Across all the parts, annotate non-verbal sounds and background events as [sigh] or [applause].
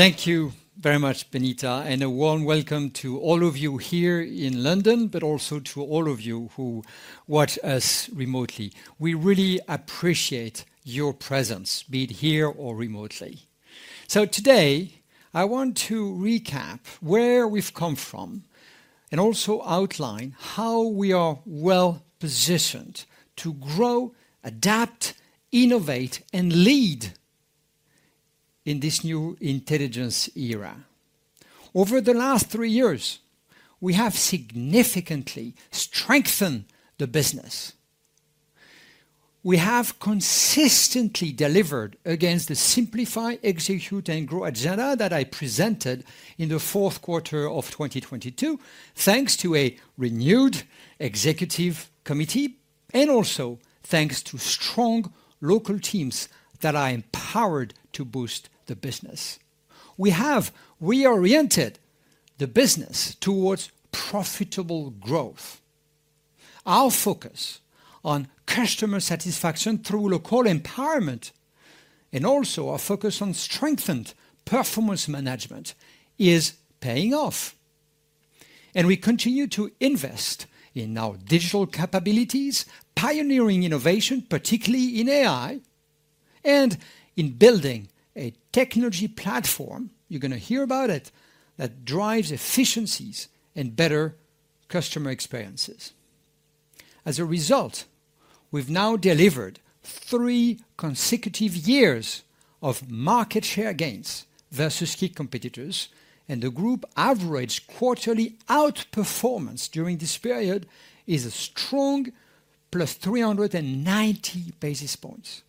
Thank you very much, Benita, and a warm welcome to all of you here in London, but also to all of you who watch us remotely. We really appreciate your presence, be it here or remotely. So today, I want to recap where we've come from and also outline how we are well positioned to grow, adapt, innovate, and lead in this new intelligence era. Over the last three years, we have significantly strengthened the business. We have consistently delivered against the Simplify, Execute, and Grow agenda that I presented in the fourth quarter of 2022, thanks to a renewed executive committee and also thanks to strong local teams that are empowered to boost the business. We have reoriented the business towards profitable growth. Our focus on customer satisfaction through local empowerment and also our focus on strengthened performance management is paying off. We continue to invest in our digital capabilities, pioneering innovation, particularly in AI, and in building a technology platform, you're going to hear about it, that drives efficiencies and better customer experiences. As a result, we've now delivered three consecutive years of market share gains versus key competitors, and the group average quarterly outperformance during this period is a strong plus 390 basis points.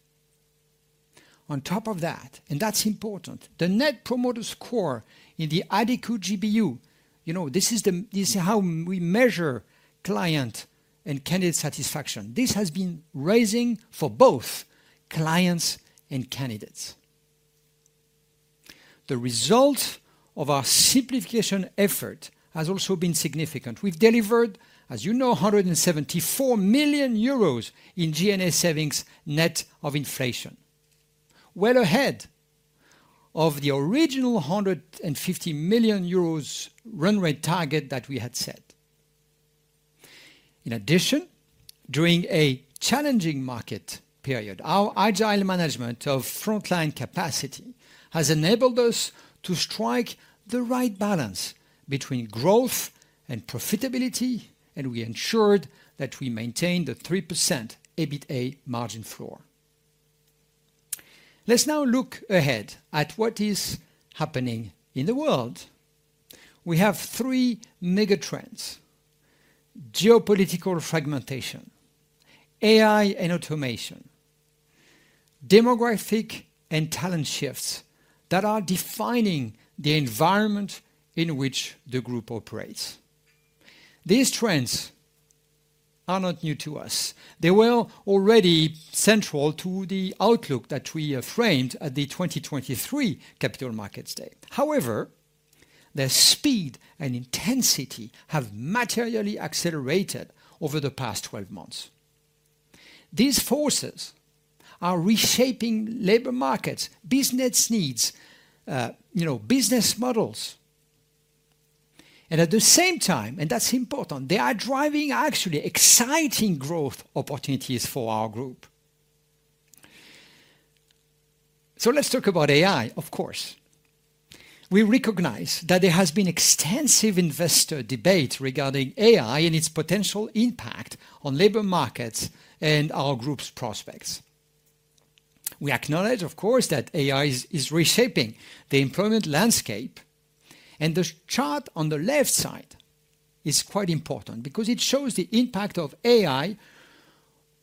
On top of that, and that's important, the net promoter score in the Adecco GBU, you know, this is how we measure client and candidate satisfaction, this has been rising for both clients and candidates. The result of our simplification effort has also been significant. We've delivered, as you know, 174 million euros in G&A savings net of inflation, well ahead of the original 150 million euros run rate target that we had set. In addition, during a challenging market period, our agile management of frontline capacity has enabled us to strike the right balance between growth and profitability, and we ensured that we maintained the 3% EBITDA margin floor. Let's now look ahead at what is happening in the world. We have three mega trends: geopolitical fragmentation, AI and automation, demographic and talent shifts that are defining the environment in which the group operates. These trends are not new to us. They were already central to the outlook that we framed at the 2023 Capital Markets Day. However, their speed and intensity have materially accelerated over the past 12 months. These forces are reshaping labor markets, business needs, you know, business models. And at the same time, and that's important, they are driving actually exciting growth opportunities for our group. So let's talk about AI, of course. We recognize that there has been extensive investor debate regarding AI and its potential impact on labor markets and our group's prospects. We acknowledge, of course, that AI is reshaping the employment landscape, and the chart on the left side is quite important because it shows the impact of AI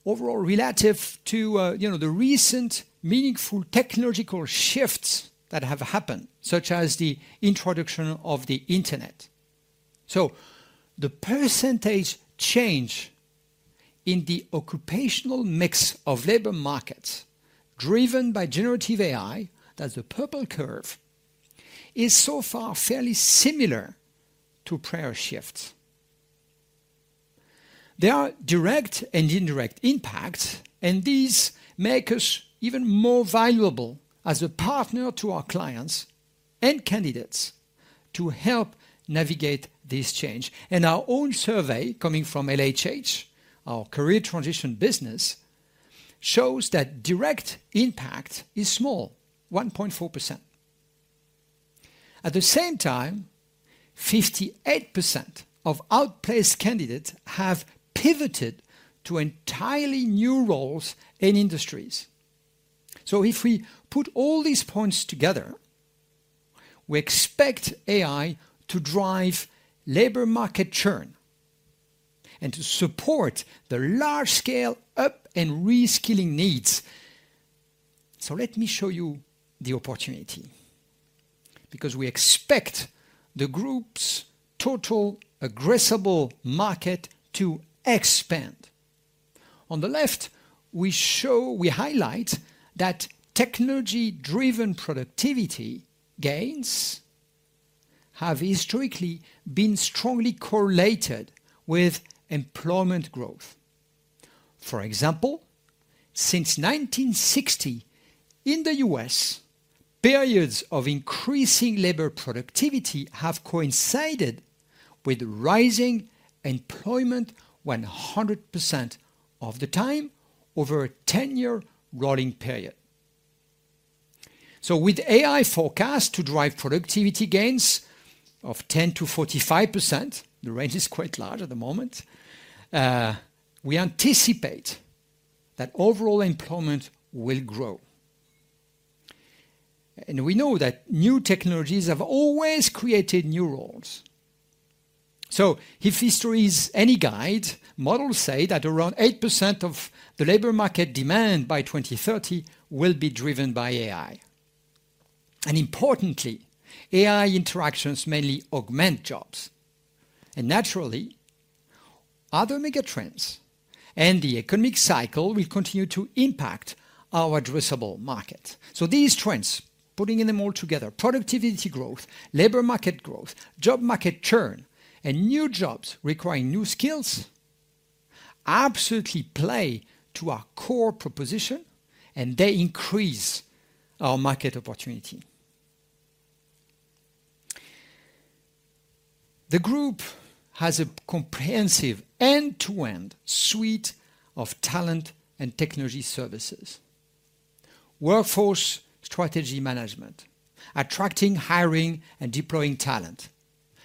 overall relative to, you know, the recent meaningful technological shifts that have happened, such as the introduction of the internet. The percentage change in the occupational mix of labor markets driven by generative AI, that's the purple curve, is so far fairly similar to prior shifts. There are direct and indirect impacts, and these make us even more valuable as a partner to our clients and candidates to help navigate this change. Our own survey coming from LHH, our career transition business, shows that direct impact is small, 1.4%. At the same time, 58% of outplaced candidates have pivoted to entirely new roles and industries. So if we put all these points together, we expect AI to drive labor market churn and to support the large-scale up and reskilling needs. So let me show you the opportunity because we expect the group's total addressable market to expand. On the left, we show, we highlight that technology-driven productivity gains have historically been strongly correlated with employment growth. For example, since 1960 in the U.S., periods of increasing labor productivity have coincided with rising employment 100% of the time over a 10-year rolling period. So with AI forecasts to drive productivity gains of 10%-45%, the range is quite large at the moment, we anticipate that overall employment will grow. And we know that new technologies have always created new roles. So if history is any guide, models say that around 8% of the labor market demand by 2030 will be driven by AI, and importantly, AI interactions mainly augment jobs, and naturally, other mega trends and the economic cycle will continue to impact our addressable market, so these trends, putting them all together, productivity growth, labor market growth, job market churn, and new jobs requiring new skills absolutely play to our core proposition, and they increase our market opportunity. The group has a comprehensive end-to-end suite of talent and technology services, workforce strategy management, attracting, hiring, and deploying talent,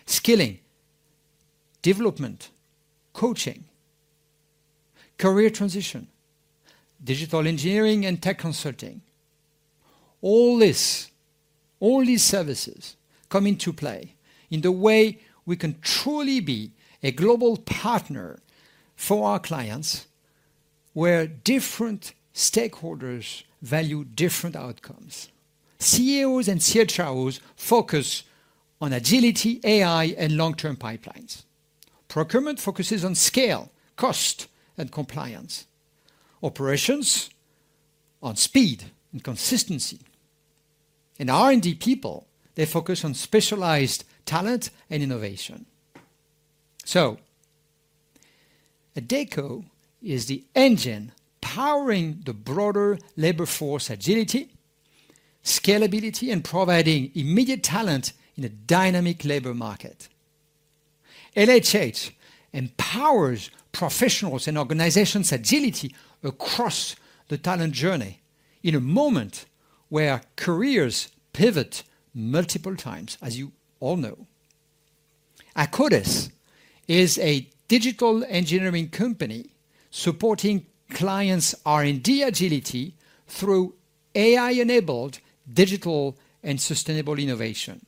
skilling, development, coaching, career transition, digital engineering, and tech consulting, all this, all these services come into play in the way we can truly be a global partner for our clients where different stakeholders value different outcomes. CEOs and CHROs focus on agility, AI, and long-term pipelines. Procurement focuses on scale, cost, and compliance. Operations on speed and consistency. And R&D people, they focus on specialized talent and innovation. So Adecco is the engine powering the broader labor force agility, scalability, and providing immediate talent in a dynamic labor market. LHH empowers professionals and organizations' agility across the talent journey in a moment where careers pivot multiple times, as you all know. Akkodis is a digital engineering company supporting clients' R&D agility through AI-enabled digital and sustainable innovation.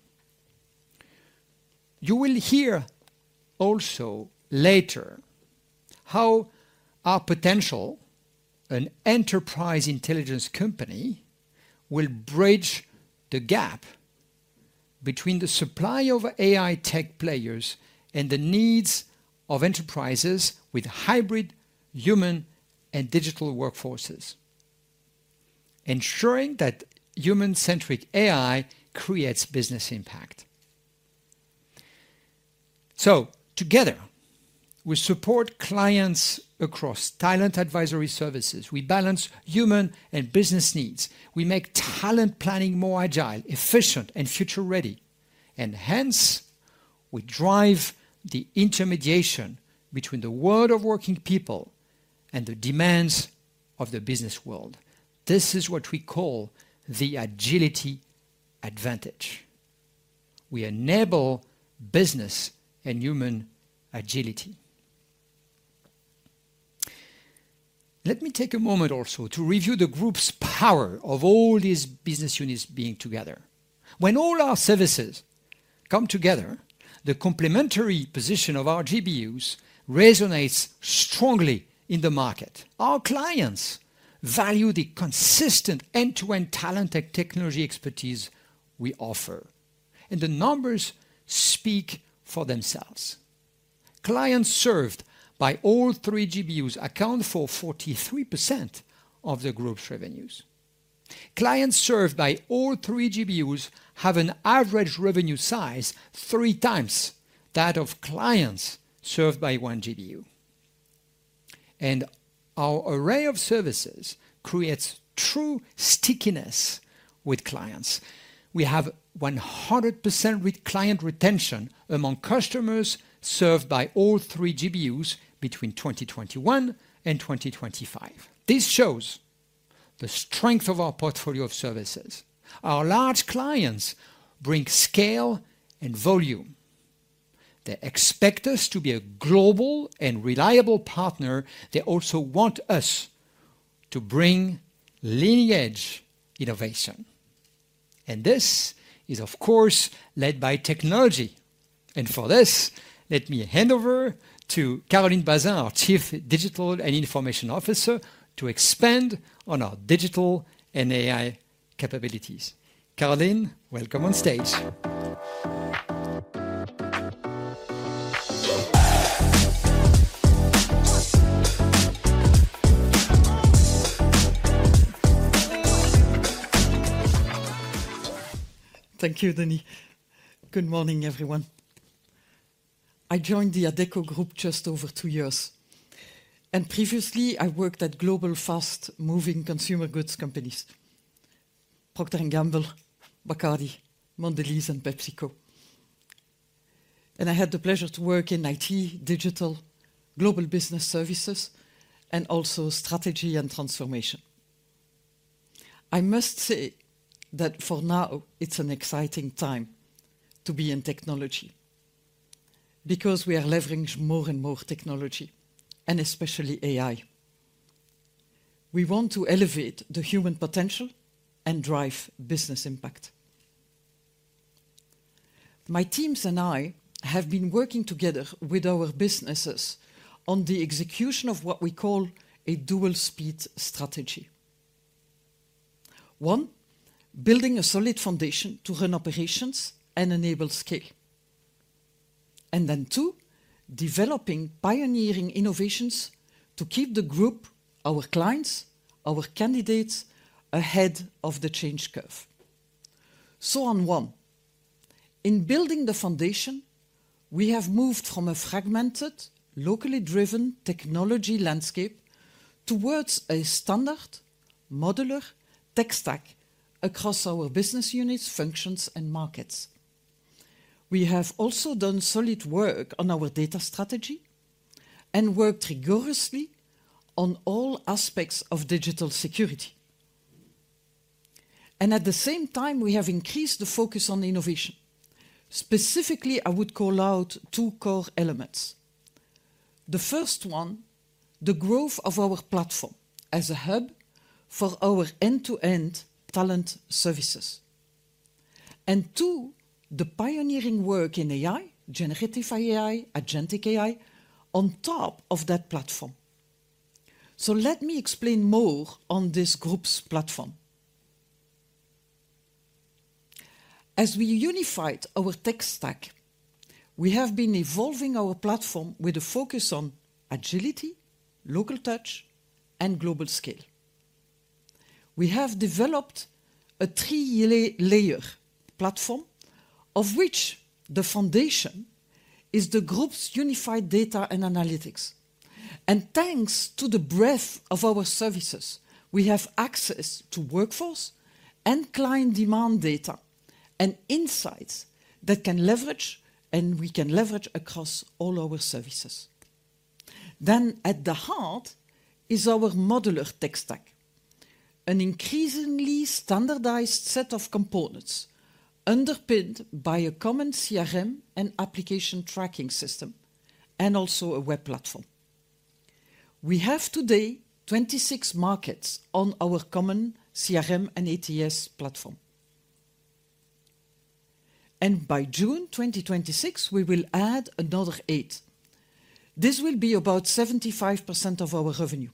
You will hear also later how AuPotential, an enterprise intelligence company, will bridge the gap between the supply of AI tech players and the needs of enterprises with hybrid human and digital workforces, ensuring that human-centric AI creates business impact. So together, we support clients across talent advisory services. We balance human and business needs. We make talent planning more agile, efficient, and future-ready. And hence, we drive the intermediation between the world of working people and the demands of the business world. This is what we call the agility advantage. We enable business and human agility. Let me take a moment also to review the group's power of all these business units being together. When all our services come together, the complementary position of our GBUs resonates strongly in the market. Our clients value the consistent end-to-end talent and technology expertise we offer. And the numbers speak for themselves. Clients served by all three GBUs account for 43% of the group's revenues. Clients served by all three GBUs have an average revenue size three times that of clients served by one GBU. And our array of services creates true stickiness with clients. We have 100% client retention among customers served by all three GBUs between 2021 and 2025. This shows the strength of our portfolio of services. Our large clients bring scale and volume. They expect us to be a global and reliable partner. They also want us to bring leading-edge innovation. This is, of course, led by technology. For this, let me hand over to Caroline Basyn, our Chief Digital and Information Officer, to expand on our digital and AI capabilities. Caroline, welcome on stage. [audio distortion] Thank you, Denis. Good morning, everyone. I joined the Adecco Group just over two years. Previously, I worked at global fast-moving consumer goods companies: Procter & Gamble, Bacardi, Mondelez, and PepsiCo. I had the pleasure to work in IT, digital, global business services, and also strategy and transformation. I must say that for now, it's an exciting time to be in technology because we are leveraging more and more technology, and especially AI. We want to elevate the human potential and drive business impact. My teams and I have been working together with our businesses on the execution of what we call a dual-speed strategy. One, building a solid foundation to run operations and enable scale. And then two, developing pioneering innovations to keep the group, our clients, our candidates ahead of the change curve. So on one, in building the foundation, we have moved from a fragmented, locally driven technology landscape towards a standard, modular tech stack across our business units, functions, and markets. We have also done solid work on our data strategy and worked rigorously on all aspects of digital security. And at the same time, we have increased the focus on innovation. Specifically, I would call out two core elements. The first one, the growth of our platform as a hub for our end-to-end talent services. And two, the pioneering work in AI, generative AI, agentic AI on top of that platform, so let me explain more on this group's platform. As we unified our tech stack, we have been evolving our platform with a focus on agility, local touch, and global scale. We have developed a three-layer platform, of which the foundation is the group's unified data and analytics, and thanks to the breadth of our services, we have access to workforce and client demand data and insights that can leverage, and we can leverage across all our services, then at the heart is our modular tech stack, an increasingly standardized set of components underpinned by a common CRM and applicant tracking system, and also a web platform. We have today 26 markets on our common CRM and ATS platform, and by June 2026, we will add another eight. This will be about 75% of our revenue.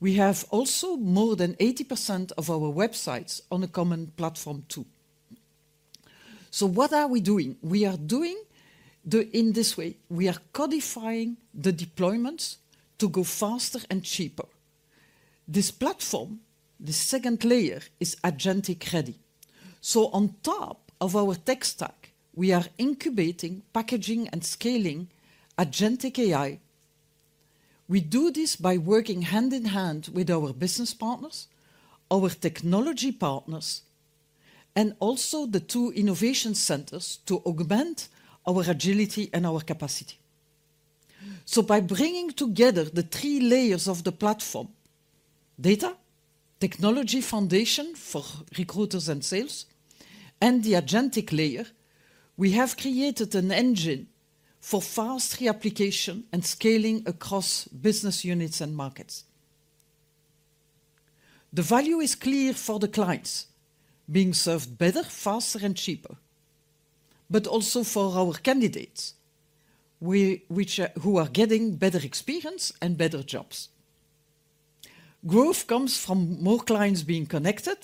We have also more than 80% of our websites on a common platform too. So what are we doing? We are doing it in this way. We are codifying the deployments to go faster and cheaper. This platform, the second layer, is agentic ready. So on top of our tech stack, we are incubating, packaging, and scaling agentic AI. We do this by working hand in hand with our business partners, our technology partners, and also the two innovation centers to augment our agility and our capacity. So by bringing together the three layers of the platform, data, technology foundation for recruiters and sales, and the agentic layer, we have created an engine for fast reapplication and scaling across business units and markets. The value is clear for the clients being served better, faster, and cheaper, but also for our candidates who are getting better experience and better jobs. Growth comes from more clients being connected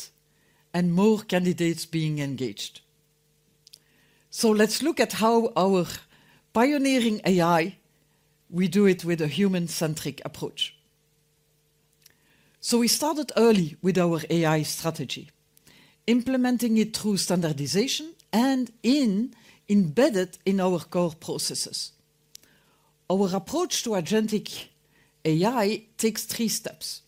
and more candidates being engaged. So let's look .at how our pioneering AI, we do it with a human-centric approach. So we started early with our AI strategy, implementing it through standardization and embedded in our core processes. Our approach to agentic AI takes three steps.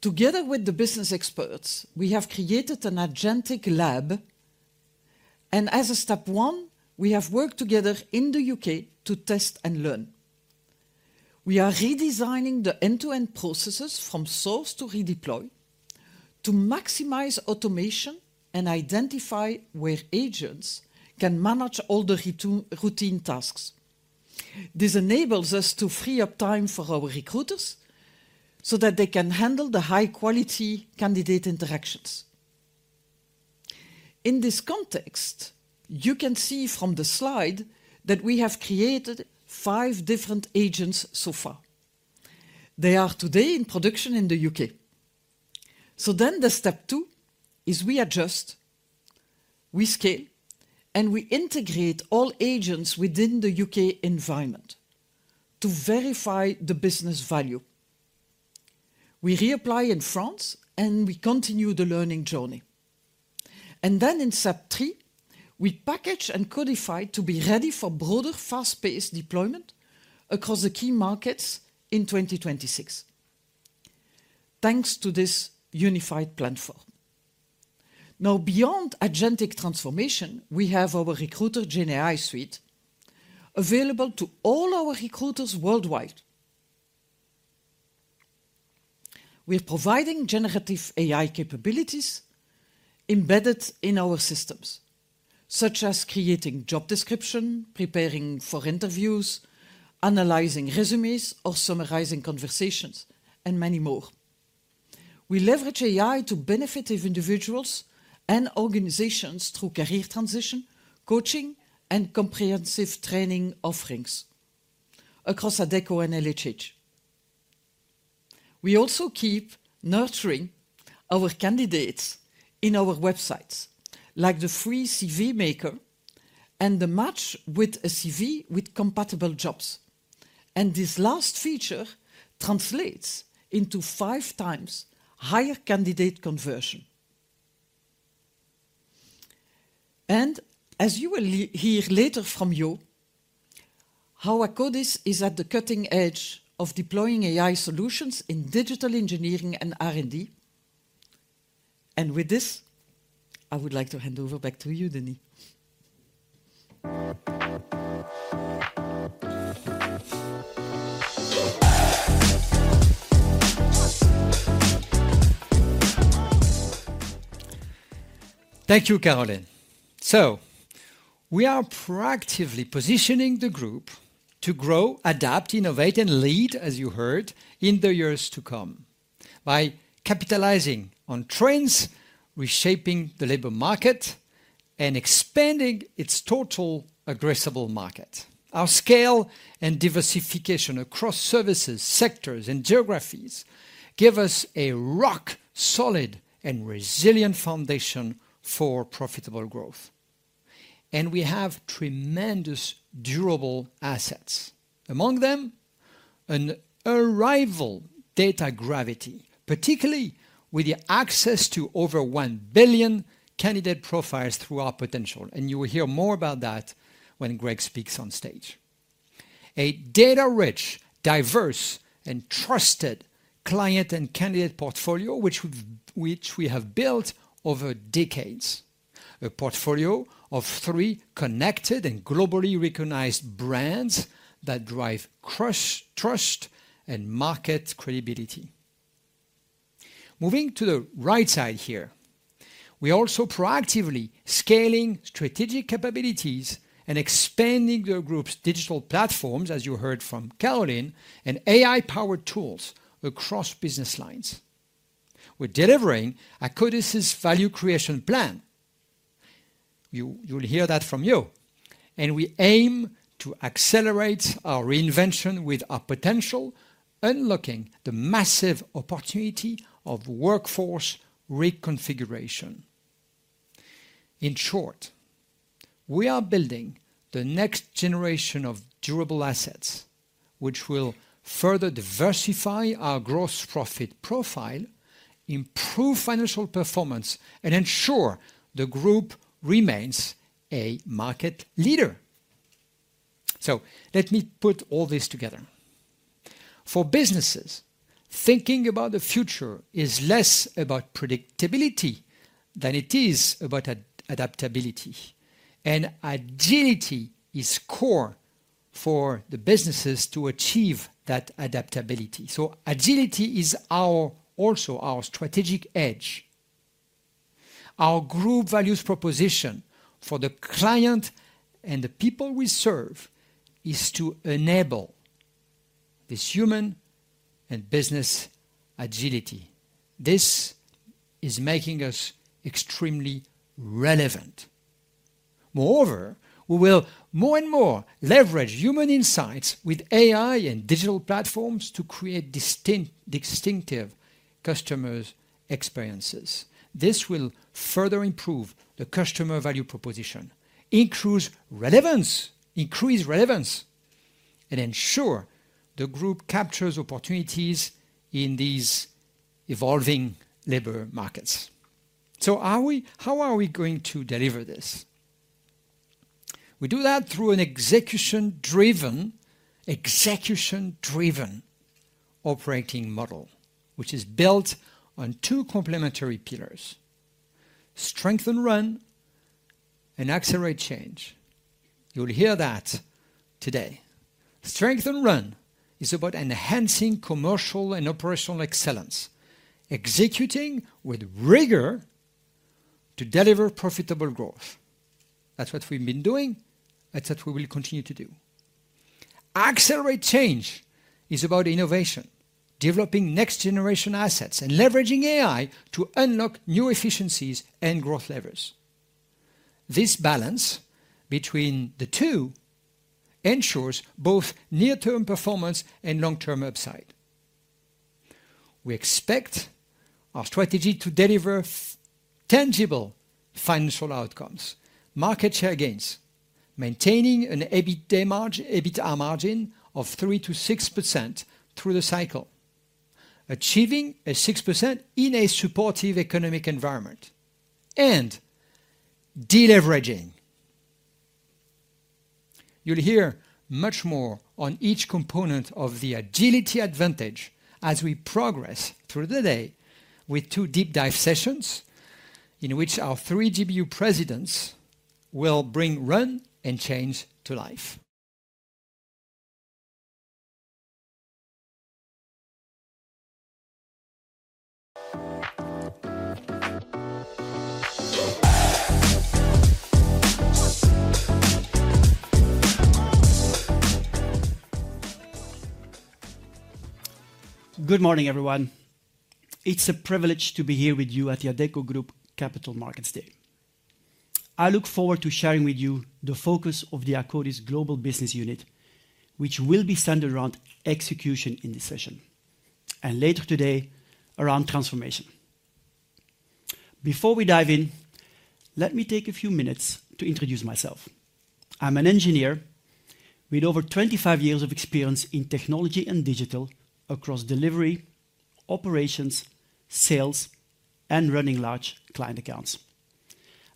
Together with the business experts, we have created an agentic lab. And as a step one, we have worked together in the U.K. to test and learn. We are redesigning the end-to-end processes from source to redeploy to maximize automation and identify where agents can manage all the routine tasks. This enables us to free up time for our recruiters so that they can handle the high-quality candidate interactions. In this context, you can see from the slide that we have created five different agents so far. They are today in production in the U.K. So then the step two is we adjust, we scale, and we integrate all agents within the U.K. environment to verify the business value. We reapply in France, and we continue the learning journey. And then in step three, we package and codify to be ready for broader fast-paced deployment across the key markets in 2026, thanks to this unified platform. Now, beyond agentic transformation, we have our Recruiter GenAI Suite available to all our recruiters worldwide. We're providing generative AI capabilities embedded in our systems, such as creating job descriptions, preparing for interviews, analyzing resumes or summarizing conversations, and many more. We leverage AI to benefit individuals and organizations through career transition, coaching, and comprehensive training offerings across Adecco and LHH. We also keep nurturing our candidates in our websites, like the free CV Maker and the match with a CV with compatible jobs. This last feature translates into five times higher candidate conversion. As you will hear later from Yuval, Akkodis is at the cutting edge of deploying AI solutions in digital engineering and R&D. With this, I would like to hand over back to you, Denis. [audio distortion] Thank you, Caroline. We are proactively positioning the group to grow, adapt, innovate, and lead, as you heard, in the years to come by capitalizing on trends, reshaping the labor market, and expanding its total addressable market. Our scale and diversification across services, sectors, and geographies give us a rock-solid and resilient foundation for profitable growth. We have tremendous durableassets. Among them, an unrivaled data gravity, particularly with the access to over one billion candidate profiles through AuPotential. You will hear more about that when Gregg speaks on stage. A data-rich, diverse, and trusted client and candidate portfolio, which we have built over decades. A portfolio of three connected and globally recognized brands that drive trust and market credibility. Moving to the right side here, we are also proactively scaling strategic capabilities and expanding the group's digital platforms, as you heard from Caroline, and AI-powered tools across business lines. We're delivering Akkodis value creation plan. You'll hear that from Yuval. We aim to accelerate our reinvention with AuPotential, unlocking the massive opportunity of workforce reconfiguration. In short, we are building the next generation of durable assets, which will further diversify our gross profit profile, improve financial performance, and ensure the group remains a market leader. So let me put all this together. For businesses, thinking about the future is less about predictability than it is about adaptability. And agility is core for the businesses to achieve that adaptability. So agility is also our strategic edge. Our group value proposition for the client and the people we serve is to enable this human and business agility. This is making us extremely relevant. Moreover, we will more and more leverage human insights with AI and digital platforms to create distinctive customer experiences. This will further improve the customer value proposition, increase relevance, and ensure the group captures opportunities in these evolving labor markets. So how are we going to deliver this? We do that through an execution-driven operating model, which is built on two complementary pillars: Strengthen Run and Accelerate Change. You'll hear that today. Strengthen Run is about enhancing commercial and operational excellence, executing with rigor to deliver profitable growth. That's what we've been doing. That's what we will continue to do. Accelerate Change is about innovation, developing next-generation assets, and leveraging AI to unlock new efficiencies and growth levers. This balance between the two ensures both near-term performance and long-term upside. We expect our strategy to deliver tangible financial outcomes, market share gains, maintaining an EBITDA margin of 3%-6% through the cycle, achieving a 6% in a supportive economic environment, and deleveraging. You'll hear much more on each component of the agility advantage as we progress through the day with two deep-dive sessions in which our three GBU presidents will bring run and change to life. [audio distortion] Good morning, everyone. It's a privilege to be here with you at the Adecco Group Capital Markets Day. I look forward to sharing with you the focus of the Akkodis Global Business Unit, which will be centered around execution in this session and later today around transformation. Before we dive in, let me take a few minutes to introduce myself. I'm an engineer with over 25 years of experience in technology and digital across delivery, operations, sales, and running large client accounts.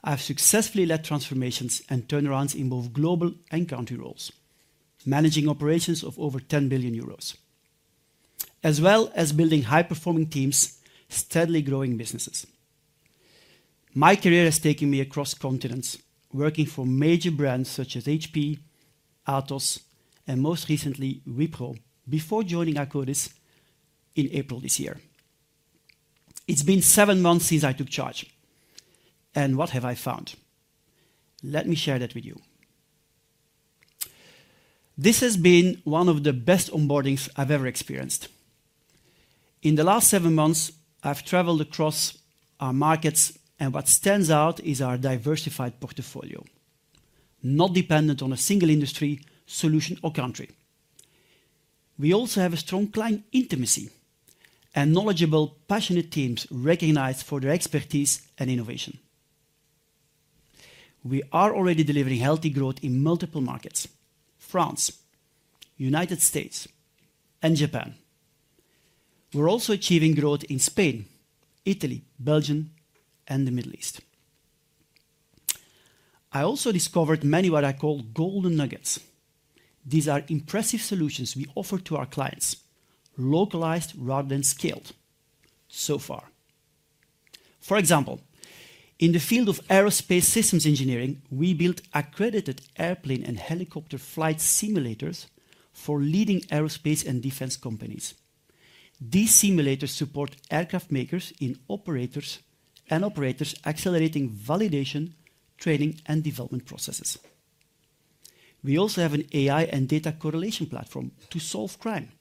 I've successfully led transformations and turnarounds in both global and country roles, managing operations of over 10 billion euros, as well as building high-performing teams, steadily growing businesses. My career has taken me across continents, working for major brands such as HP, Atos, and most recently, Wipro, before joining Akkodis in April this year. It's been seven months since I took charge. What have I found? Let me share that with you. This has been one of the best onboardings I've ever experienced. In the last seven months, I've traveled across our markets, and what stands out is our diversified portfolio, not dependent on a single industry, solution, or country. We also have a strong client intimacy and knowledgeable, passionate teams recognized for their expertise and innovation. We are already delivering healthy growth in multiple markets: France, United States, and Japan. We're also achieving growth in Spain, Italy, Belgium, and the Middle East. I also discovered many what I call golden nuggets. These are impressive solutions we offer to our clients, localized rather than scaled so far. For example, in the field of aerospace systems engineering, we built accredited airplane and helicopter flight simulators for leading aerospace and defense companies. These simulators support aircraft makers and operators accelerating validation, training, and development processes. We also have an AI and data correlation platform to solve crime.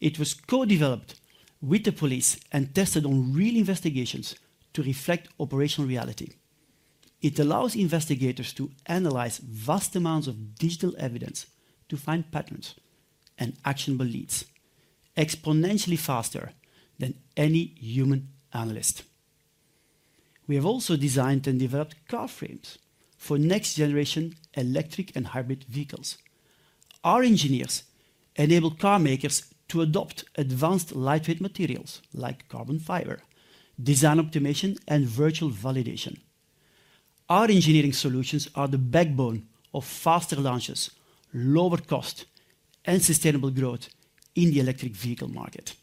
It was co-developed with the police and tested on real investigations to reflect operational reality. It allows investigators to analyze vast amounts of digital evidence to find patterns and actionable leads exponentially faster than any human analyst. We have also designed and developed car frames for next-generation electric and hybrid vehicles. Our engineers enable car makers to adopt advanced lightweight materials like carbon fiber, design optimization, and virtual validation. Our engineering solutions are the backbone of faster launches, lower cost, and sustainable growth in the electric vehicle market.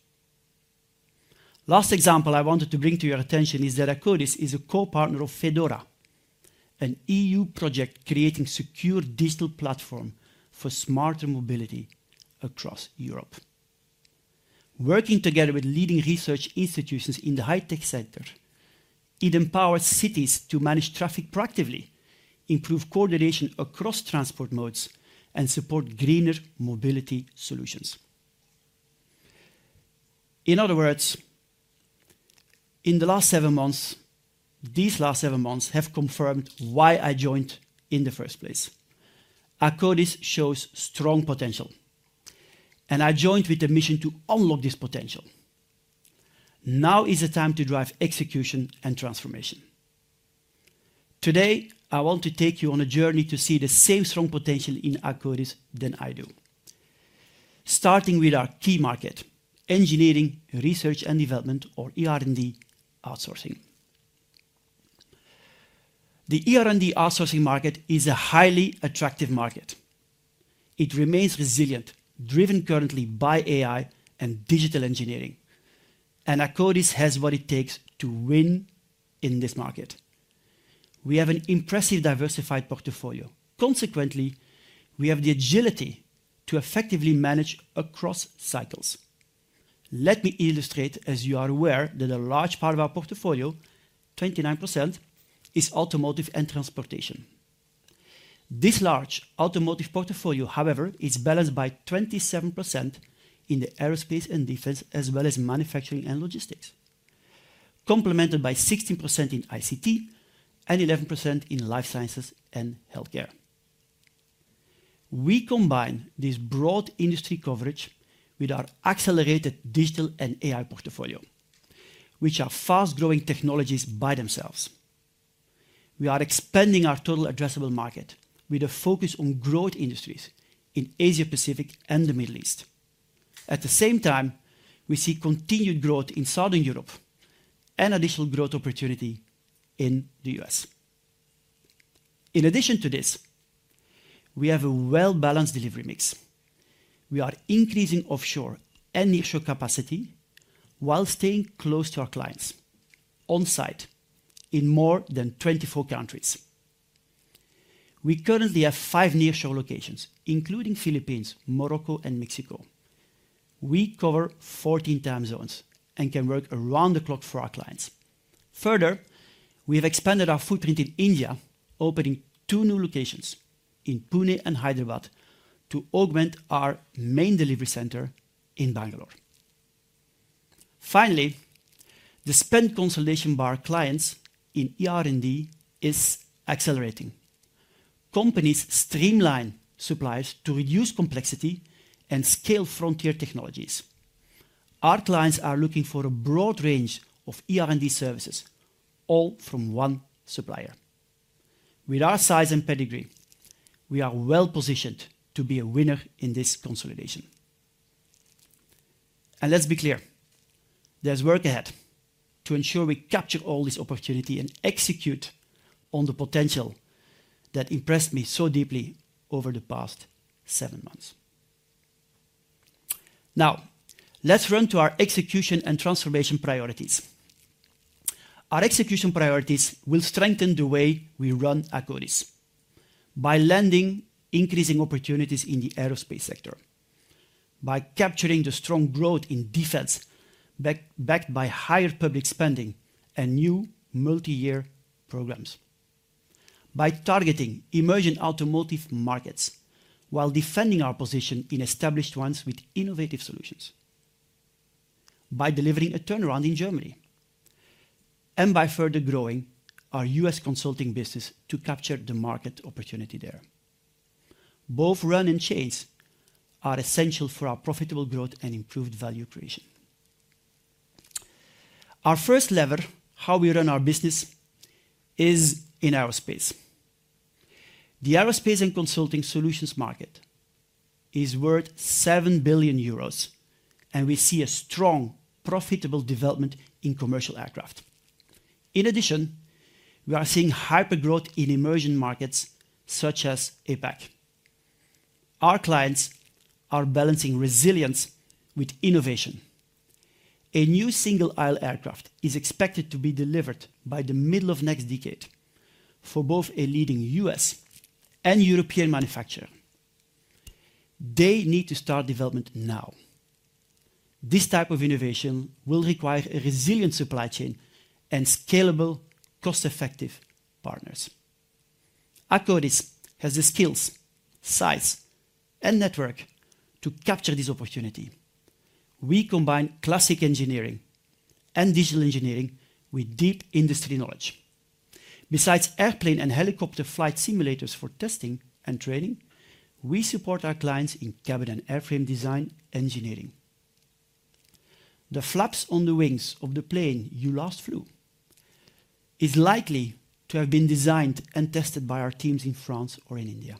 Last example I wanted to bring to your attention is that Akkodis is a co-partner of Fed4PMR, an EU project creating a secure digital platform for smarter mobility across Europe. Working together with leading research institutions in the high-tech sector, it empowers cities to manage traffic proactively, improve coordination across transport modes, and support greener mobility solutions. In other words, in the last seven months, these last seven months have confirmed why I joined in the first place. Akkodis shows strong potential, and I joined with a mission to unlock this potential. Now is the time to drive execution and transformation. Today, I want to take you on a journey to see the same strong potential in Akkodis than I do, starting with our key market, engineering, research, and development, or ER&D outsourcing. The ER&D outsourcing market is a highly attractive market. It remains resilient, driven currently by AI and digital engineering, and Akkodis has what it takes to win in this market. We have an impressive diversified portfolio. Consequently, we have the agility to effectively manage across cycles. Let me illustrate, as you are aware, that a large part of our portfolio, 29%, is automotive and transportation. This large automotive portfolio, however, is balanced by 27% in the aerospace and defense, as well as manufacturing and logistics, complemented by 16% in ICT and 11% in life sciences and healthcare. We combine this broad industry coverage with our accelerated digital and AI portfolio, which are fast-growing technologies by themselves. We are expanding our total addressable market with a focus on growth industries in Asia-Pacific and the Middle East. At the same time, we see continued growth in Southern Europe and additional growth opportunity in the U.S. In addition to this, we have a well-balanced delivery mix. We are increasing offshore and nearshore capacity while staying close to our clients on site in more than 24 countries. We currently have five nearshore locations, including the Philippines, Morocco, and Mexico. We cover 14 time zones and can work around the clock for our clients. Further, we have expanded our footprint in India, opening two new locations in Pune and Hyderabad to augment our main delivery center in Bangalore. Finally, the spend consolidation of our clients in ER&D is accelerating. Companies streamline supplies to reduce complexity and scale frontier technologies. Our clients are looking for a broad range of ER&D services, all from one supplier. With our size and pedigree, we are well-positioned to be a winner in this consolidation, and let's be clear. There's work ahead to ensure we capture all this opportunity and execute on the potential that impressed me so deeply over the past seven months. Now, let's run to our execution and transformation priorities. Our execution priorities will strengthen the way we run Akkodis by landing increasing opportunities in the aerospace sector, by capturing the strong growth in defense backed by higher public spending and new multi-year programs, by targeting emerging automotive markets while defending our position in established ones with innovative solutions, by delivering a turnaround in Germany, and by further growing our U.S. consulting business to capture the market opportunity there. Both run and change are essential for our profitable growth and improved value creation. Our first lever, how we run our business, is in aerospace. The aerospace and consulting solutions market is worth 7 billion euros, and we see a strong, profitable development in commercial aircraft. In addition, we are seeing hypergrowth in emerging markets such as APAC. Our clients are balancing resilience with innovation. A new single-aisle aircraft is expected to be delivered by the middle of next decade for both a leading US and European manufacturer. They need to start development now. This type of innovation will require a resilient supply chain and scalable, cost-effective partners. Akkodis has the skills, size, and network to capture this opportunity. We combine classic engineering and digital engineering with deep industry knowledge. Besides airplane and helicopter flight simulators for testing and training, we support our clients in cabin and airframe design engineering. The flaps on the wings of the plane you last flew is likely to have been designed and tested by our teams in France or in India.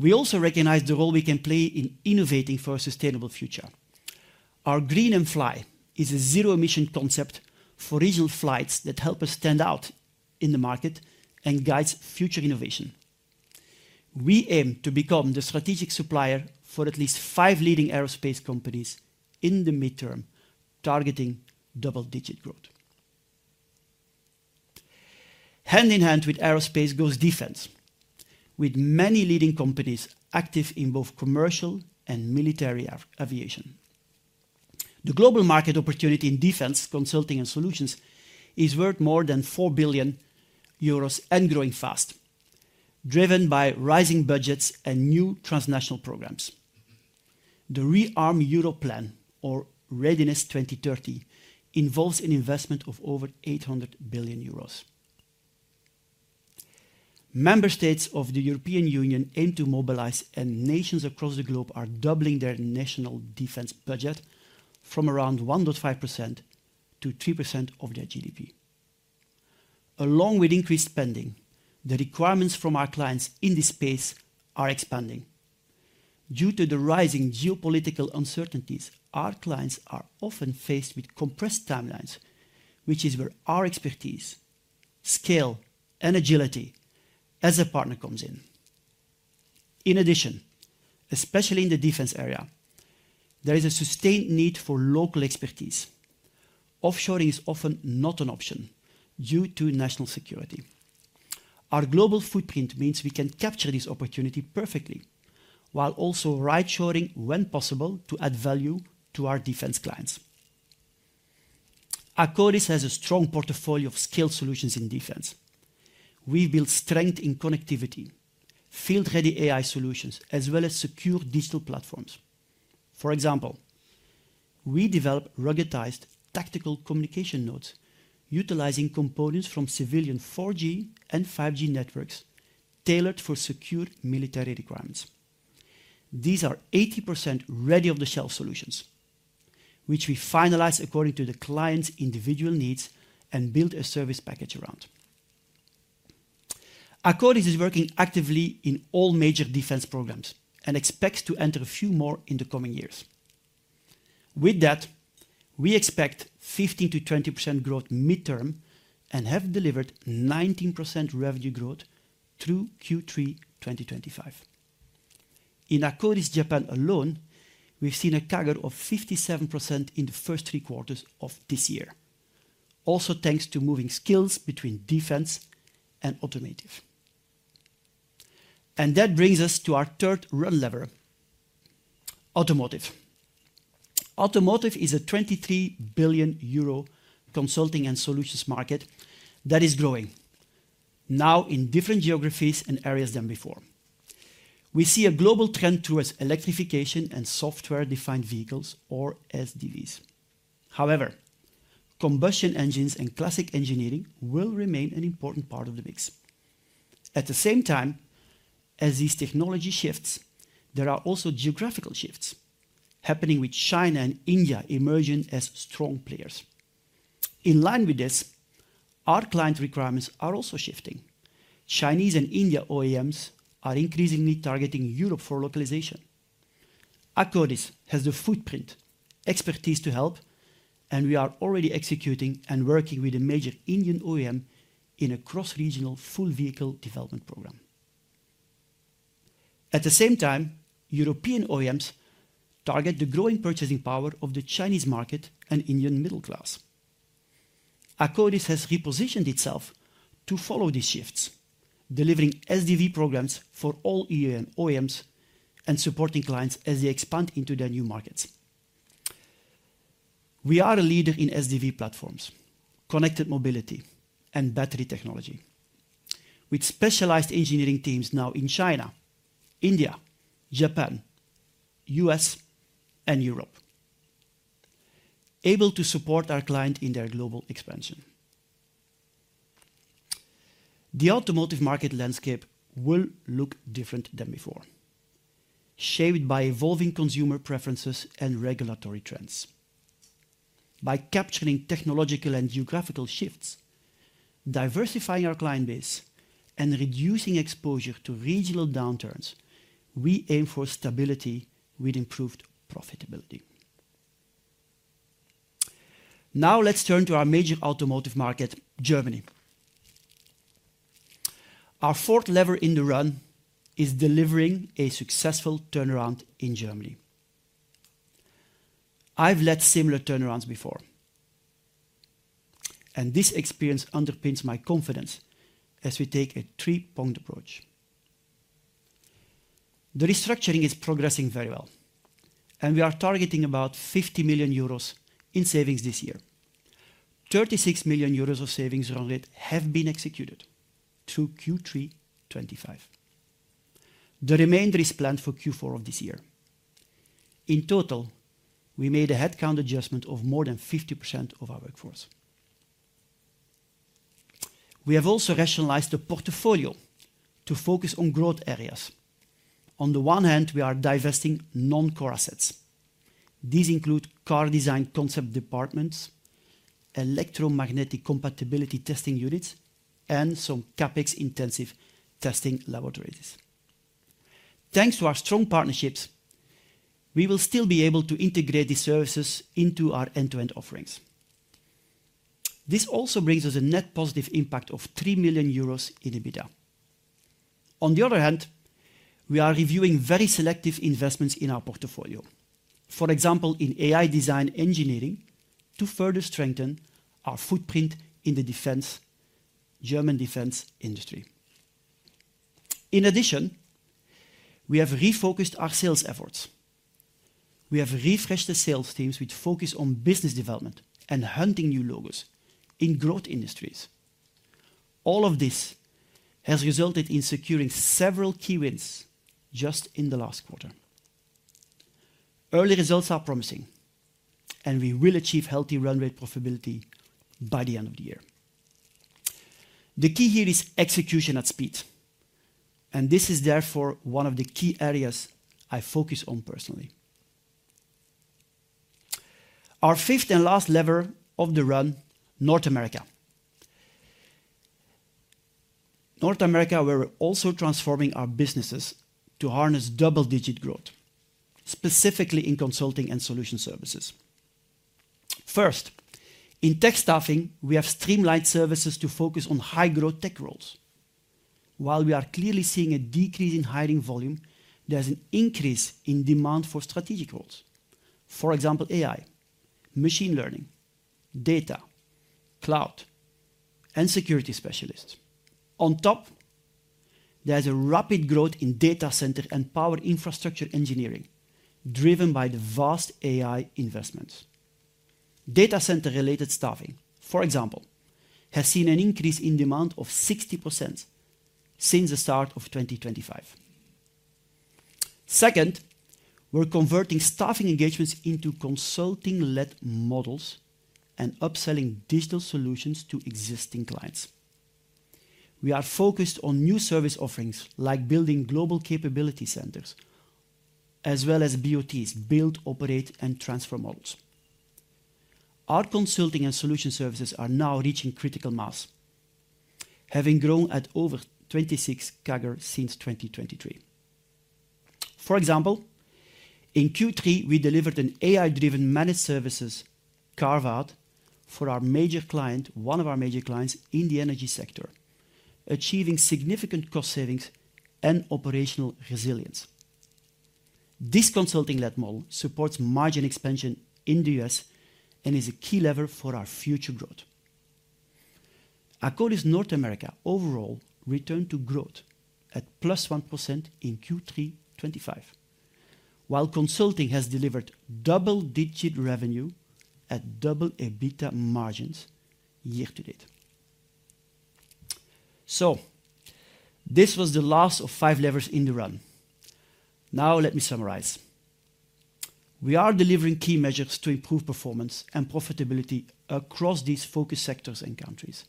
We also recognize the role we can play in innovating for a sustainable future. Our Green&Fly is a zero-emission concept for regional flights that helps us stand out in the market and guides future innovation. We aim to become the strategic supplier for at least five leading aerospace companies in the midterm, targeting double-digit growth. Hand in hand with aerospace goes defense, with many leading companies active in both commercial and military aviation. The global market opportunity in defense consulting and solutions is worth more than 4 billion euros and growing fast, driven by rising budgets and new transnational programs. The Rearm Europe plan, or Readiness 2030, involves an investment of over 800 billion euros. Member states of the European Union aim to mobilize, and nations across the globe are doubling their national defense budget from around 1.5% to 3% of their GDP. Along with increased spending, the requirements from our clients in this space are expanding. Due to the rising geopolitical uncertainties, our clients are often faced with compressed timelines, which is where our expertise, scale, and agility as a partner comes in. In addition, especially in the defense area, there is a sustained need for local expertise. Offshoring is often not an option due to national security. Our global footprint means we can capture this opportunity perfectly while also right-shoring when possible to add value to our defense clients. Akkodis has a strong portfolio of scaled solutions in defense. We build strength in connectivity, field-ready AI solutions, as well as secure digital platforms. For example, we develop ruggedized tactical communication nodes utilizing components from civilian 4G and 5G networks tailored for secure military requirements. These are 80% off-the-shelf solutions, which we finalize according to the client's individual needs and build a service package around. Akkodis is working actively in all major defense programs and expects to enter a few more in the coming years. With that, we expect 15%-20% growth midterm and have delivered 19% revenue growth through Q3 2025. In Akkodis Japan alone, we've seen a CAGR of 57% in the first three quarters of this year, also thanks to moving skills between defense and automotive. And that brings us to our third growth lever, automotive. Automotive is a 23 billion euro consulting and solutions market that is growing now in different geographies and areas than before. We see a global trend towards electrification and software-defined vehicles, or SDVs. However, combustion engines and classic engineering will remain an important part of the mix. At the same time as these technology shifts, there are also geographical shifts happening, with China and India emerging as strong players. In line with this, our client requirements are also shifting. Chinese and Indian OEMs are increasingly targeting Europe for localization. Akkodis has the footprint, expertise to help, and we are already executing and working with a major Indian OEM in a cross-regional full vehicle development program. At the same time, European OEMs target the growing purchasing power of the Chinese market and Indian middle class. Akkodis has repositioned itself to follow these shifts, delivering SDV programs for all EU and Asian OEMs and supporting clients as they expand into their new markets. We are a leader in SDV platforms, connected mobility, and battery technology, with specialized engineering teams now in China, India, Japan, U.S., and Europe, able to support our client in their global expansion. The automotive market landscape will look different than before, shaped by evolving consumer preferences and regulatory trends. By capturing technological and geographical shifts, diversifying our client base, and reducing exposure to regional downturns, we aim for stability with improved profitability. Now let's turn to our major automotive market, Germany. Our fourth lever in the run is delivering a successful turnaround in Germany. I've led similar turnarounds before, and this experience underpins my confidence as we take a three-point approach. The restructuring is progressing very well, and we are targeting about 50 million euros in savings this year. 36 million euros of savings rounded have been executed through Q3 2025. The remainder is planned for Q4 of this year. In total, we made a headcount adjustment of more than 50% of our workforce. We have also rationalized the portfolio to focus on growth areas. On the one hand, we are divesting non-core assets. These include car design concept departments, electromagnetic compatibility testing units, and some CapEx-intensive testing laboratories. Thanks to our strong partnerships, we will still be able to integrate these services into our end-to-end offerings. This also brings us a net positive impact of 3 million euros in EBITDA. On the other hand, we are reviewing very selective investments in our portfolio, for example, in AI design engineering to further strengthen our footprint in the defense, German defense industry. In addition, we have refocused our sales efforts. We have refreshed the sales teams with focus on business development and hunting new logos in growth industries. All of this has resulted in securing several key wins just in the last quarter. Early results are promising, and we will achieve healthy run rate profitability by the end of the year. The key here is execution at speed, and this is therefore one of the key areas I focus on personally. Our fifth and last lever of the run, North America. North America, where we're also transforming our businesses to harness double-digit growth, specifically in consulting and solution services. First, in tech staffing, we have streamlined services to focus on high-growth tech roles. While we are clearly seeing a decrease in hiring volume, there's an increase in demand for strategic roles, for example, AI, machine learning, data, cloud, and security specialists. On top, there's a rapid growth in data center and power infrastructure engineering driven by the vast AI investments. Data center-related staffing, for example, has seen an increase in demand of 60% since the start of 2025. Second, we're converting staffing engagements into consulting-led models and upselling digital solutions to existing clients. We are focused on new service offerings like building global capability centers as well as BOTs, build, operate, and transfer models. Our consulting and solution services are now reaching critical mass, having grown at over 26 CAGR since 2023. For example, in Q3, we delivered an AI-driven managed services carve-out for our major client, one of our major clients in the energy sector, achieving significant cost savings and operational resilience. This consulting-led model supports margin expansion in the U.S. and is a key lever for our future growth. Akkodis North America overall returned to growth at +1% in Q3 2025, while consulting has delivered double-digit revenue at double EBITDA margins year to date. So this was the last of five levers in the run. Now let me summarize. We are delivering key measures to improve performance and profitability across these focus sectors and countries.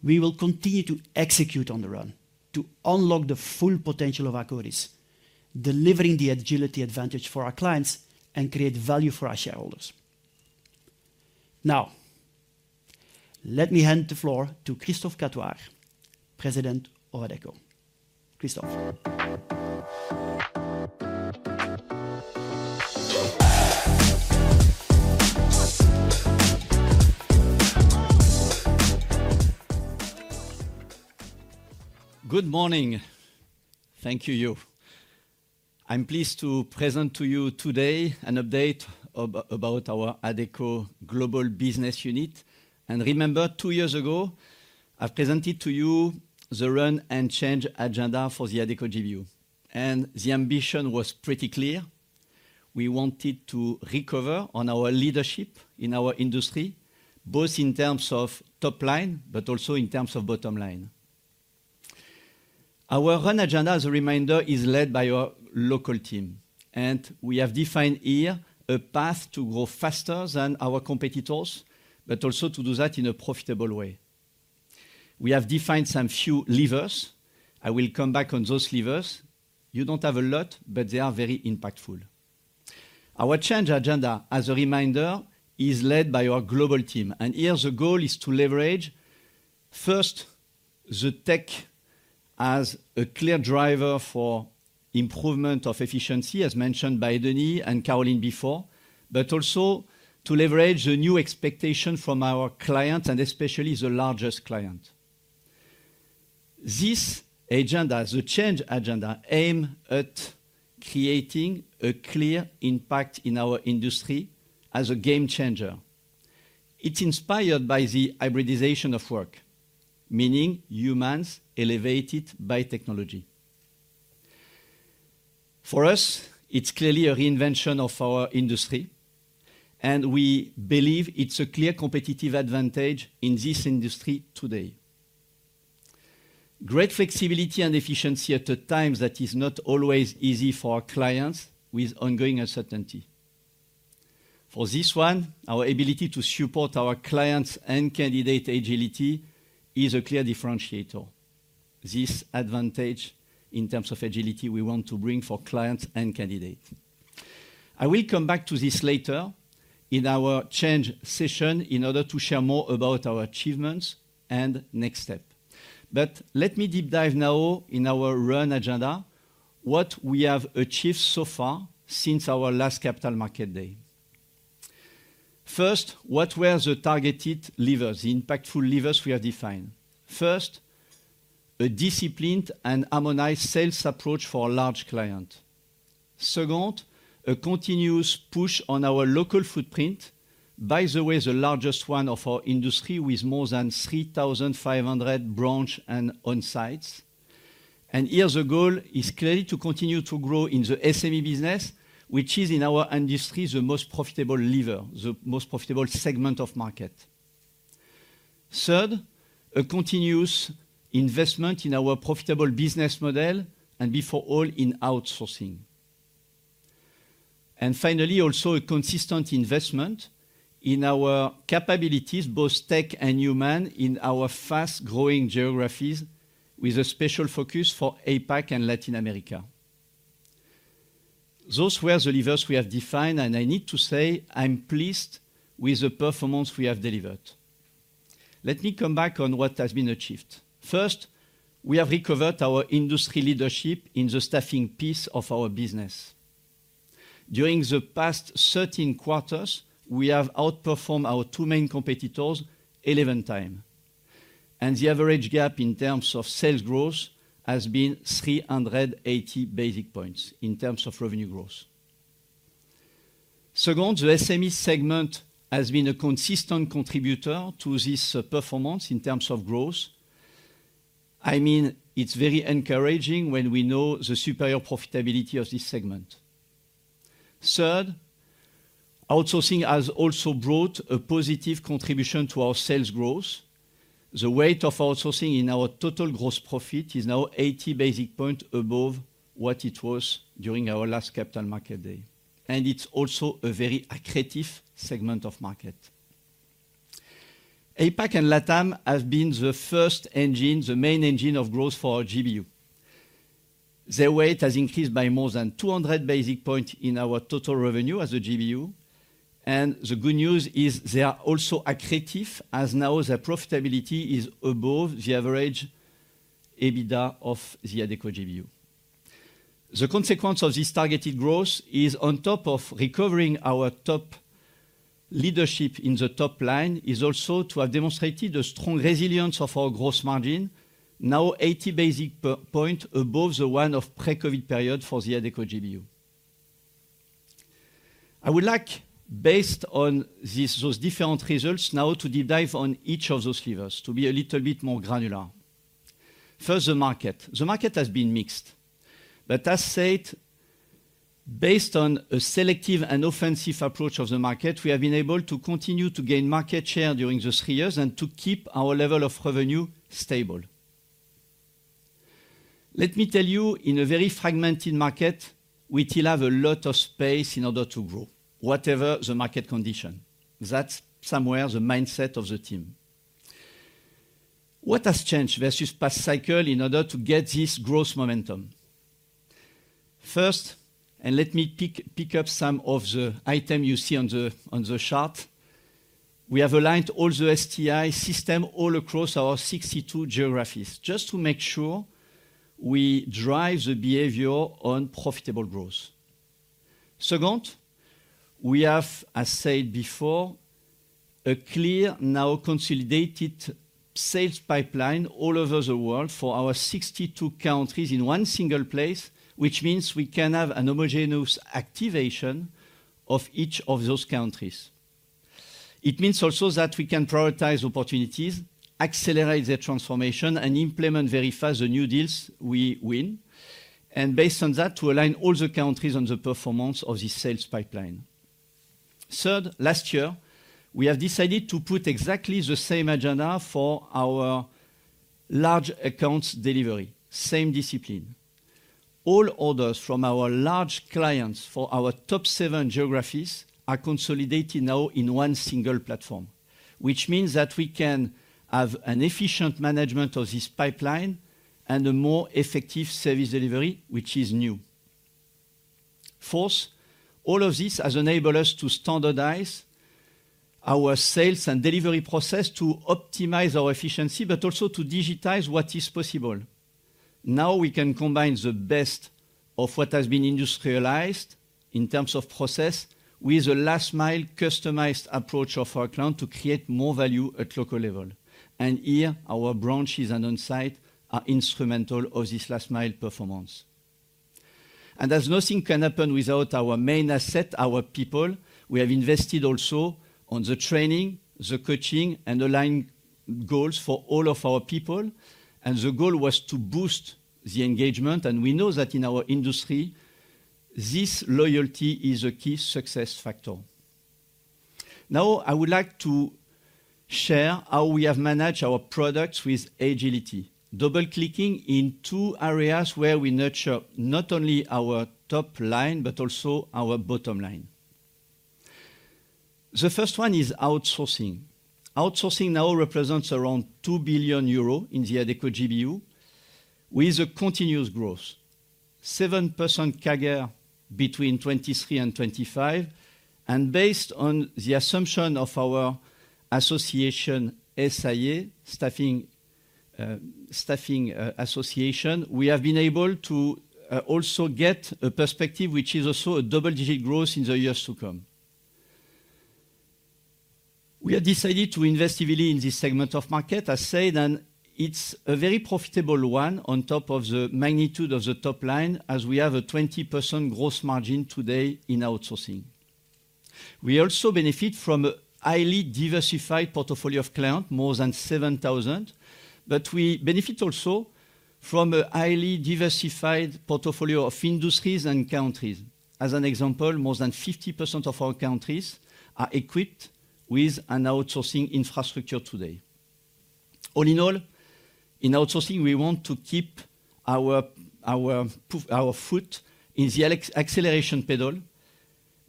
We will continue to execute on the run to unlock the full potential of Akkodis, delivering the agility advantage for our clients and create value for our shareholders. Now, let me hand the floor to Christophe Catoir, President of Adecco. Christophe. Good morning. Thank you, Yuval. I'm pleased to present to you today an update about our Adecco Global Business Unit. Remember, two years ago, I presented to you the run and change agenda for the Adecco GBU. The ambition was pretty clear. We wanted to recover on our leadership in our industry, both in terms of top line, but also in terms of bottom line. Our run agenda, as a reminder, is led by our local team. We have defined here a path to grow faster than our competitors, but also to do that in a profitable way. We have defined some few levers. I will come back on those levers. You don't have a lot, but they are very impactful. Our change agenda, as a reminder, is led by our global team. Here, the goal is to leverage, first, the tech as a clear driver for improvement of efficiency, as mentioned by Denis and Caroline before, but also to leverage the new expectation from our clients, and especially the largest client. This agenda, the change agenda, aims at creating a clear impact in our industry as a game changer. It's inspired by the hybridization of work, meaning humans elevated by technology. For us, it's clearly a reinvention of our industry, and we believe it's a clear competitive advantage in this industry today. Great flexibility and efficiency at a time that is not always easy for our clients with ongoing uncertainty. For this one, our ability to support our clients and candidate agility is a clear differentiator. This advantage in terms of agility we want to bring for clients and candidates. I will come back to this later in our change session in order to share more about our achievements and next step. But let me deep dive now in our run agenda, what we have achieved so far since our last Capital Markets Day. First, what were the targeted levers, the impactful levers we have defined? First, a disciplined and harmonized sales approach for a large client. Second, a continuous push on our local footprint, by the way, the largest one of our industry with more than 3,500 branches and on-sites, and here, the goal is clearly to continue to grow in the SME business, which is in our industry the most profitable lever, the most profitable segment of market. Third, a continuous investment in our profitable business model, and before all, in outsourcing. Finally, also a consistent investment in our capabilities, both tech and human, in our fast-growing geographies with a special focus for APAC and Latin America. Those were the levers we have defined, and I need to say I'm pleased with the performance we have delivered. Let me come back on what has been achieved. First, we have recovered our industry leadership in the staffing piece of our business. During the past 13 quarters, we have outperformed our two main competitors 11 times. And the average gap in terms of sales growth has been 380 basis points in terms of revenue growth. Second, the SME segment has been a consistent contributor to this performance in terms of growth. I mean, it's very encouraging when we know the superior profitability of this segment. Third, outsourcing has also brought a positive contribution to our sales growth. The weight of outsourcing in our total gross profit is now 80 basis points above what it was during our last Capital Markets Day. And it's also a very accretive segment of market. APAC and LATAM have been the first engine, the main engine of growth for our GBU. Their weight has increased by more than 200 basis points in our total revenue as a GBU. And the good news is they are also accretive as now their profitability is above the average EBITDA of the Adecco GBU. The consequence of this targeted growth is, on top of recovering our top leadership in the top line, is also to have demonstrated the strong resilience of our gross margin, now 80 basis points above the one of pre-COVID period for the Adecco GBU. I would like, based on those different results, now to deep dive on each of those levers to be a little bit more granular. First, the market. The market has been mixed, but as said, based on a selective and offensive approach of the market, we have been able to continue to gain market share during these three years and to keep our level of revenue stable. Let me tell you, in a very fragmented market, we still have a lot of space in order to grow, whatever the market condition. That's somewhere the mindset of the team. What has changed versus past cycle in order to get this gross momentum? First, and let me pick up some of the items you see on the chart. We have aligned all the STI system all across our 62 geographies just to make sure we drive the behavior on profitable growth. Second, we have, as said before, a clear, now consolidated sales pipeline all over the world for our 62 countries in one single place, which means we can have an homogeneous activation of each of those countries. It means also that we can prioritize opportunities, accelerate the transformation, and implement very fast the new deals we win. And based on that, to align all the countries on the performance of this sales pipeline. Third, last year, we have decided to put exactly the same agenda for our large accounts delivery, same discipline. All orders from our large clients for our top seven geographies are consolidated now in one single platform, which means that we can have an efficient management of this pipeline and a more effective service delivery, which is new. Fourth, all of this has enabled us to standardize our sales and delivery process to optimize our efficiency, but also to digitize what is possible. Now we can combine the best of what has been industrialized in terms of process with a last-mile customized approach of our client to create more value at local level. And here, our branches and on-site are instrumental of this last-mile performance. And as nothing can happen without our main asset, our people, we have invested also on the training, the coaching, and aligned goals for all of our people. And the goal was to boost the engagement. And we know that in our industry, this loyalty is a key success factor. Now, I would like to share how we have managed our products with agility, double-clicking in two areas where we nurture not only our top line, but also our bottom line. The first one is outsourcing. Outsourcing now represents around 2 billion euros in the Adecco GBU with a continuous growth, 7% CAGR between 2023 and 2025. Based on the assumption of our association SIA, staffing association, we have been able to also get a perspective which is also a double-digit growth in the years to come. We have decided to invest heavily in this segment of market, as said, and it's a very profitable one on top of the magnitude of the top line, as we have a 20% gross margin today in outsourcing. We also benefit from a highly diversified portfolio of clients, more than 7,000, but we benefit also from a highly diversified portfolio of industries and countries. As an example, more than 50% of our countries are equipped with an outsourcing infrastructure today. All in all, in outsourcing, we want to keep our foot in the acceleration pedal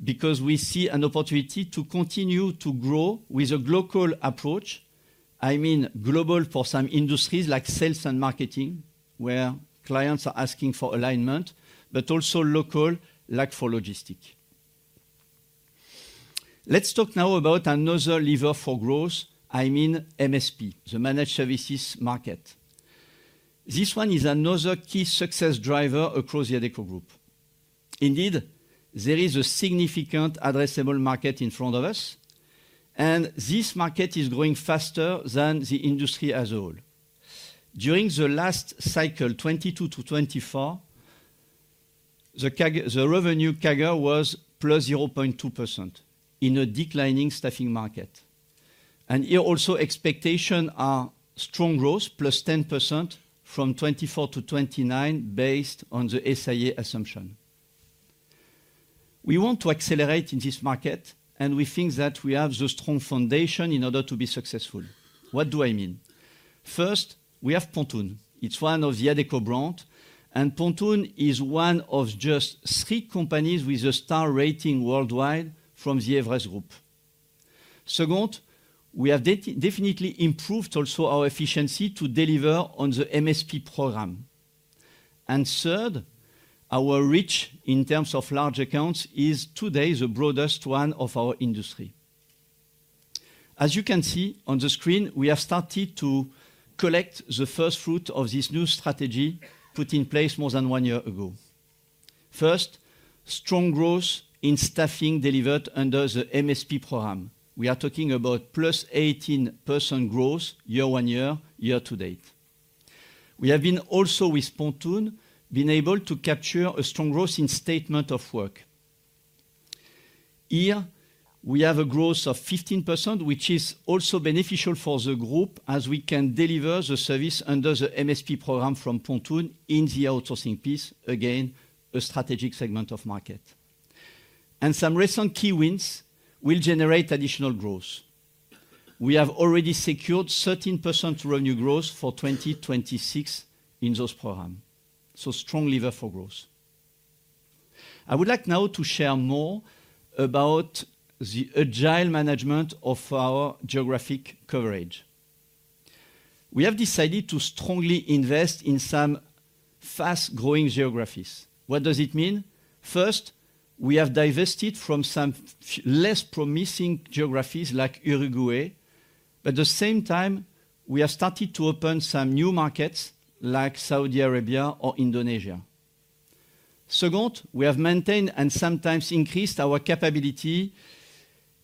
because we see an opportunity to continue to grow with a global approach. I mean, global for some industries like sales and marketing, where clients are asking for alignment, but also local lock for logistics. Let's talk now about another lever for growth. I mean, MSP, the managed services market. This one is another key success driver across the Adecco Group. Indeed, there is a significant addressable market in front of us, and this market is growing faster than the industry as a whole. During the last cycle, 2022 to 2024, the revenue CAGR was +0.2% in a declining staffing market. And here, also, expectations are strong growth, +10% from 2024 to 2029, based on the SIA assumption. We want to accelerate in this market, and we think that we have the strong foundation in order to be successful. What do I mean? First, we have Pontoon. It's one of the Adecco brands, and Pontoon is one of just three companies with a star rating worldwide from the Everest Group. Second, we have definitely improved also our efficiency to deliver on the MSP program. And third, our reach in terms of large accounts is today the broadest one of our industry. As you can see on the screen, we have started to collect the first fruit of this new strategy put in place more than one year ago. First, strong growth in staffing delivered under the MSP program. We are talking about +18% growth year on year, year to date. We have been also, with Pontoon, able to capture a strong growth in statement of work. Here, we have a growth of 15%, which is also beneficial for the group, as we can deliver the service under the MSP program from Pontoon in the outsourcing piece, again, a strategic segment of market, and some recent key wins will generate additional growth. We have already secured 13% revenue growth for 2026 in those programs, so strong lever for growth. I would like now to share more about the agile management of our geographic coverage. We have decided to strongly invest in some fast-growing geographies. What does it mean? First, we have divested from some less promising geographies like Uruguay, but at the same time, we have started to open some new markets like Saudi Arabia or Indonesia. Second, we have maintained and sometimes increased our capability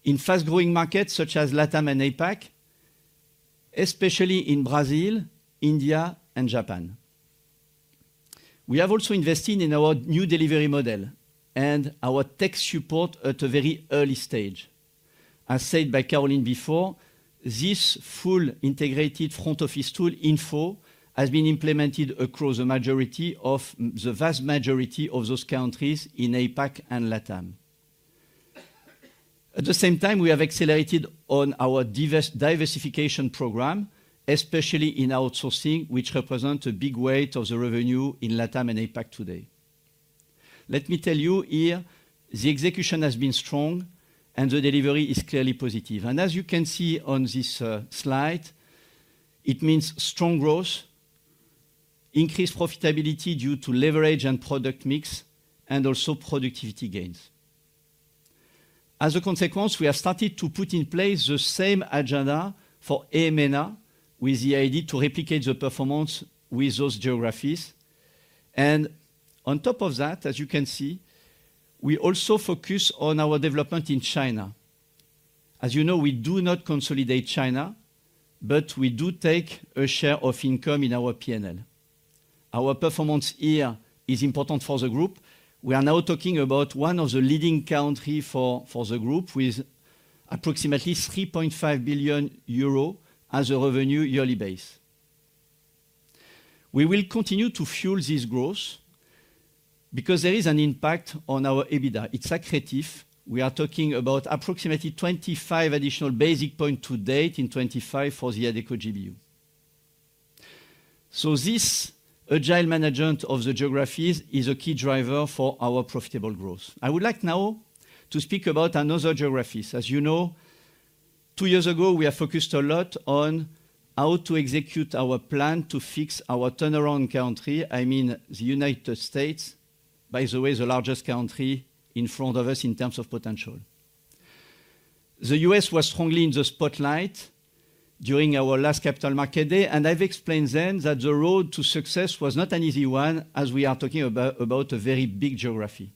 in fast-growing markets such as LATAM and APAC, especially in Brazil, India, and Japan. We have also invested in our new delivery model and our tech support at a very early stage. As said by Caroline before, this full integrated front office tool info has been implemented across the vast majority of those countries in APAC and LATAM. At the same time, we have accelerated on our diversification program, especially in outsourcing, which represents a big weight of the revenue in LATAM and APAC today. Let me tell you here, the execution has been strong, and the delivery is clearly positive, and as you can see on this slide, it means strong growth, increased profitability due to leverage and product mix, and also productivity gains. As a consequence, we have started to put in place the same agenda for EEMENA with the idea to replicate the performance with those geographies. On top of that, as you can see, we also focus on our development in China. As you know, we do not consolidate China, but we do take a share of income in our P&L. Our performance here is important for the group. We are now talking about one of the leading countries for the group with approximately 3.5 billion euro as a revenue yearly base. We will continue to fuel this growth because there is an impact on our EBITDA. It's accretive. We are talking about approximately 25 additional basis points to date in 2025 for the Adecco GBU. This agile management of the geographies is a key driver for our profitable growth. I would like now to speak about another geography. As you know, two years ago, we have focused a lot on how to execute our plan to fix our turnaround country. I mean, the United States, by the way, the largest country in front of us in terms of potential. The U.S. was strongly in the spotlight during our last capital market day, and I've explained then that the road to success was not an easy one as we are talking about a very big geography.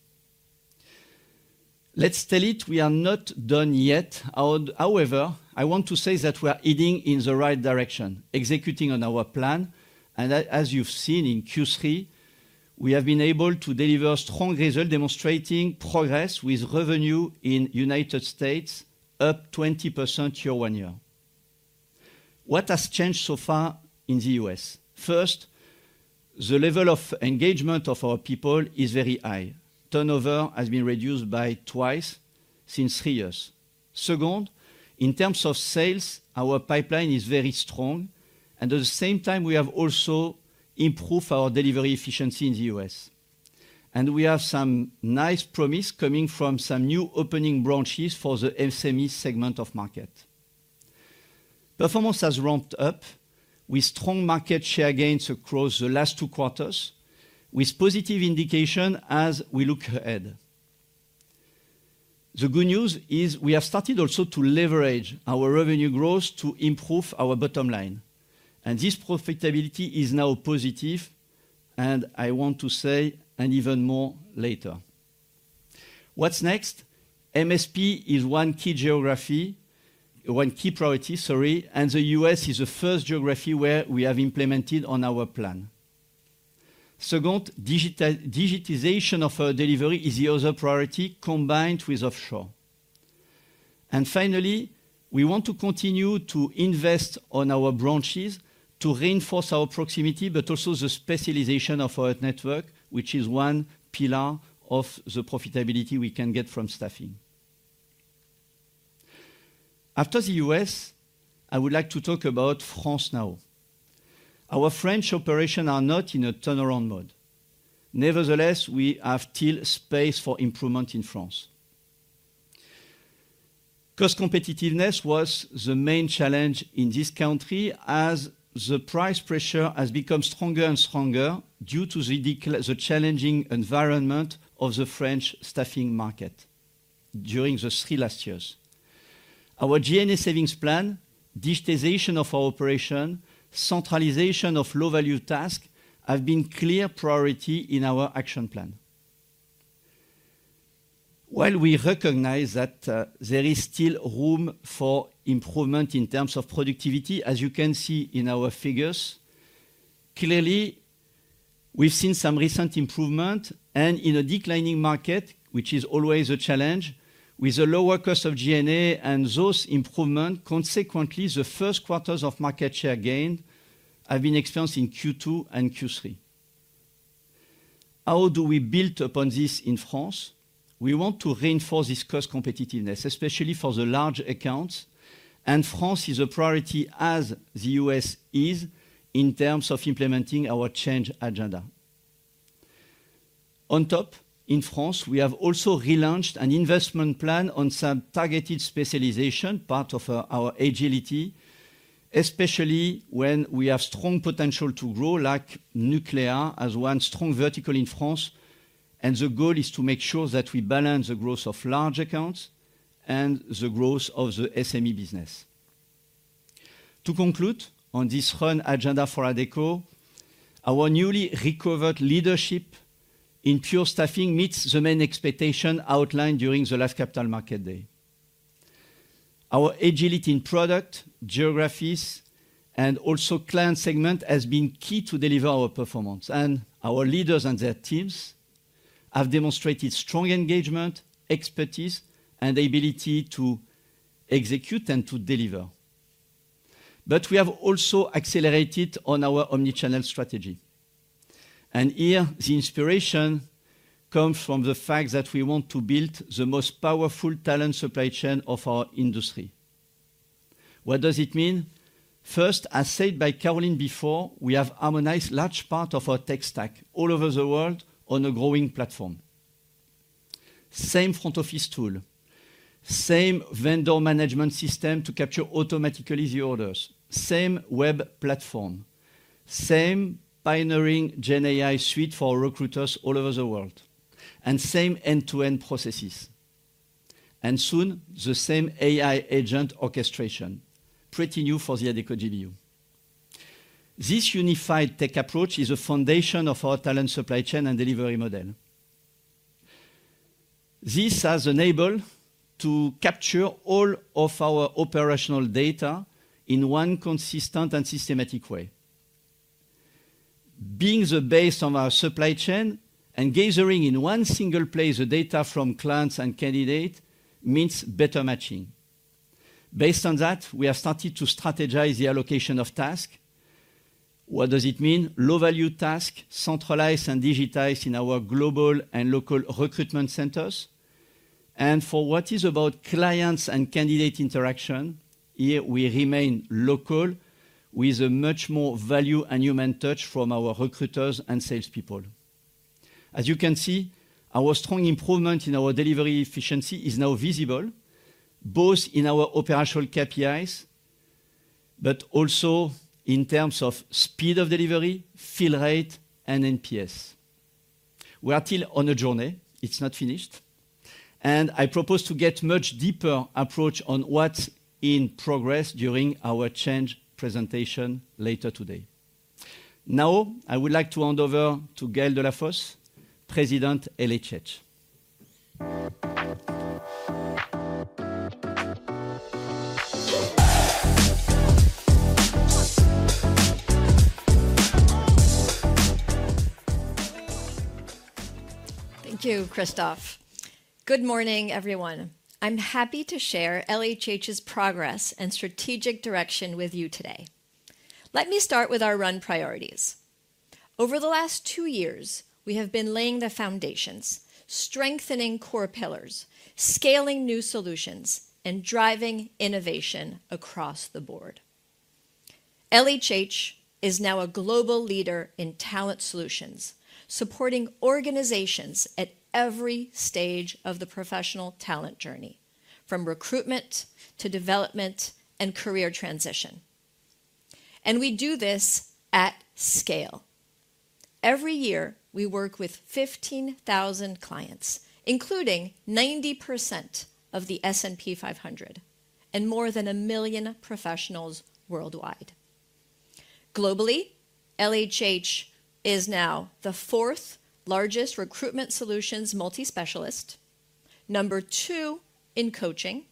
Let's tell it we are not done yet. However, I want to say that we are heading in the right direction, executing on our plan. And as you've seen in Q3, we have been able to deliver strong results demonstrating progress with revenue in the United States up 20% year on year. What has changed so far in the U.S.? First, the level of engagement of our people is very high. Turnover has been reduced by twice since three years. Second, in terms of sales, our pipeline is very strong. At the same time, we have also improved our delivery efficiency in the U.S. We have some nice promise coming from some new opening branches for the SME segment of market. Performance has ramped up with strong market share gains across the last two quarters, with positive indication as we look ahead. The good news is we have started also to leverage our revenue growth to improve our bottom line. This profitability is now positive, and I want to say and even more later. What's next? MSP is one key geography, one key priority, sorry, and the U.S. is the first geography where we have implemented on our plan. Second, digitization of our delivery is the other priority combined with offshore. Finally, we want to continue to invest on our branches to reinforce our proximity, but also the specialization of our network, which is one pillar of the profitability we can get from staffing. After the U.S., I would like to talk about France now. Our French operations are not in a turnaround mode. Nevertheless, we have still space for improvement in France. Cost competitiveness was the main challenge in this country as the price pressure has become stronger and stronger due to the challenging environment of the French staffing market during the three last years. Our G&A savings plan, digitization of our operation, centralization of low-value tasks have been clear priorities in our action plan. While we recognize that there is still room for improvement in terms of productivity, as you can see in our figures, clearly, we've seen some recent improvement. In a declining market, which is always a challenge, with a lower cost of G&A and those improvements, consequently, the first quarters of market share gain have been experienced in Q2 and Q3. How do we build upon this in France? We want to reinforce this cost competitiveness, especially for the large accounts. France is a priority as the U.S. is in terms of implementing our change agenda. On top, in France, we have also relaunched an investment plan on some targeted specialization part of our agility, especially when we have strong potential to grow like nuclear as one strong vertical in France. The goal is to make sure that we balance the growth of large accounts and the growth of the SME business. To conclude on this run agenda for Adecco, our newly recovered leadership in pure staffing meets the main expectation outlined during the last Capital Markets Day. Our agility in product, geographies, and also client segment has been key to deliver our performance. Our leaders and their teams have demonstrated strong engagement, expertise, and ability to execute and to deliver. We have also accelerated on our omnichannel strategy. Here, the inspiration comes from the fact that we want to build the most powerful talent supply chain of our industry. What does it mean? First, as said by Caroline before, we have harmonized large parts of our tech stack all over the world on a growing platform. Same front office tool, same vendor management system to capture automatically the orders, same web platform, same pioneering GenAI suite for recruiters all over the world, and same end-to-end processes. Soon, the same AI agent orchestration, pretty new for the Adecco GBU. This unified tech approach is a foundation of our talent supply chain and delivery model. This has enabled us to capture all of our operational data in one consistent and systematic way. Being the base of our supply chain and gathering in one single place the data from clients and candidates means better matching. Based on that, we have started to strategize the allocation of tasks. What does it mean? Low-value tasks centralized and digitized in our global and local recruitment centers. For what is about clients and candidate interaction, here we remain local with a much more value and human touch from our recruiters and salespeople. As you can see, our strong improvement in our delivery efficiency is now visible, both in our operational KPIs, but also in terms of speed of delivery, fill rate, and NPS. We are still on a journey. It's not finished, and I propose to get a much deeper approach on what's in progress during our change presentation later today. Now, I would like to hand over to Gaël de la Fosse, President of LHH. Thank you, Christophe. Good morning, everyone. I'm happy to share LHH's progress and strategic direction with you today. Let me start with our run priorities. Over the last two years, we have been laying the foundations, strengthening core pillars, scaling new solutions, and driving innovation across the board. LHH is now a global leader in talent solutions, supporting organizations at every stage of the professional talent journey, from recruitment to development and career transition. We do this at scale. Every year, we work with 15,000 clients, including 90% of the S&P 500 and more than a million professionals worldwide. Globally, LHH is now the fourth largest recruitment solutions multi-specialist, number two in coaching,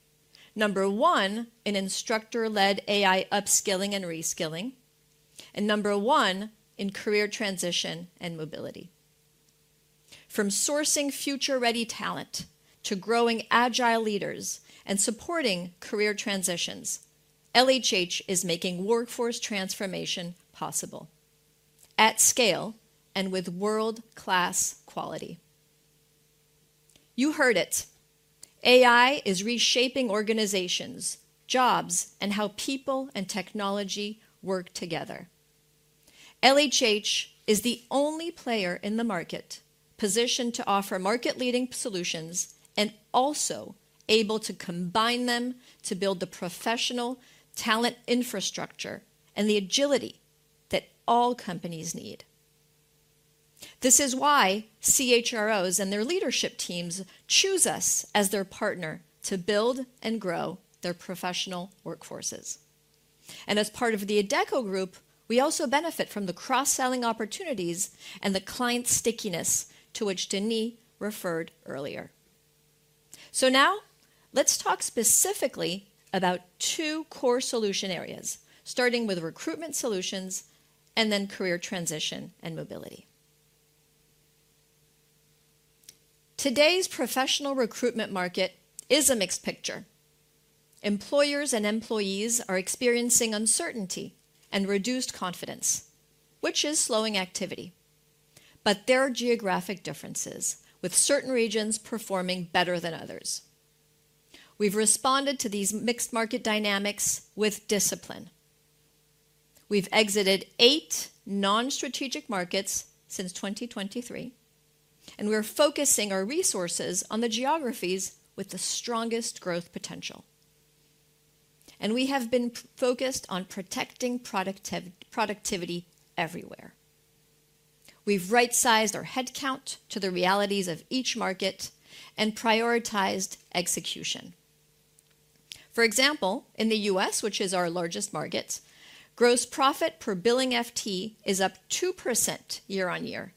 number one in instructor-led AI upskilling and reskilling, and number one in career transition and mobility. From sourcing future-ready talent to growing agile leaders and supporting career transitions, LHH is making workforce transformation possible at scale and with world-class quality. You heard it. AI is reshaping organizations, jobs, and how people and technology work together. LHH is the only player in the market positioned to offer market-leading solutions and also able to combine them to build the professional talent infrastructure and the agility that all companies need. This is why CHROs and their leadership teams choose us as their partner to build and grow their professional workforces. As part of the Adecco Group, we also benefit from the cross-selling opportunities and the client stickiness to which Denis referred earlier. Now, let's talk specifically about two core solution areas, starting with recruitment solutions and then career transition and mobility. Today's professional recruitment market is a mixed picture. Employers and employees are experiencing uncertainty and reduced confidence, which is slowing activity. There are geographic differences, with certain regions performing better than others. We've responded to these mixed market dynamics with discipline. We've exited eight non-strategic markets since 2023, and we're focusing our resources on the geographies with the strongest growth potential. We have been focused on protecting productivity everywhere. We've right-sized our headcount to the realities of each market and prioritized execution. For example, in the U.S., which is our largest market, gross profit per billing FTE is up 2% year on year,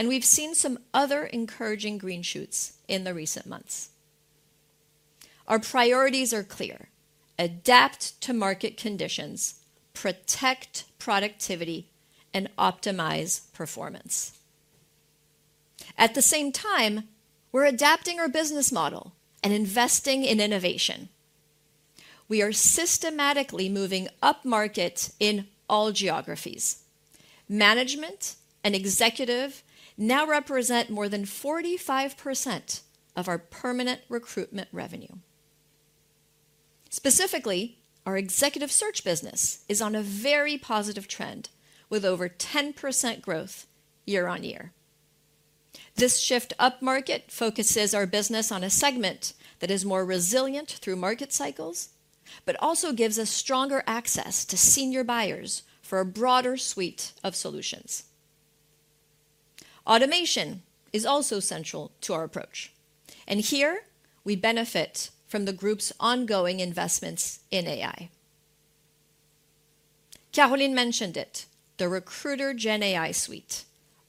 and we've seen some other encouraging green shoots in the recent months. Our priorities are clear: adapt to market conditions, protect productivity, and optimize performance. At the same time, we're adapting our business model and investing in innovation. We are systematically moving up market in all geographies. Management and executive now represent more than 45% of our permanent recruitment revenue. Specifically, our executive search business is on a very positive trend with over 10% growth year on year. This shift up market focuses our business on a segment that is more resilient through market cycles, but also gives us stronger access to senior buyers for a broader suite of solutions. Automation is also central to our approach. And here, we benefit from the group's ongoing investments in AI. Caroline mentioned it. The Recruiter GenAI Suite,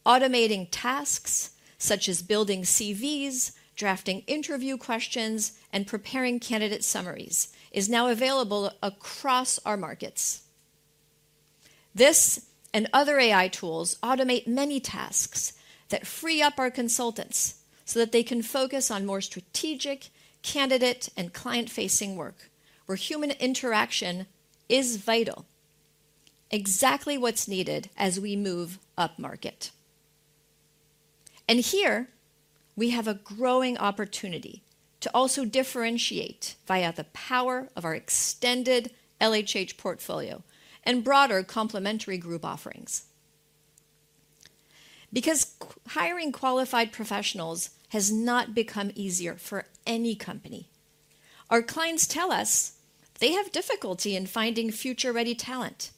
automating tasks such as building CVs, drafting interview questions, and preparing candidate summaries, is now available across our markets. This and other AI tools automate many tasks that free up our consultants so that they can focus on more strategic candidate and client-facing work, where human interaction is vital, exactly what's needed as we move up market, and here we have a growing opportunity to also differentiate via the power of our extended LHH portfolio and broader complementary group offerings. Because hiring qualified professionals has not become easier for any company, our clients tell us they have difficulty in finding future-ready talent.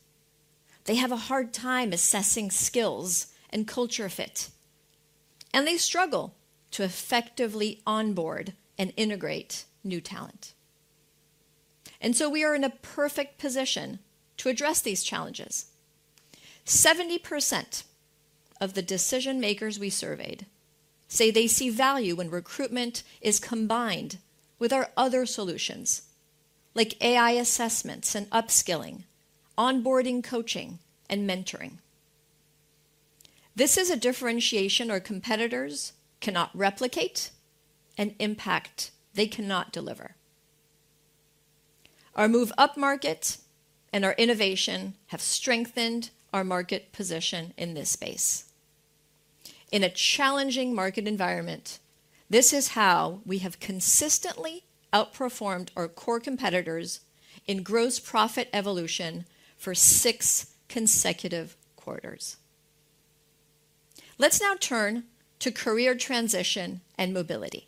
They have a hard time assessing skills and culture fit, and they struggle to effectively onboard and integrate new talent, and so we are in a perfect position to address these challenges. 70% of the decision-makers we surveyed say they see value when recruitment is combined with our other solutions, like AI assessments and upskilling, onboarding coaching, and mentoring. This is a differentiation our competitors cannot replicate and impact they cannot deliver. Our move up market and our innovation have strengthened our market position in this space. In a challenging market environment, this is how we have consistently outperformed our core competitors in gross profit evolution for six consecutive quarters. Let's now turn to career transition and mobility.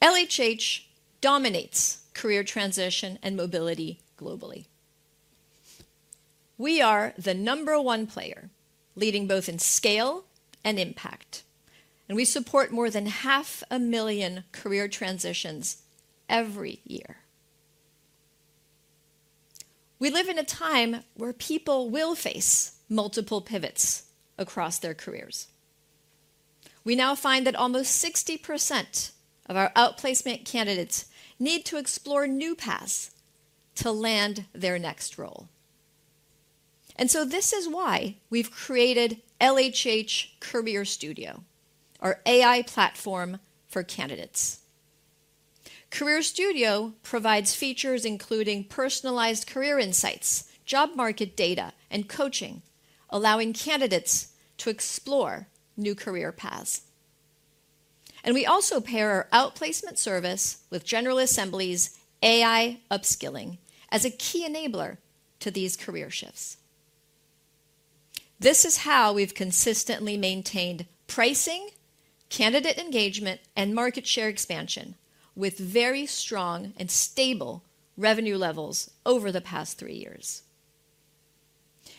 LHH dominates career transition and mobility globally. We are the number one player leading both in scale and impact, and we support more than 500,000 career transitions every year. We live in a time where people will face multiple pivots across their careers. We now find that almost 60% of our outplacement candidates need to explore new paths to land their next role. And so this is why we've created LHH Career Studio, our AI platform for candidates. Career Studio provides features including personalized career insights, job market data, and coaching, allowing candidates to explore new career paths. And we also pair our outplacement service with General Assembly's AI upskilling as a key enabler to these career shifts. This is how we've consistently maintained pricing, candidate engagement, and market share expansion with very strong and stable revenue levels over the past three years.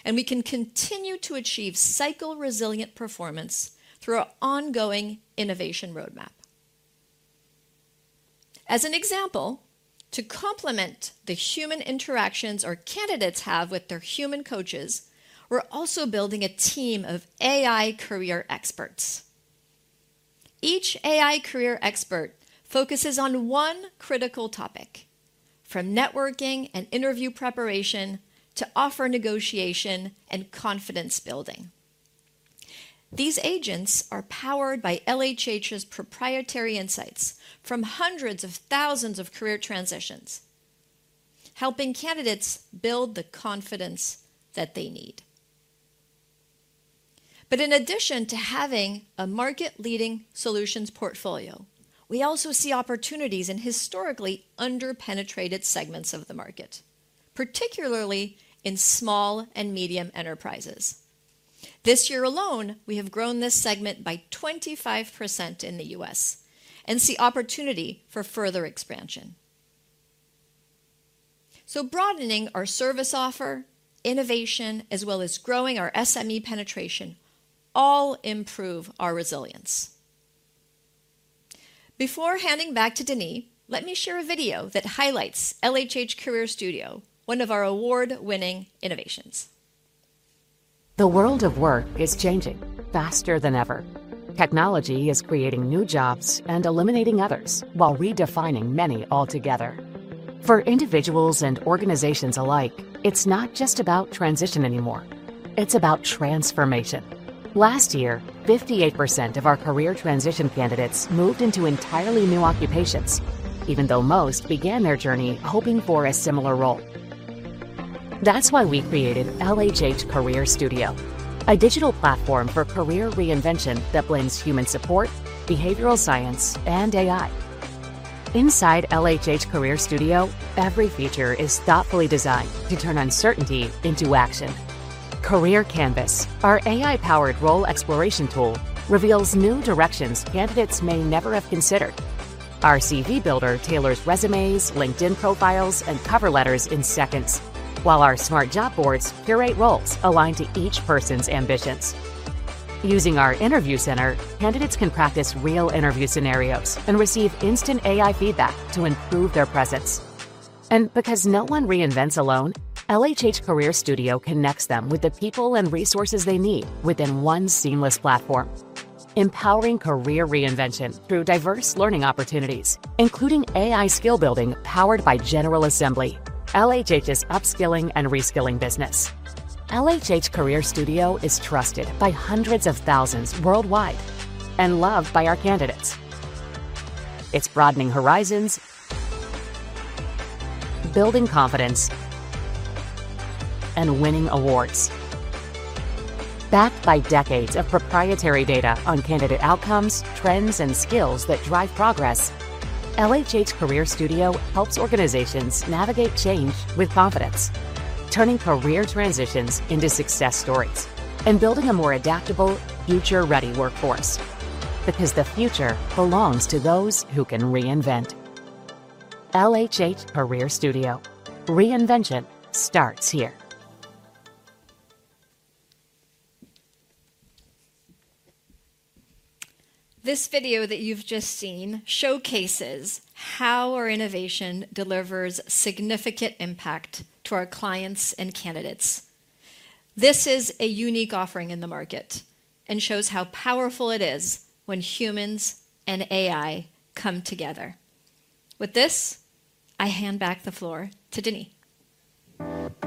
And we can continue to achieve cycle-resilient performance through our ongoing innovation roadmap. As an example, to complement the human interactions our candidates have with their human coaches, we're also building a team of AI career experts. Each AI career expert focuses on one critical topic, from networking and interview preparation to offer negotiation and confidence building. These agents are powered by LHH's proprietary insights from hundreds of thousands of career transitions, helping candidates build the confidence that they need. But in addition to having a market-leading solutions portfolio, we also see opportunities in historically underpenetrated segments of the market, particularly in small and medium enterprises. This year alone, we have grown this segment by 25% in the U.S. and see opportunity for further expansion. So broadening our service offer, innovation, as well as growing our SME penetration all improve our resilience. Before handing back to Denis, let me share a video that highlights LHH Career Studio, one of our award-winning innovations. The world of work is changing faster than ever. Technology is creating new jobs and eliminating others while redefining many altogether. For individuals and organizations alike, it's not just about transition anymore. It's about transformation. Last year, 58% of our career transition candidates moved into entirely new occupations, even though most began their journey hoping for a similar role. That's why we created LHH Career Studio, a digital platform for career reinvention that blends human support, behavioral science, and AI. Inside LHH Career Studio, every feature is thoughtfully designed to turn uncertainty into action. Career Canvas, our AI-powered role exploration tool, reveals new directions candidates may never have considered. Our CV builder tailors resumes, LinkedIn profiles, and cover letters in seconds, while our smart job boards curate roles aligned to each person's ambitions. Using our Interview Center, candidates can practice real interview scenarios and receive instant AI feedback to improve their presence. Because no one reinvents alone, LHH Career Studio connects them with the people and resources they need within one seamless platform, empowering career reinvention through diverse learning opportunities, including AI skill building powered by General Assembly, LHH's upskilling and reskilling business. LHH Career Studio is trusted by hundreds of thousands worldwide and loved by our candidates. It's broadening horizons, building confidence, and winning awards. Backed by decades of proprietary data on candidate outcomes, trends, and skills that drive progress, LHH Career Studio helps organizations navigate change with confidence, turning career transitions into success stories and building a more adaptable, future-ready workforce. Because the future belongs to those who can reinvent. LHH Career Studio. Reinvention starts here. This video that you've just seen showcases how our innovation delivers significant impact to our clients and candidates. This is a unique offering in the market and shows how powerful it is when humans and AI come together. With this, I hand back the floor to Denis. [audio distortion]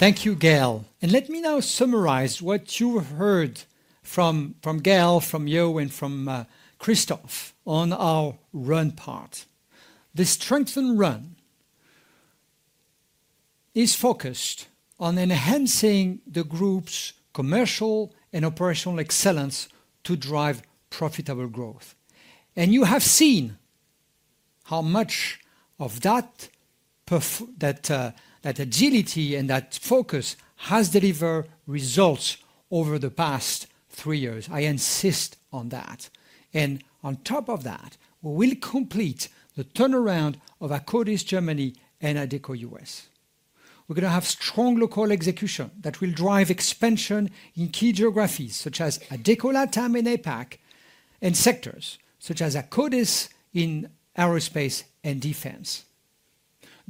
Thank you, Gaël. And let me now summarize what you heard from Gaël, from Yu, and from Christophe on our run part. The Strengthen Run is focused on enhancing the group's commercial and operational excellence to drive profitable growth. And you have seen how much of that agility and that focus has delivered results over the past three years. I insist on that. And on top of that, we will complete the turnaround of Akkodis Germany and Adecco US. We're going to have strong local execution that will drive expansion in key geographies such as Adecco Latam and APAC, and sectors such as Akkodis in aerospace and defense.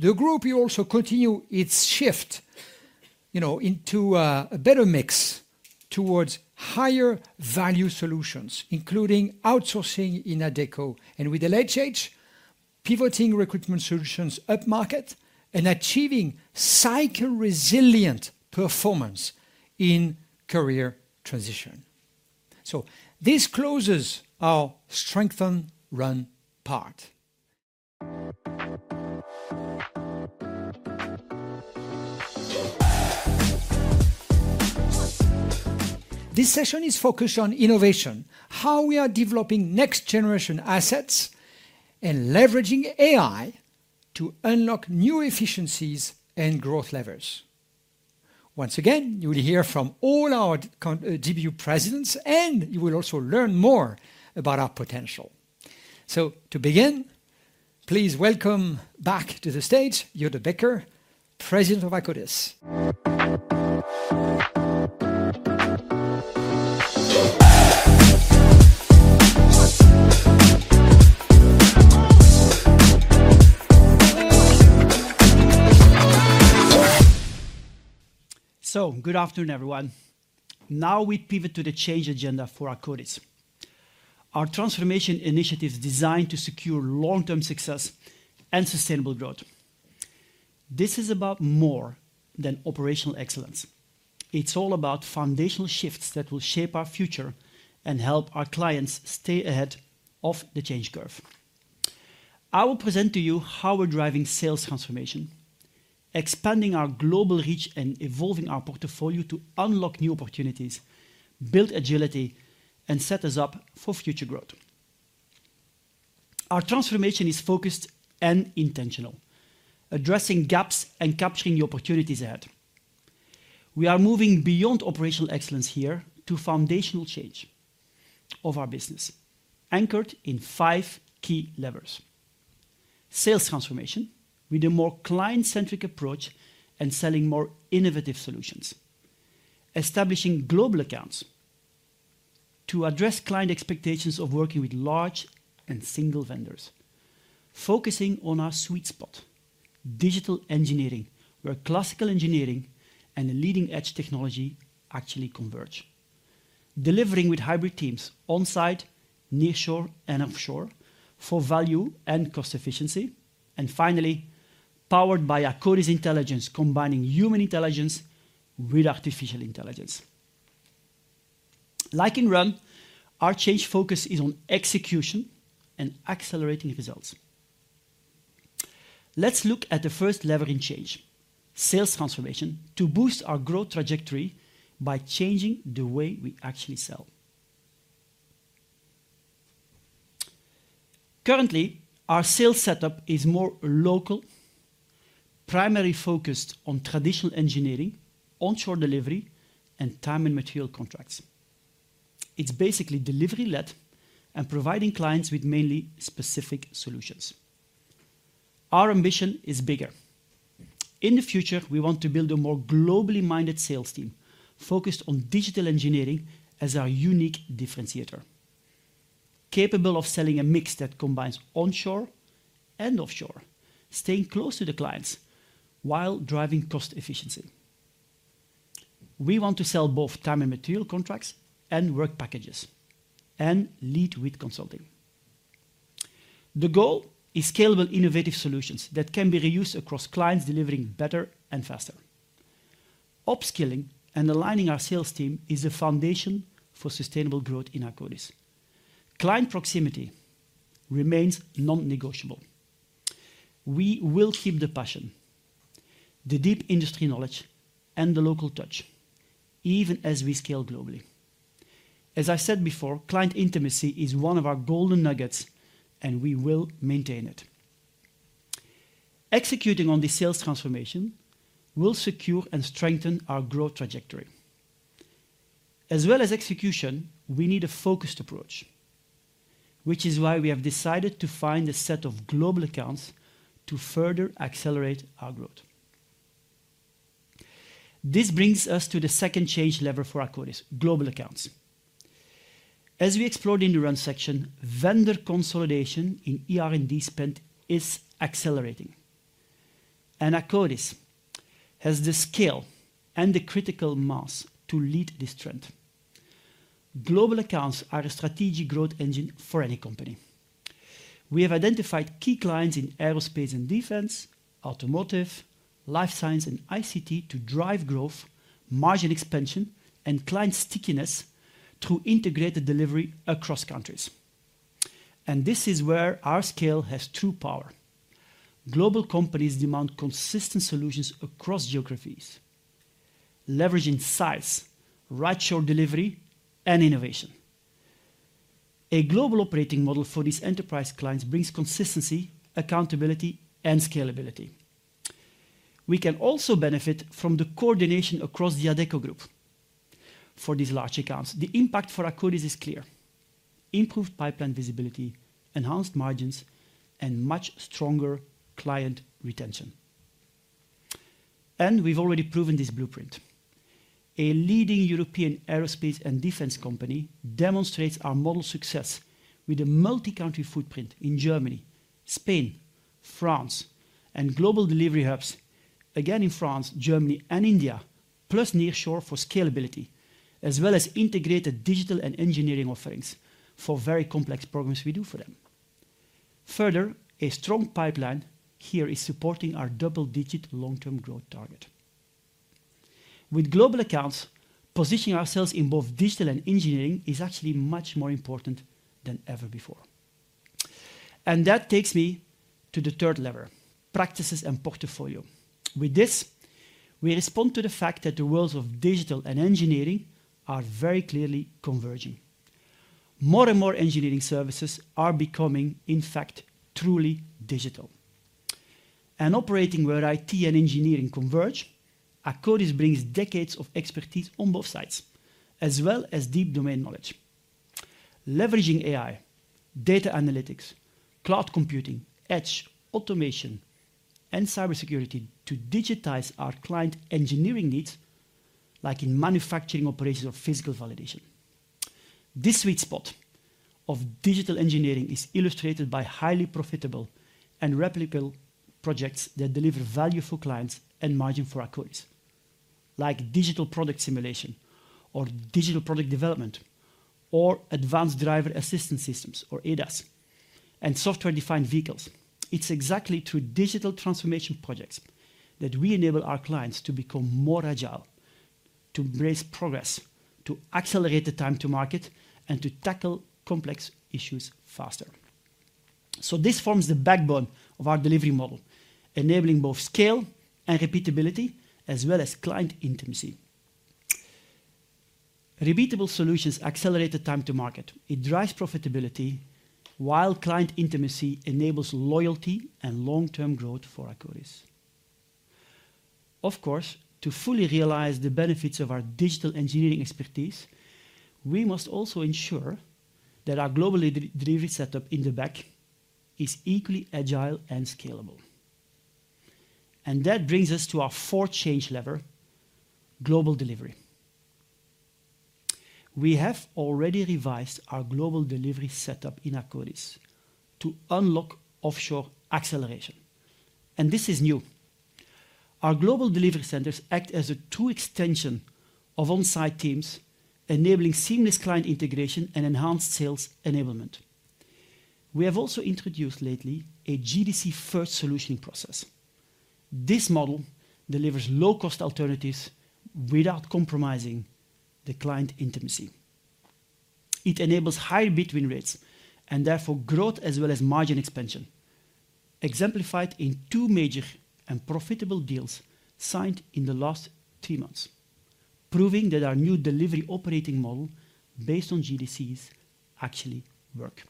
The group will also continue its shift into a better mix towards higher value solutions, including outsourcing in Adecco and with LHH, pivoting recruitment solutions up market and achieving cycle-resilient performance in career transition. So this closes our Strengthen Run part. This session is focused on innovation, how we are developing next-generation assets, and leveraging AI to unlock new efficiencies and growth levers. Once again, you will hear from all our GBU presidents, and you will also learn more about our potential. So to begin, please welcome back to the stage Yuval Bachar, President of Akkodis. [audio distortion] So good afternoon, everyone. Now we pivot to the change agenda for Akkodis, our transformation initiatives designed to secure long-term success and sustainable growth. This is about more than operational excellence. It's all about foundational shifts that will shape our future and help our clients stay ahead of the change curve. I will present to you how we're driving sales transformation, expanding our global reach and evolving our portfolio to unlock new opportunities, build agility, and set us up for future growth. Our transformation is focused and intentional, addressing gaps and capturing the opportunities ahead. We are moving beyond operational excellence here to foundational change of our business, anchored in five key levers: sales transformation with a more client-centric approach and selling more innovative solutions. Establishing global accounts to address client expectations of working with large and single vendors. Focusing on our sweet spot, digital engineering, where classical engineering and leading-edge technology actually converge. Delivering with hybrid teams onsite, nearshore, and offshore for value and cost efficiency. And finally, powered by Akkodis Intelligence, combining human intelligence with artificial intelligence. Like in Run, our change focus is on execution and accelerating results. Let's look at the first lever in change, sales transformation, to boost our growth trajectory by changing the way we actually sell. Currently, our sales setup is more local, primarily focused on traditional engineering, onshore delivery, and time and material contracts. It's basically delivery-led and providing clients with mainly specific solutions. Our ambition is bigger. In the future, we want to build a more globally minded sales team focused on digital engineering as our unique differentiator, capable of selling a mix that combines onshore and offshore, staying close to the clients while driving cost efficiency. We want to sell both time and material contracts and work packages and lead with consulting. The goal is scalable innovative solutions that can be reused across clients delivering better and faster. Upscaling and aligning our sales team is the foundation for sustainable growth in Akkodis. Client proximity remains non-negotiable. We will keep the passion, the deep industry knowledge, and the local touch, even as we scale globally. As I said before, client intimacy is one of our golden nuggets, and we will maintain it. Executing on this sales transformation will secure and strengthen our growth trajectory. As well as execution, we need a focused approach, which is why we have decided to find a set of global accounts to further accelerate our growth. This brings us to the second change lever for Akkodis, global accounts. As we explored in the Run section, vendor consolidation in ER&D spend is accelerating, and Akkodis has the scale and the critical mass to lead this trend. Global accounts are a strategic growth engine for any company. We have identified key clients in aerospace and defense, automotive, life science, and ICT to drive growth, margin expansion, and client stickiness through integrated delivery across countries. This is where our scale has true power. Global companies demand consistent solutions across geographies, leveraging size, right-sized delivery, and innovation. A global operating model for these enterprise clients brings consistency, accountability, and scalability. We can also benefit from the coordination across the Adecco Group. For these large accounts, the impact for Akkodis is clear: improved pipeline visibility, enhanced margins, and much stronger client retention. We've already proven this blueprint. A leading European aerospace and defense company demonstrates our model success with a multi-country footprint in Germany, Spain, France, and global delivery hubs, again in France, Germany, and India, plus nearshore for scalability, as well as integrated digital and engineering offerings for very complex programs we do for them. Further, a strong pipeline here is supporting our double-digit long-term growth target. With global accounts, positioning ourselves in both digital and engineering is actually much more important than ever before. And that takes me to the third lever, practices and portfolio. With this, we respond to the fact that the worlds of digital and engineering are very clearly converging. More and more engineering services are becoming, in fact, truly digital. And operating where IT and engineering converge, Akkodis brings decades of expertise on both sides, as well as deep domain knowledge, leveraging AI, data analytics, cloud computing, edge, automation, and cybersecurity to digitize our client engineering needs, like in manufacturing operations or physical validation. This sweet spot of digital engineering is illustrated by highly profitable and replicable projects that deliver value for clients and margin for Akkodis, like digital product simulation or digital product development or advanced driver assistance systems, or ADAS, and software-defined vehicles. It's exactly through digital transformation projects that we enable our clients to become more agile, to embrace progress, to accelerate the time to market, and to tackle complex issues faster. So this forms the backbone of our delivery model, enabling both scale and repeatability, as well as client intimacy. Repeatable solutions accelerate the time to market. It drives profitability, while client intimacy enables loyalty and long-term growth for Akkodis. Of course, to fully realize the benefits of our digital engineering expertise, we must also ensure that our global delivery setup in the backend is equally agile and scalable. And that brings us to our fourth change lever, global delivery. We have already revised our global delivery setup in Akkodis to unlock offshore acceleration. And this is new. Our global delivery centers act as a true extension of onsite teams, enabling seamless client integration and enhanced sales enablement. We have also introduced lately a GDC-first solution process. This model delivers low-cost alternatives without compromising the client intimacy. It enables higher win rates and therefore growth as well as margin expansion, exemplified in two major and profitable deals signed in the last three months, proving that our new delivery operating model based on GDCs actually works.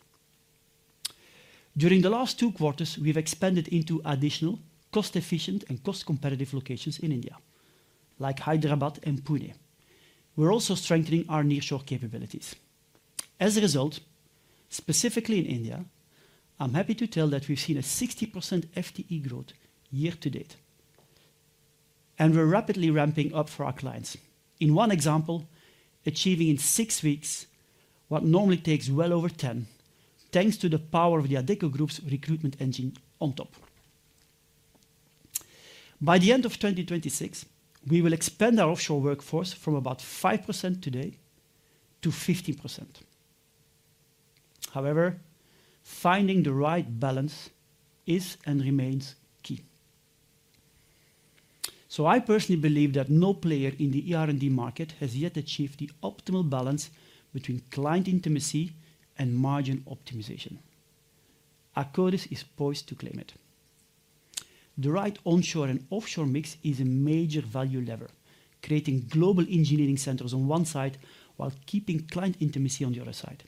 During the last two quarters, we've expanded into additional cost-efficient and cost-competitive locations in India, like Hyderabad and Pune. We're also strengthening our nearshore capabilities. As a result, specifically in India, I'm happy to tell that we've seen a 60% FTE growth year to date. And we're rapidly ramping up for our clients, in one example, achieving in six weeks what normally takes well over 10, thanks to the power of the Adecco Group's recruitment engine on top. By the end of 2026, we will expand our offshore workforce from about 5% today to 15%. However, finding the right balance is and remains key. So I personally believe that no player in the ER&D market has yet achieved the optimal balance between client intimacy and margin optimization. Akkodis is poised to claim it. The right onshore and offshore mix is a major value lever, creating global engineering centers on one side while keeping client intimacy on the other side.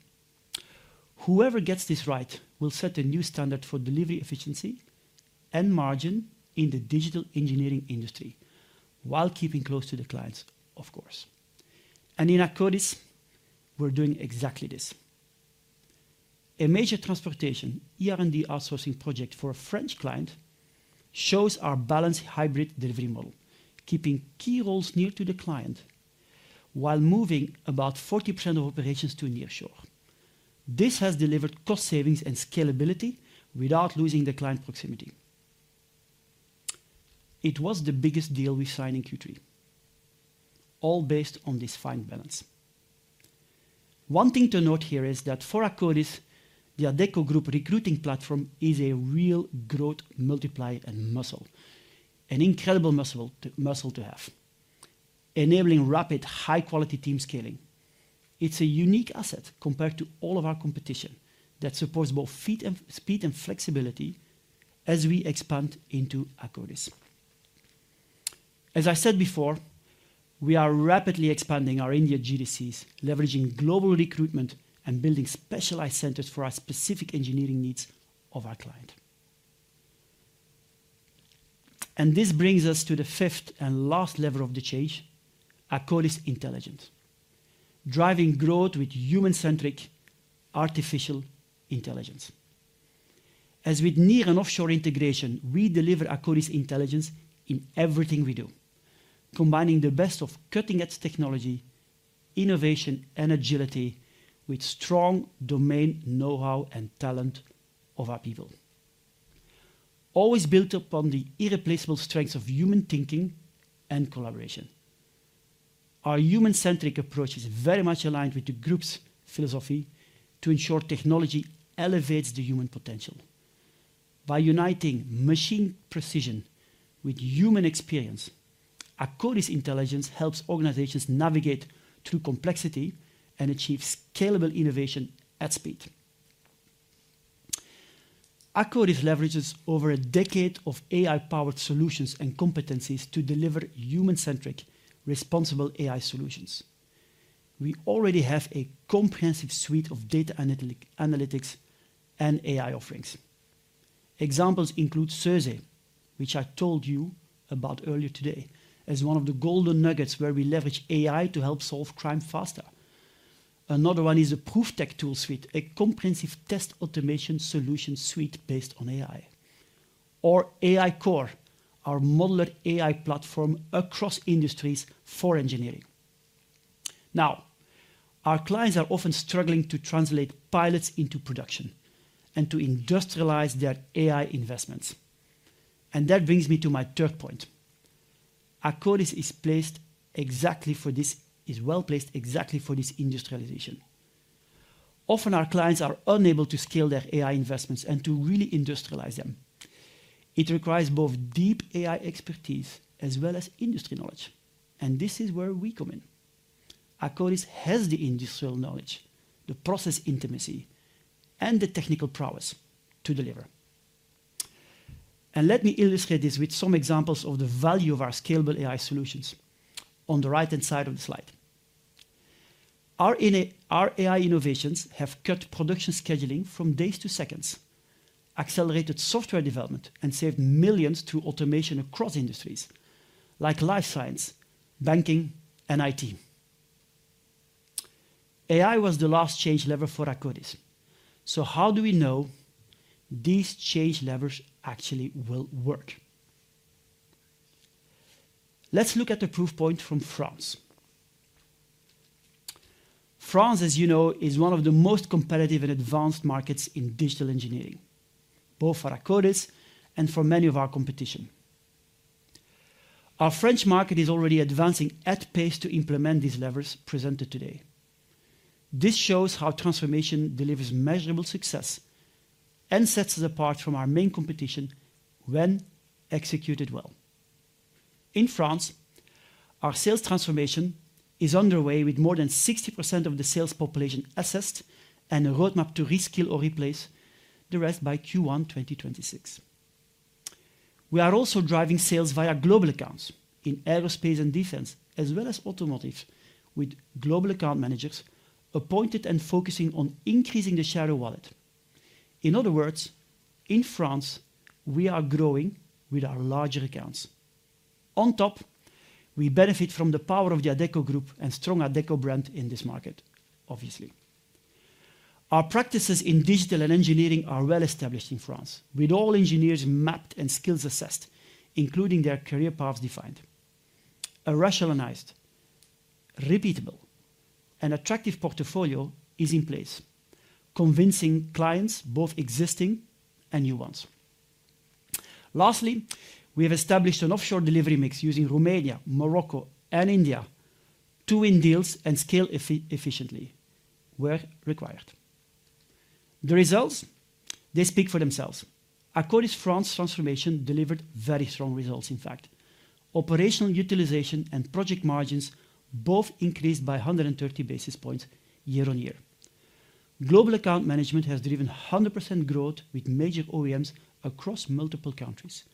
Whoever gets this right will set a new standard for delivery efficiency and margin in the digital engineering industry, while keeping close to the clients, of course. And in Akkodis, we're doing exactly this. A major transportation ER&D outsourcing project for a French client shows our balanced hybrid delivery model, keeping key roles near to the client while moving about 40% of operations to nearshore. This has delivered cost savings and scalability without losing the client proximity. It was the biggest deal we signed in Q3, all based on this fine balance. One thing to note here is that for Akkodis, the Adecco Group recruiting platform is a real growth multiplier and muscle, an incredible muscle to have, enabling rapid, high-quality team scaling. It's a unique asset compared to all of our competition that supports both speed and flexibility as we expand into Akkodis. As I said before, we are rapidly expanding our India GDCs, leveraging global recruitment and building specialized centers for our specific engineering needs of our client. And this brings us to the fifth and last lever of the change, Akkodis Intelligence, driving growth with human-centric artificial intelligence. As with nearshore and offshore integration, we deliver Akkodis Intelligence in everything we do, combining the best of cutting-edge technology, innovation, and agility with strong domain know-how and talent of our people, always built upon the irreplaceable strengths of human thinking and collaboration. Our human-centric approach is very much aligned with the group's philosophy to ensure technology elevates the human potential. By uniting machine precision with human experience, Akkodis Intelligence helps organizations navigate through complexity and achieve scalable innovation at speed. Akkodis leverages over a decade of AI-powered solutions and competencies to deliver human-centric, responsible AI solutions. We already have a comprehensive suite of data analytics and AI offerings. Examples include Cersei, which I told you about earlier today, as one of the golden nuggets where we leverage AI to help solve crime faster. Another one is the ProofTech tool suite, a comprehensive test automation solution suite based on AI, or AICore, our modular AI platform across industries for engineering. Now, our clients are often struggling to translate pilots into production and to industrialize their AI investments. And that brings me to my third point. Akkodis is placed exactly for this. It's well placed exactly for this industrialization. Often, our clients are unable to scale their AI investments and to really industrialize them. It requires both deep AI expertise as well as industry knowledge. And this is where we come in. Akkodis has the industrial knowledge, the process intimacy, and the technical prowess to deliver. And let me illustrate this with some examples of the value of our scalable AI solutions on the right-hand side of the slide. Our AI innovations have cut production scheduling from days to seconds, accelerated software development, and saved millions through automation across industries like life science, banking, and IT. AI was the last change lever for Akkodis. So how do we know these change levers actually will work? Let's look at a proof point from France. France, as you know, is one of the most competitive and advanced markets in digital engineering, both for Akkodis and for many of our competition. Our French market is already advancing at pace to implement these levers presented today. This shows how transformation delivers measurable success and sets us apart from our main competition when executed well. In France, our sales transformation is underway with more than 60% of the sales population assessed and a roadmap to reskill or replace the rest by Q1 2026. We are also driving sales via global accounts in aerospace and defense, as well as automotive, with global account managers appointed and focusing on increasing the share of wallet. In other words, in France, we are growing with our larger accounts. On top, we benefit from the power of the Adecco Group and strong Adecco brand in this market, obviously. Our practices in digital and engineering are well established in France, with all engineers mapped and skills assessed, including their career paths defined. A rationalized, repeatable, and attractive portfolio is in place, convincing clients, both existing and new ones. Lastly, we have established an offshore delivery mix using Romania, Morocco, and India to win deals and scale efficiently where required. The results? They speak for themselves. Akkodis France transformation delivered very strong results, in fact. Operational utilization and project margins both increased by 130 basis points year on year. Global account management has driven 100% growth with major OEMs across multiple countries.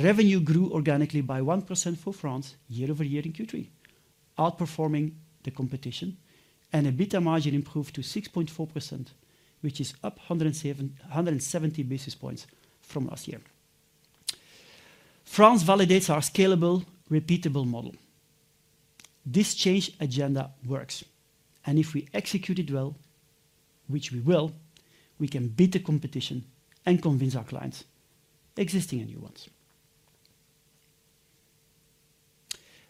Revenue grew organically by 1% for France year over year in Q3, outperforming the competition, and EBITDA margin improved to 6.4%, which is up 170 basis points from last year. France validates our scalable, repeatable model. This change agenda works. And if we execute it well, which we will, we can beat the competition and convince our clients, existing and new ones.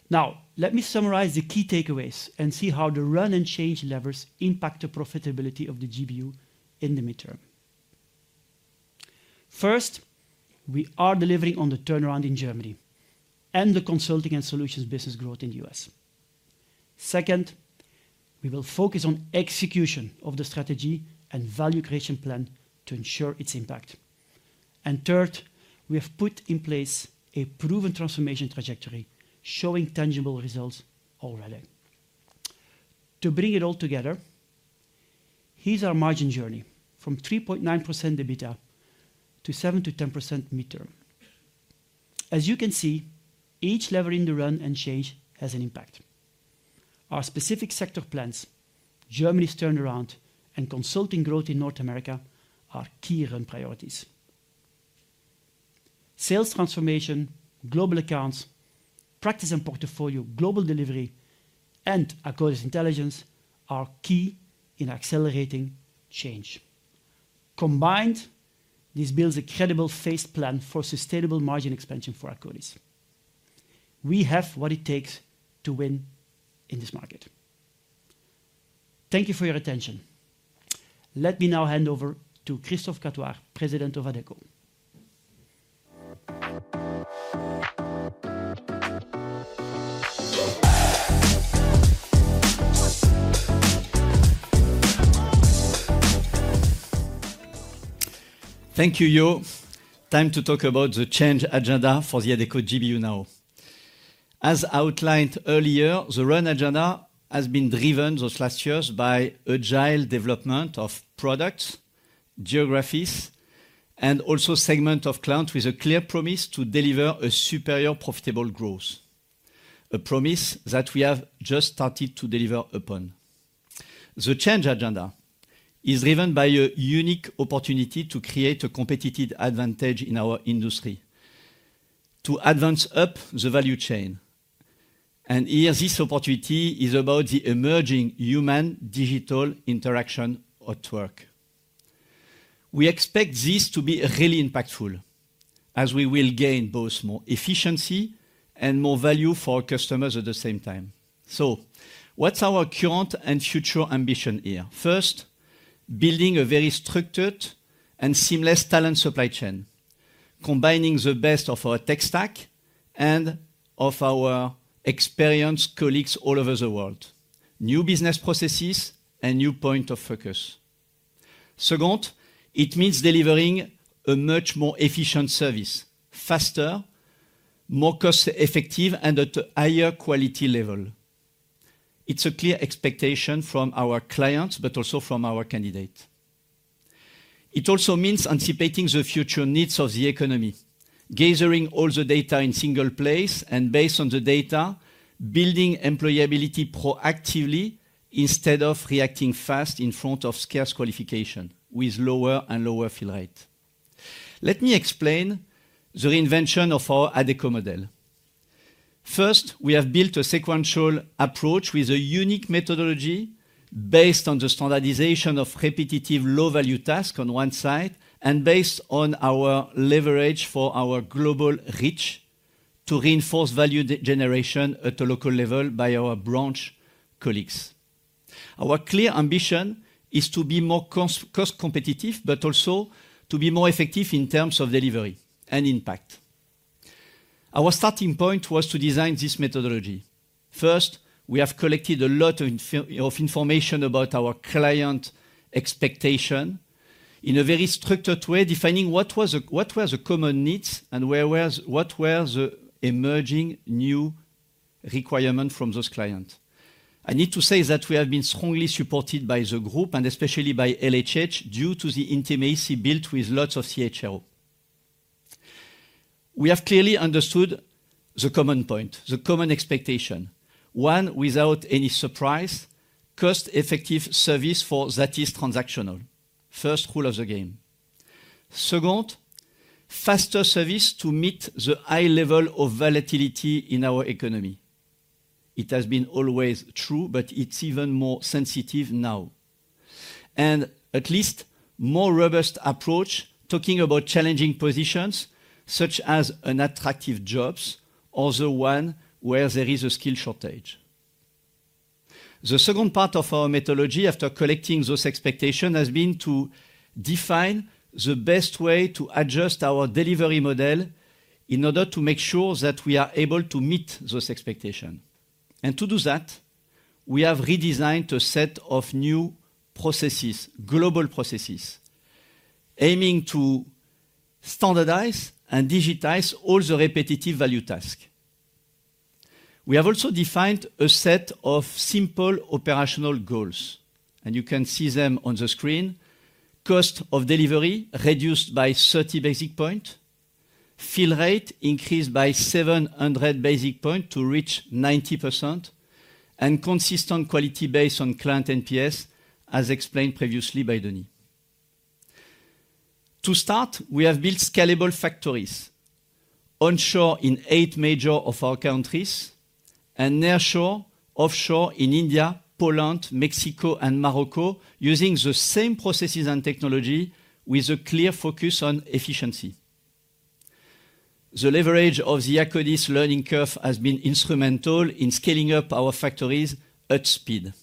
Now, let me summarize the key takeaways and see how the run and change levers impact the profitability of the GBU in the midterm. First, we are delivering on the turnaround in Germany and the consulting and solutions business growth in the U.S. Second, we will focus on execution of the strategy and value creation plan to ensure its impact. And third, we have put in place a proven transformation trajectory showing tangible results already. To bring it all together, here's our margin journey from 3.9% EBITDA to 7% to 10% midterm. As you can see, each lever in the run and change has an impact. Our specific sector plans, Germany's turnaround, and consulting growth in North America are key run priorities. Sales transformation, global accounts, practice and portfolio, global delivery, and Akkodis Intelligence are key in accelerating change. Combined, this builds a credible phased plan for sustainable margin expansion for Akkodis. We have what it takes to win in this market. Thank you for your attention. Let me now hand over to Christophe Catoir, President of Adecco. [audio distortion] Thank you, Yuval. Time to talk about the change agenda for the Adecco GBU now. As outlined earlier, the run agenda has been driven those last years by agile development of products, geographies, and also segment of clients with a clear promise to deliver a superior profitable growth, a promise that we have just started to deliver upon. The change agenda is driven by a unique opportunity to create a competitive advantage in our industry, to advance up the value chain, and here, this opportunity is about the emerging human-digital interaction at work. We expect this to be really impactful, as we will gain both more efficiency and more value for customers at the same time, so what's our current and future ambition here? First, building a very structured and seamless talent supply chain, combining the best of our tech stack and of our experienced colleagues all over the world, new business processes, and new points of focus. Second, it means delivering a much more efficient service, faster, more cost-effective, and at a higher quality level. It's a clear expectation from our clients, but also from our candidates. It also means anticipating the future needs of the economy, gathering all the data in a single place, and based on the data, building employability proactively instead of reacting fast in front of scarce qualification with lower and lower fill rate. Let me explain the reinvention of our Adecco model. First, we have built a sequential approach with a unique methodology based on the standardization of repetitive low-value tasks on one side and based on our leverage for our global reach to reinforce value generation at a local level by our branch colleagues. Our clear ambition is to be more cost-competitive, but also to be more effective in terms of delivery and impact. Our starting point was to design this methodology. First, we have collected a lot of information about our client expectation in a very structured way, defining what were the common needs and what were the emerging new requirements from those clients. I need to say that we have been strongly supported by the group and especially by LHH due to the intimacy built with lots of CHRO. We have clearly understood the common point, the common expectation. One, without any surprise, cost-effective service for that is transactional, first rule of the game. Second, faster service to meet the high level of volatility in our economy. It has been always true, but it's even more sensitive now and at least more robust approach talking about challenging positions such as attractive jobs or the one where there is a skill shortage. The second part of our methodology after collecting those expectations has been to define the best way to adjust our delivery model in order to make sure that we are able to meet those expectations, and to do that, we have redesigned a set of new processes, global processes, aiming to standardize and digitize all the repetitive value tasks. We have also defined a set of simple operational goals, and you can see them on the screen. Cost of delivery reduced by 30 basis points, fill rate increased by 700 basis points to reach 90%, and consistent quality based on client NPS, as explained previously by Denis. To start, we have built scalable factories, onshore in eight major of our countries and nearshore, offshore in India, Poland, Mexico, and Morocco, using the same processes and technology with a clear focus on efficiency. The leverage of the Akkodis learning curve has been instrumental in scaling up our factories at speed.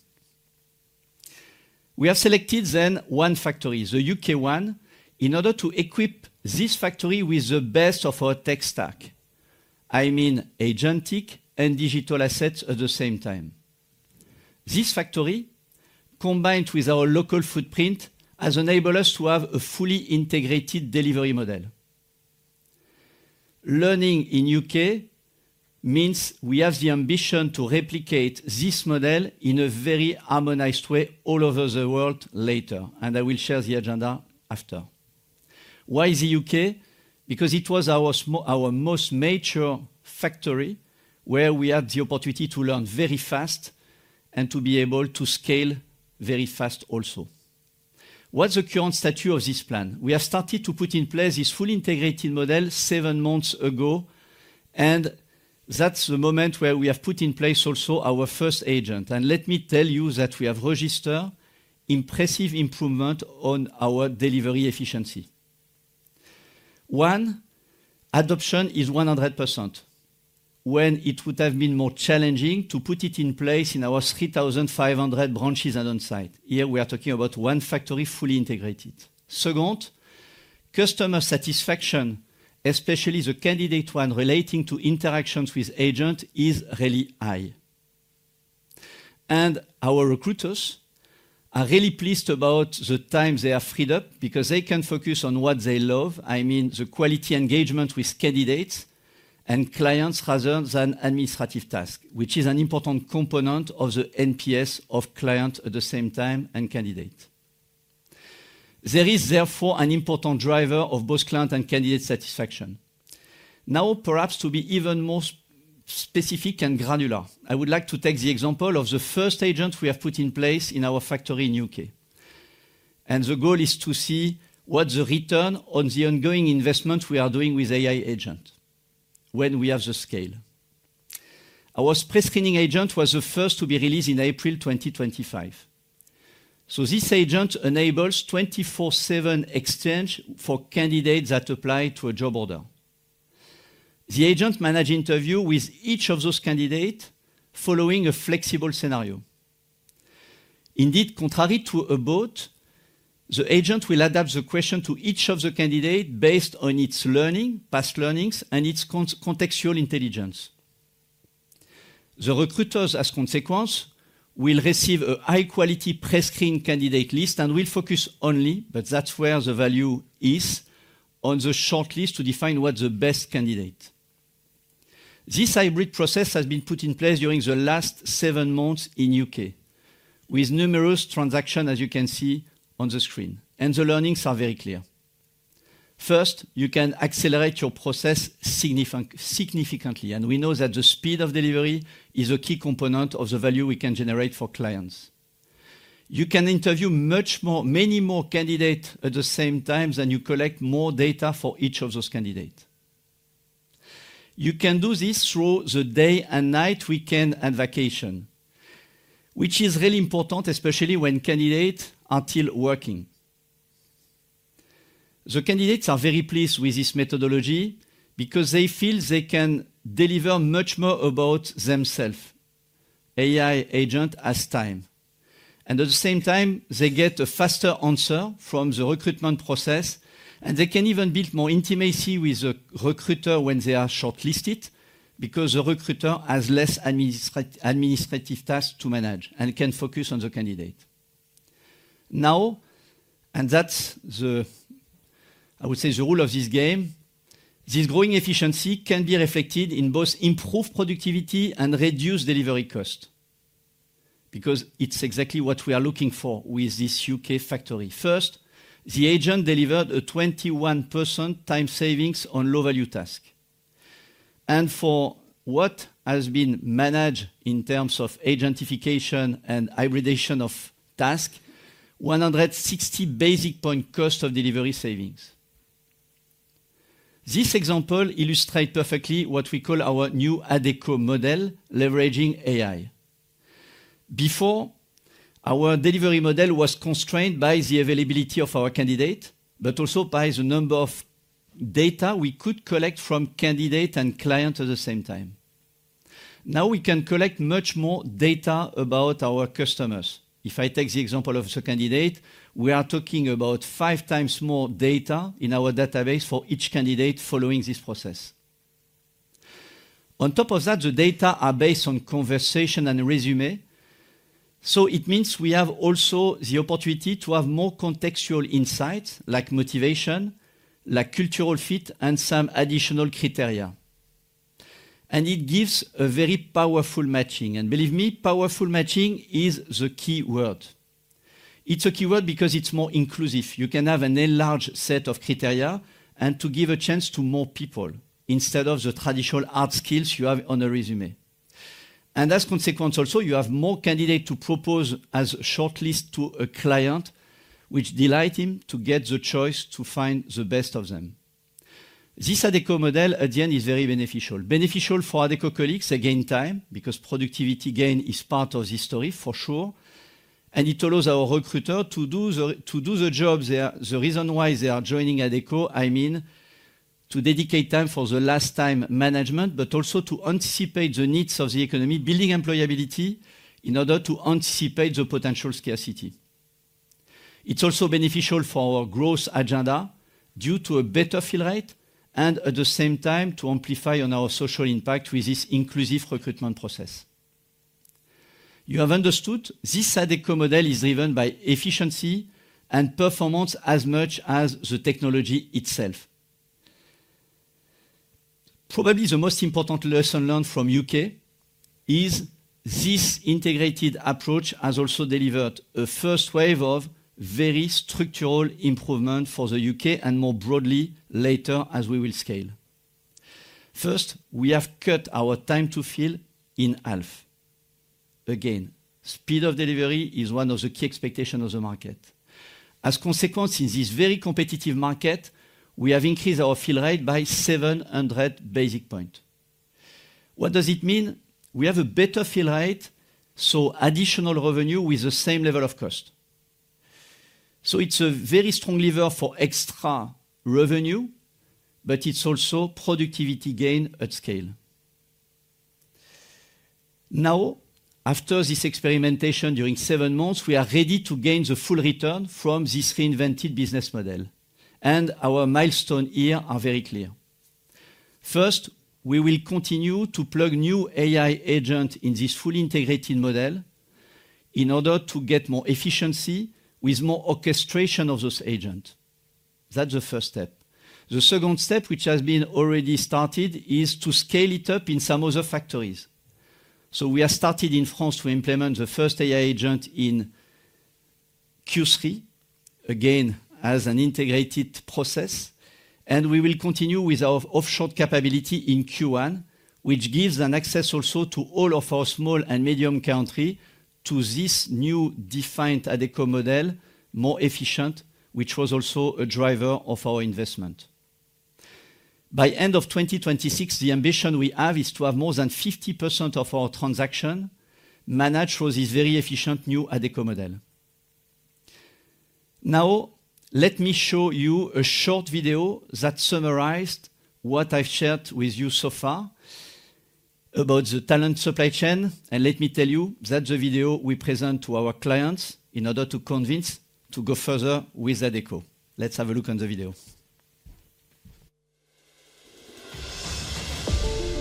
We have selected then one factory, the U.K. One, in order to equip this factory with the best of our tech stack. I mean agentic and digital assets at the same time. This factory, combined with our local footprint, has enabled us to have a fully integrated delivery model. Learning in the U.K. means we have the ambition to replicate this model in a very harmonized way all over the world later, and I will share the agenda after. Why is the U.K.? Because it was our most mature factory where we had the opportunity to learn very fast and to be able to scale very fast also. What's the current status of this plan? We have started to put in place this fully integrated model seven months ago, and that's the moment where we have put in place also our first agent, and let me tell you that we have registered impressive improvement on our delivery efficiency. One adoption is 100% when it would have been more challenging to put it in place in our 3,500 branches and on-site. Here, we are talking about one factory fully integrated. Second, customer satisfaction, especially the candidate one relating to interactions with agents, is really high, and our recruiters are really pleased about the time they have freed up because they can focus on what they love. I mean the quality engagement with candidates and clients rather than administrative tasks, which is an important component of the NPS of client at the same time and candidate. There is therefore an important driver of both client and candidate satisfaction. Now, perhaps to be even more specific and granular, I would like to take the example of the first agent we have put in place in our factory in the U.K., and the goal is to see what's the return on the ongoing investment we are doing with AI agent when we have the scale. Our prescreening agent was the first to be released in April 2025, so this agent enables 24/7 exchange for candidates that apply to a job order. The agent manages interviews with each of those candidates following a flexible scenario. Indeed, contrary to a bot, the agent will adapt the question to each of the candidates based on its learning, past learnings, and its contextual intelligence. The recruiters, as a consequence, will receive a high-quality prescreening candidate list and will focus only, but that's where the value is, on the shortlist to define what's the best candidate. This hybrid process has been put in place during the last seven months in the U.K., with numerous transactions, as you can see on the screen, and the learnings are very clear. First, you can accelerate your process significantly, and we know that the speed of delivery is a key component of the value we can generate for clients. You can interview many more candidates at the same time as you collect more data for each of those candidates. You can do this through the day and night, weekend, and vacation, which is really important, especially when candidates are still working. The candidates are very pleased with this methodology because they feel they can deliver much more about themselves, AI agent as time. And at the same time, they get a faster answer from the recruitment process, and they can even build more intimacy with the recruiter when they are shortlisted because the recruiter has less administrative tasks to manage and can focus on the candidate. Now, and that's, I would say, the rule of this game. This growing efficiency can be reflected in both improved productivity and reduced delivery cost because it's exactly what we are looking for with this U.K. factory. First, the agent delivered a 21% time savings on low-value tasks. And for what has been managed in terms of agentification and hybridization of tasks, 160 basis point cost of delivery savings. This example illustrates perfectly what we call our new Adecco model, leveraging AI. Before, our delivery model was constrained by the availability of our candidate, but also by the number of data we could collect from candidate and client at the same time. Now, we can collect much more data about our customers. If I take the example of the candidate, we are talking about five times more data in our database for each candidate following this process. On top of that, the data are based on conversation and resume. So it means we have also the opportunity to have more contextual insights, like motivation, like cultural fit, and some additional criteria. And it gives a very powerful matching. And believe me, powerful matching is the key word. It's a key word because it's more inclusive. You can have an enlarged set of criteria and give a chance to more people instead of the traditional hard skills you have on a resume. As a consequence also, you have more candidates to propose as a shortlist to a client, which delights him to get the choice to find the best of them. This Adecco model, at the end, is very beneficial. Beneficial for Adecco colleagues, again, time, because productivity gain is part of the story, for sure. And it allows our recruiter to do the job. The reason why they are joining Adecco, I mean, to dedicate time for the last-mile management, but also to anticipate the needs of the economy, building employability in order to anticipate the potential scarcity. It is also beneficial for our growth agenda due to a better fill rate and at the same time to amplify our social impact with this inclusive recruitment process. You have understood this Adecco model is driven by efficiency and performance as much as the technology itself. Probably the most again, as an integrated process. And we will continue with our offshore capability in Q1, which gives access also to all of our small and medium country to this new defined Adecco model, more efficient, which was also a driver of our investment. By the end of 2026, the ambition we have is to have more than 50% of our transactions managed through this very efficient new Adecco model. Now, let me show you a short video that summarized what I've shared with you so far about the talent supply chain. And let me tell you that's the video we present to our clients in order to convince them to go further with Adecco. Let's have a look at the video.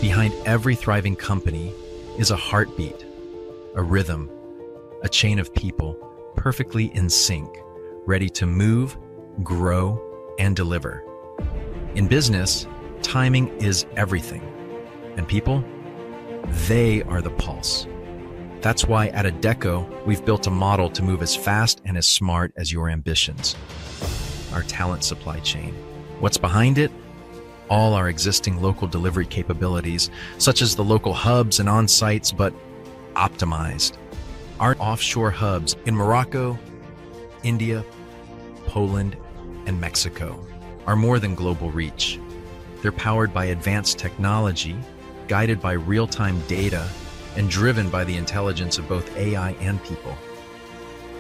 Behind every thriving company is a heartbeat, a rhythm, a chain of people perfectly in sync, ready to move, grow, and deliver. In business, timing is everything. And people? They are the pulse. That's why at Adecco, we've built a model to move as fast and as smart as your ambitions: our talent supply chain. What's behind it? All our existing local delivery capabilities, such as the local hubs and on-sites, but optimized. Our offshore hubs in Morocco, India, Poland, and Mexico are more than global reach. They're powered by advanced technology, guided by real-time data, and driven by the intelligence of both AI and people.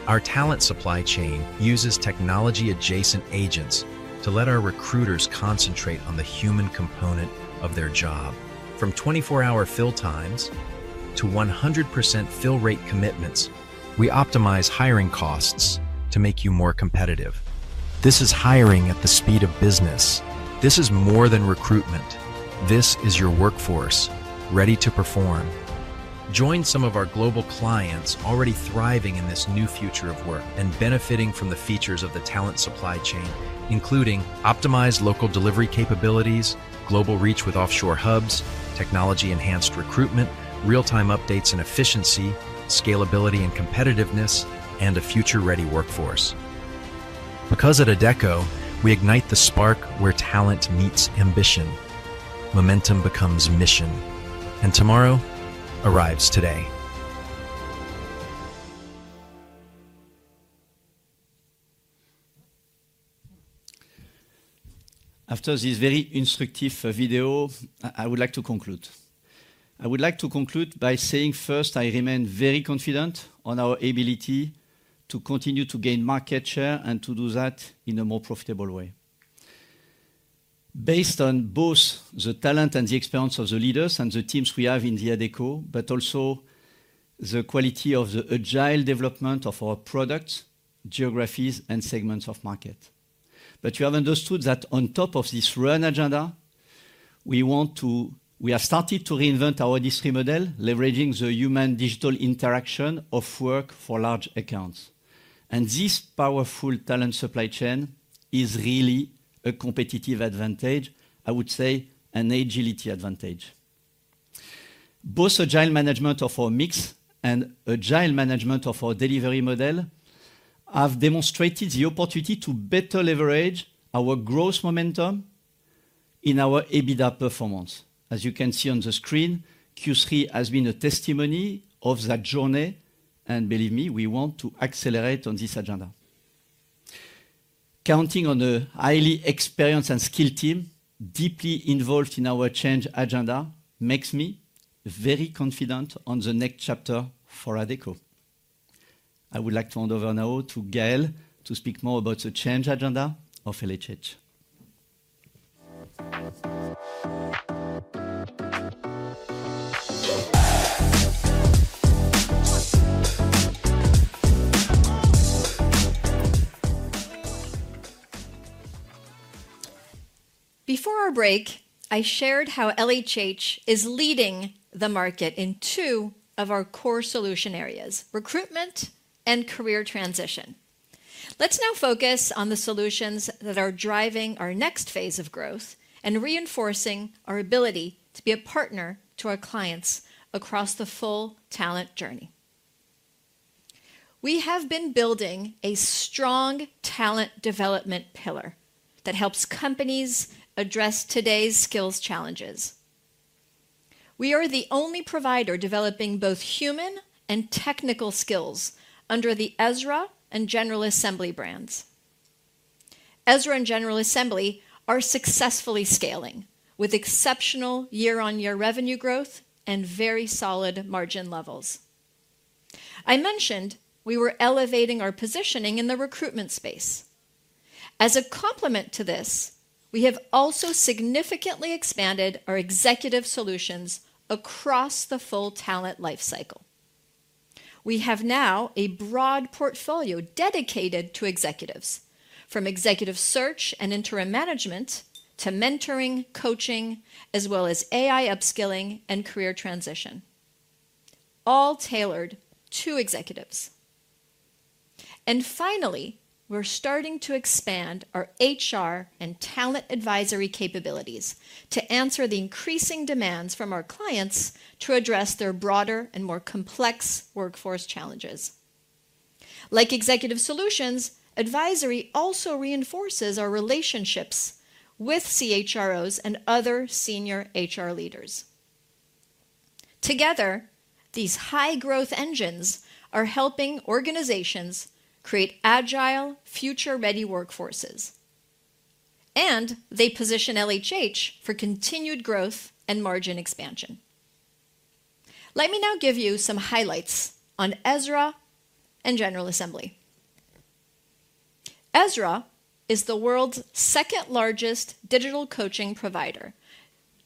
Our talent supply chain uses technology-adjacent agents to let our recruiters concentrate on the human component of their job. From 24-hour fill times to 100% fill rate commitments, we optimize hiring costs to make you more competitive. This is hiring at the speed of business. This is more than recruitment. This is your workforce ready to perform. Join some of our global clients already thriving in this new future of work and benefiting from the features of the talent supply chain, including optimized local delivery capabilities, global reach with offshore hubs, technology-enhanced recruitment, real-time updates and efficiency, scalability and competitiveness, and a future-ready workforce. Because at Adecco, we ignite the spark where talent meets ambition. Momentum becomes mission. And tomorrow arrives today. After this very instructive video, I would like to conclude. I would like to conclude by saying first, I remain very confident on our ability to continue to gain market share and to do that in a more profitable way. Based on both the talent and the experience of the leaders and the teams we have in the Adecco, but also the quality of the agile development of our products, geographies, and segments of market. But you have understood that on top of this run agenda, we have started to reinvent our industry model, leveraging the human-digital interaction of work for large accounts, and this powerful talent supply chain is really a competitive advantage, I would say, an agility advantage. Both agile management of our mix and agile management of our delivery model have demonstrated the opportunity to better leverage our growth momentum in our EBITDA performance. As you can see on the screen, Q3 has been a testimony of that journey. And believe me, we want to accelerate on this agenda. Counting on a highly experienced and skilled team deeply involved in our change agenda makes me very confident on the next chapter for Adecco. I would like to hand over now to Gaël to speak more about the change agenda of LHH. [audio distortion] Before our break, I shared how LHH is leading the market in two of our core solution areas: recruitment and career transition. Let's now focus on the solutions that are driving our next phase of growth and reinforcing our ability to be a partner to our clients across the full talent journey. We have been building a strong talent development pillar that helps companies address today's skills challenges. We are the only provider developing both human and technical skills under the Ezra and General Assembly brands. Ezra and General Assembly are successfully scaling with exceptional year-on-year revenue growth and very solid margin levels. I mentioned we were elevating our positioning in the recruitment space. As a complement to this, we have also significantly expanded our executive solutions across the full talent lifecycle. We have now a broad portfolio dedicated to executives, from executive search and interim management to mentoring, coaching, as well as AI upskilling and career transition, all tailored to executives. And finally, we're starting to expand our HR and talent advisory capabilities to answer the increasing demands from our clients to address their broader and more complex workforce challenges. Like executive solutions, advisory also reinforces our relationships with CHROs and other senior HR leaders. Together, these high-growth engines are helping organizations create agile, future-ready workforces. And they position LHH for continued growth and margin expansion. Let me now give you some highlights on Ezra and General Assembly. Ezra is the world's second-largest digital coaching provider,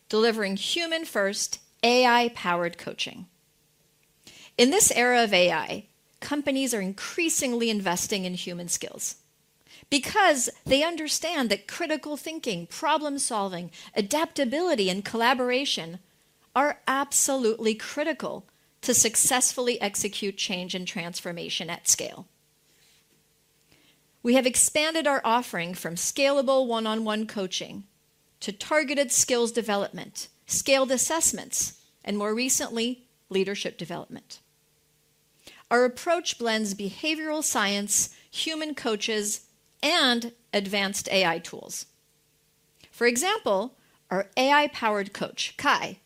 delivering human-first, AI-powered coaching. In this era of AI, companies are increasingly investing in human skills because they understand that critical thinking, problem-solving, adaptability, and collaboration are absolutely critical to successfully execute change and transformation at scale. We have expanded our offering from scalable one-on-one coaching to targeted skills development, scaled assessments, and more recently, leadership development. Our approach blends behavioral science, human coaches, and advanced AI tools. For example, our AI-powered coach, Kai,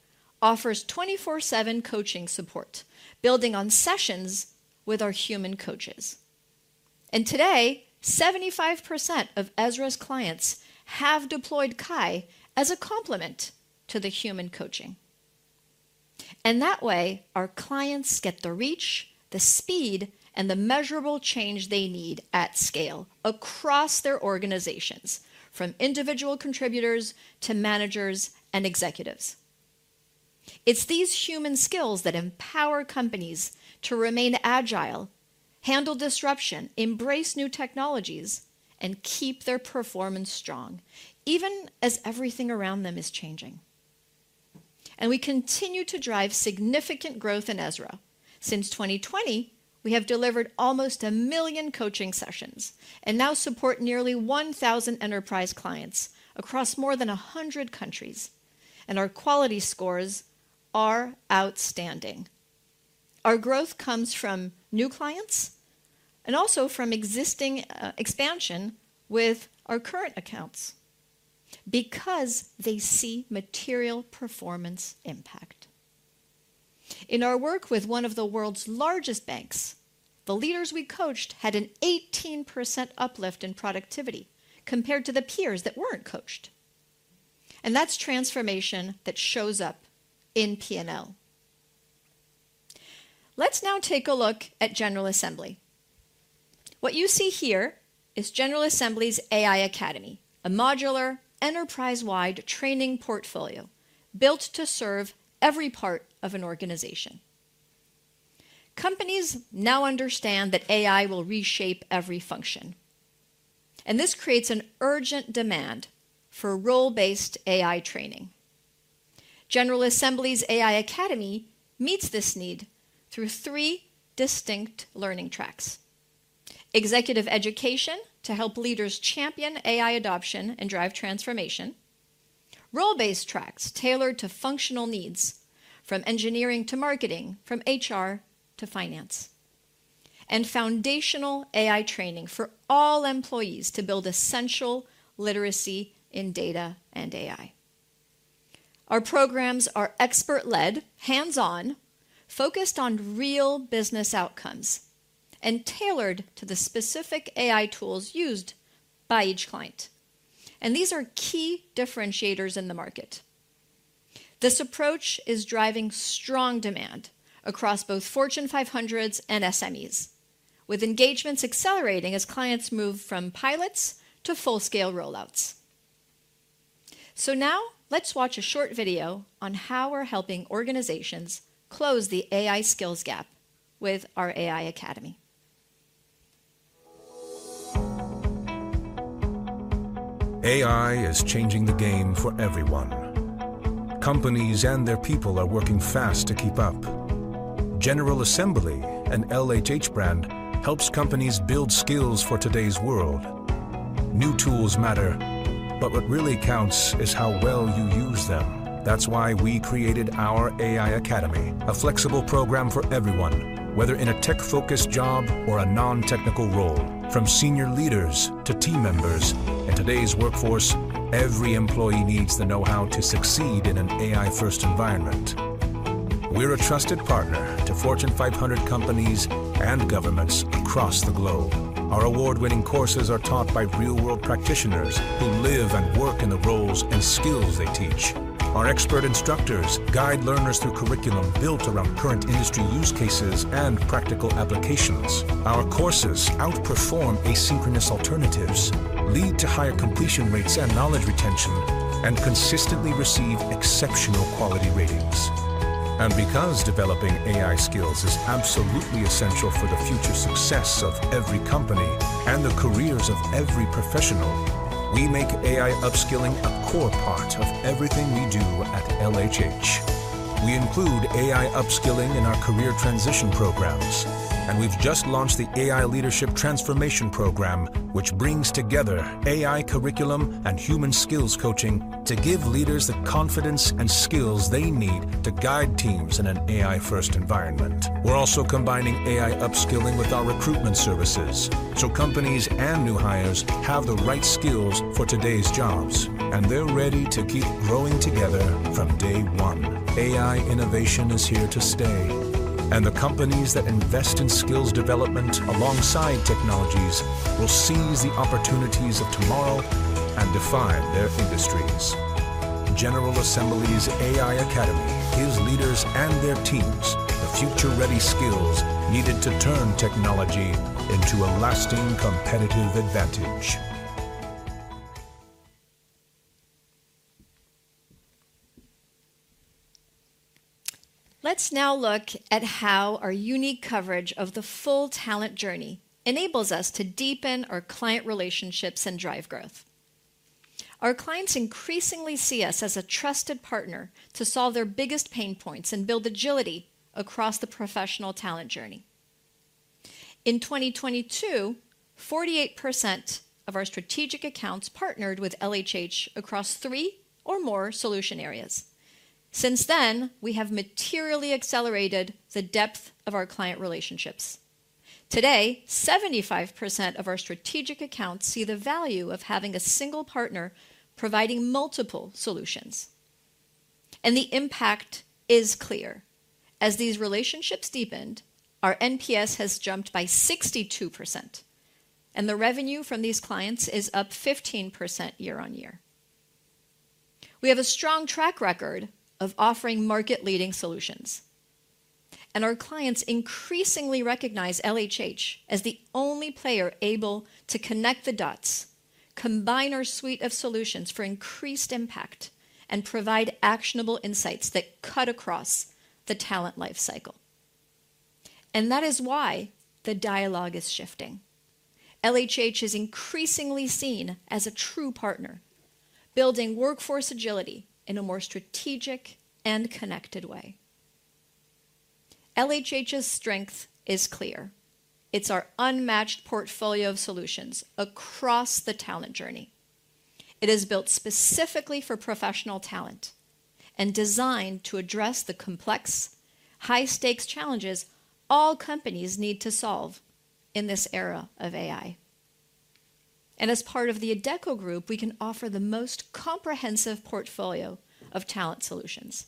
offers 24/7 coaching support, building on sessions with our human coaches. And today, 75% of Ezra's clients have deployed Kai as a complement to the human coaching. And that way, our clients get the reach, the speed, and the measurable change they need at scale across their organizations, from individual contributors to managers and executives. It's these human skills that empower companies to remain agile, handle disruption, embrace new technologies, and keep their performance strong, even as everything around them is changing. And we continue to drive significant growth in Ezra. Since 2020, we have delivered almost a million coaching sessions and now support nearly 1,000 enterprise clients across more than 100 countries. And our quality scores are outstanding. Our growth comes from new clients and also from existing expansion with our current accounts because they see material performance impact. In our work with one of the world's largest banks, the leaders we coached had an 18% uplift in productivity compared to the peers that weren't coached. And that's transformation that shows up in P&L. Let's now take a look at General Assembly. What you see here is General Assembly's AI Academy, a modular enterprise-wide training portfolio built to serve every part of an organization. Companies now understand that AI will reshape every function, and this creates an urgent demand for role-based AI training. General Assembly's AI Academy meets this need through three distinct learning tracks: executive education to help leaders champion AI adoption and drive transformation, role-based tracks tailored to functional needs from engineering to marketing, from HR to finance, and foundational AI training for all employees to build essential literacy in data and AI. Our programs are expert-led, hands-on, focused on real business outcomes, and tailored to the specific AI tools used by each client. These are key differentiators in the market. This approach is driving strong demand across both Fortune 500s and SMEs, with engagements accelerating as clients move from pilots to full-scale rollouts. So now, let's watch a short video on how we're helping organizations close the AI skills gap with our AI Academy. AI is changing the game for everyone. Companies and their people are working fast to keep up. General Assembly, an LHH brand, helps companies build skills for today's world. New tools matter, but what really counts is how well you use them. That's why we created our AI Academy, a flexible program for everyone, whether in a tech-focused job or a non-technical role. From senior leaders to team members, in today's workforce, every employee needs the know-how to succeed in an AI-first environment. We're a trusted partner to Fortune 500 companies and governments across the globe. Our award-winning courses are taught by real-world practitioners who live and work in the roles and skills they teach. Our expert instructors guide learners through curriculum built around current industry use cases and practical applications. Our courses outperform asynchronous alternatives, lead to higher completion rates and knowledge retention, and consistently receive exceptional quality ratings. And because developing AI skills is absolutely essential for the future success of every company and the careers of every professional, we make AI upskilling a core part of everything we do at LHH. We include AI upskilling in our career transition programs. And we've just launched the AI Leadership Transformation Program, which brings together AI curriculum and human skills coaching to give leaders the confidence and skills they need to guide teams in an AI-first environment. We're also combining AI upskilling with our recruitment services so companies and new hires have the right skills for today's jobs, and they're ready to keep growing together from day one. AI innovation is here to stay, and the companies that invest in skills development alongside technologies will seize the opportunities of tomorrow and define their industries. General Assembly's AI Academy helps leaders and their teams the future-ready skills needed to turn technology into a lasting competitive advantage. Let's now look at how our unique coverage of the full talent journey enables us to deepen our client relationships and drive growth. Our clients increasingly see us as a trusted partner to solve their biggest pain points and build agility across the professional talent journey. In 2022, 48% of our strategic accounts partnered with LHH across three or more solution areas. Since then, we have materially accelerated the depth of our client relationships. Today, 75% of our strategic accounts see the value of having a single partner providing multiple solutions. And the impact is clear. As these relationships deepened, our NPS has jumped by 62%. And the revenue from these clients is up 15% year-on-year. We have a strong track record of offering market-leading solutions. And our clients increasingly recognize LHH as the only player able to connect the dots, combine our suite of solutions for increased impact, and provide actionable insights that cut across the talent lifecycle. And that is why the dialogue is shifting. LHH is increasingly seen as a true partner, building workforce agility in a more strategic and connected way. LHH's strength is clear. It's our unmatched portfolio of solutions across the talent journey. It is built specifically for professional talent and designed to address the complex, high-stakes challenges all companies need to solve in this era of AI, and as part of the Adecco Group, we can offer the most comprehensive portfolio of talent solutions.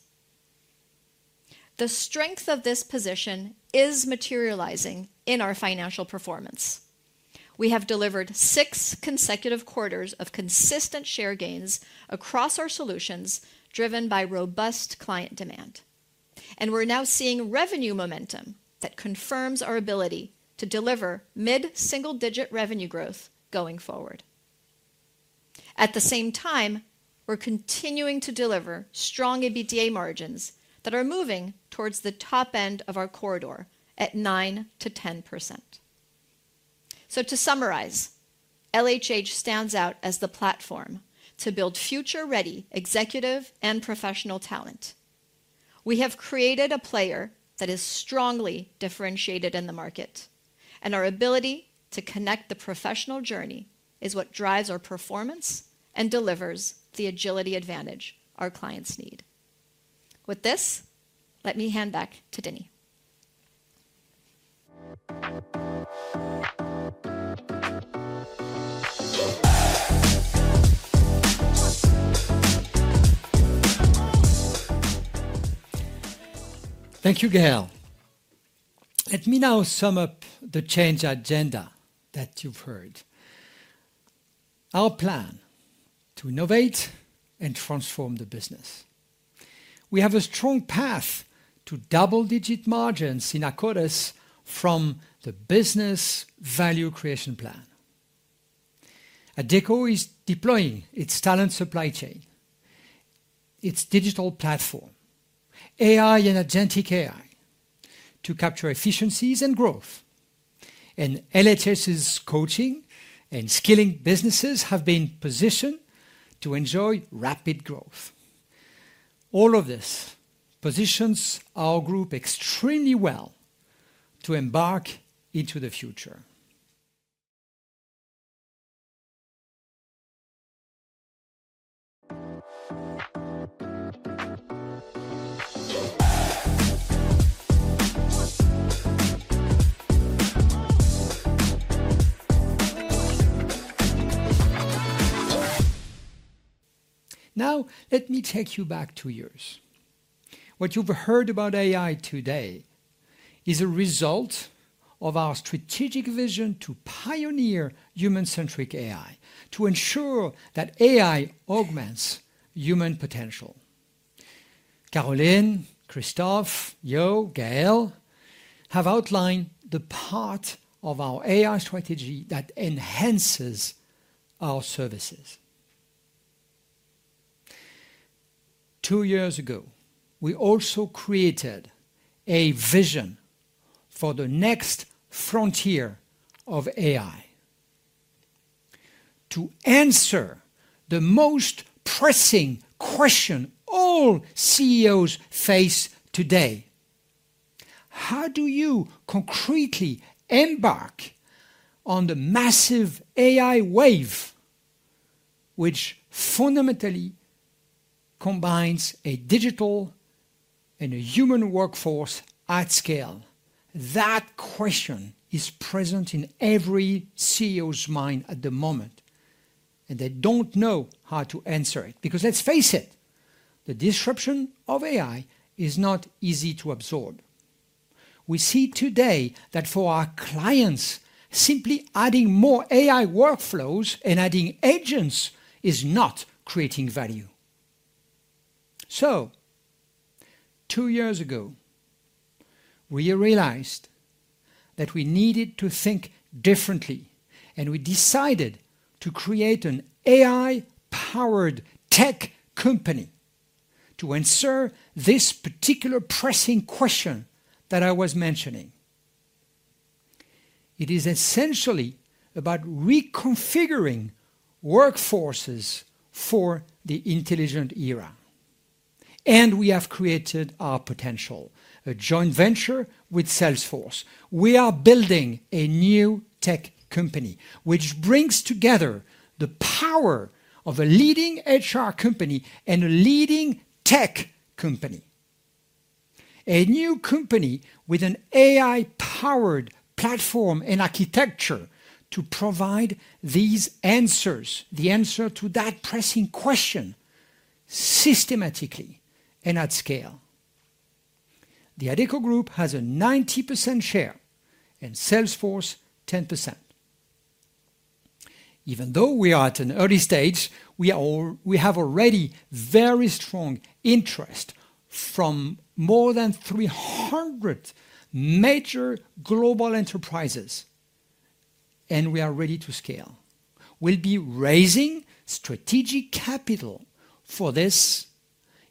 The strength of this position is materializing in our financial performance. We have delivered six consecutive quarters of consistent share gains across our solutions, driven by robust client demand, and we're now seeing revenue momentum that confirms our ability to deliver mid-single-digit revenue growth going forward. At the same time, we're continuing to deliver strong EBITDA margins that are moving towards the top end of our corridor at 9%-10%, so to summarize, LHH stands out as the platform to build future-ready executive and professional talent. We have created a player that is strongly differentiated in the market. and our ability to connect the professional journey is what drives our performance and delivers the agility advantage our clients need. With this, let me hand back to Denis. [audio distortion] Thank you, Gaël. Let me now sum up the change agenda that you've heard. Our plan to innovate and transform the business. We have a strong path to double-digit margins in Akkodis from the business value creation plan. Adecco is deploying its talent supply chain, its digital platform, AI and agentic AI to capture efficiencies and growth. and LHH's coaching and skilling businesses have been positioned to enjoy rapid growth. All of this positions our group extremely well to embark into the future. Now, let me take you back two years. What you've heard about AI today is a result of our strategic vision to pioneer human-centric AI, to ensure that AI augments human potential. Caroline, Christophe, Yuval, Gaël have outlined the part of our AI strategy that enhances our services. Two years ago, we also created a vision for the next frontier of AI. To answer the most pressing question all CEOs face today, how do you concretely embark on the massive AI wave which fundamentally combines a digital and a human workforce at scale? That question is present in every CEO's mind at the moment. And they don't know how to answer it. Because let's face it, the disruption of AI is not easy to absorb. We see today that for our clients, simply adding more AI workflows and adding agents is not creating value. So, two years ago, we realized that we needed to think differently. And we decided to create an AI-powered tech company to answer this particular pressing question that I was mentioning. It is essentially about reconfiguring workforces for the intelligent era, and we have created AuPotential, a joint venture with Salesforce. We are building a new tech company which brings together the power of a leading HR company and a leading tech company. A new company with an AI-powered platform and architecture to provide these answers, the answer to that pressing question, systematically and at scale. The Adecco Group has a 90% share and Salesforce 10%. Even though we are at an early stage, we have already very strong interest from more than 300 major global enterprises, and we are ready to scale. We'll be raising strategic capital for this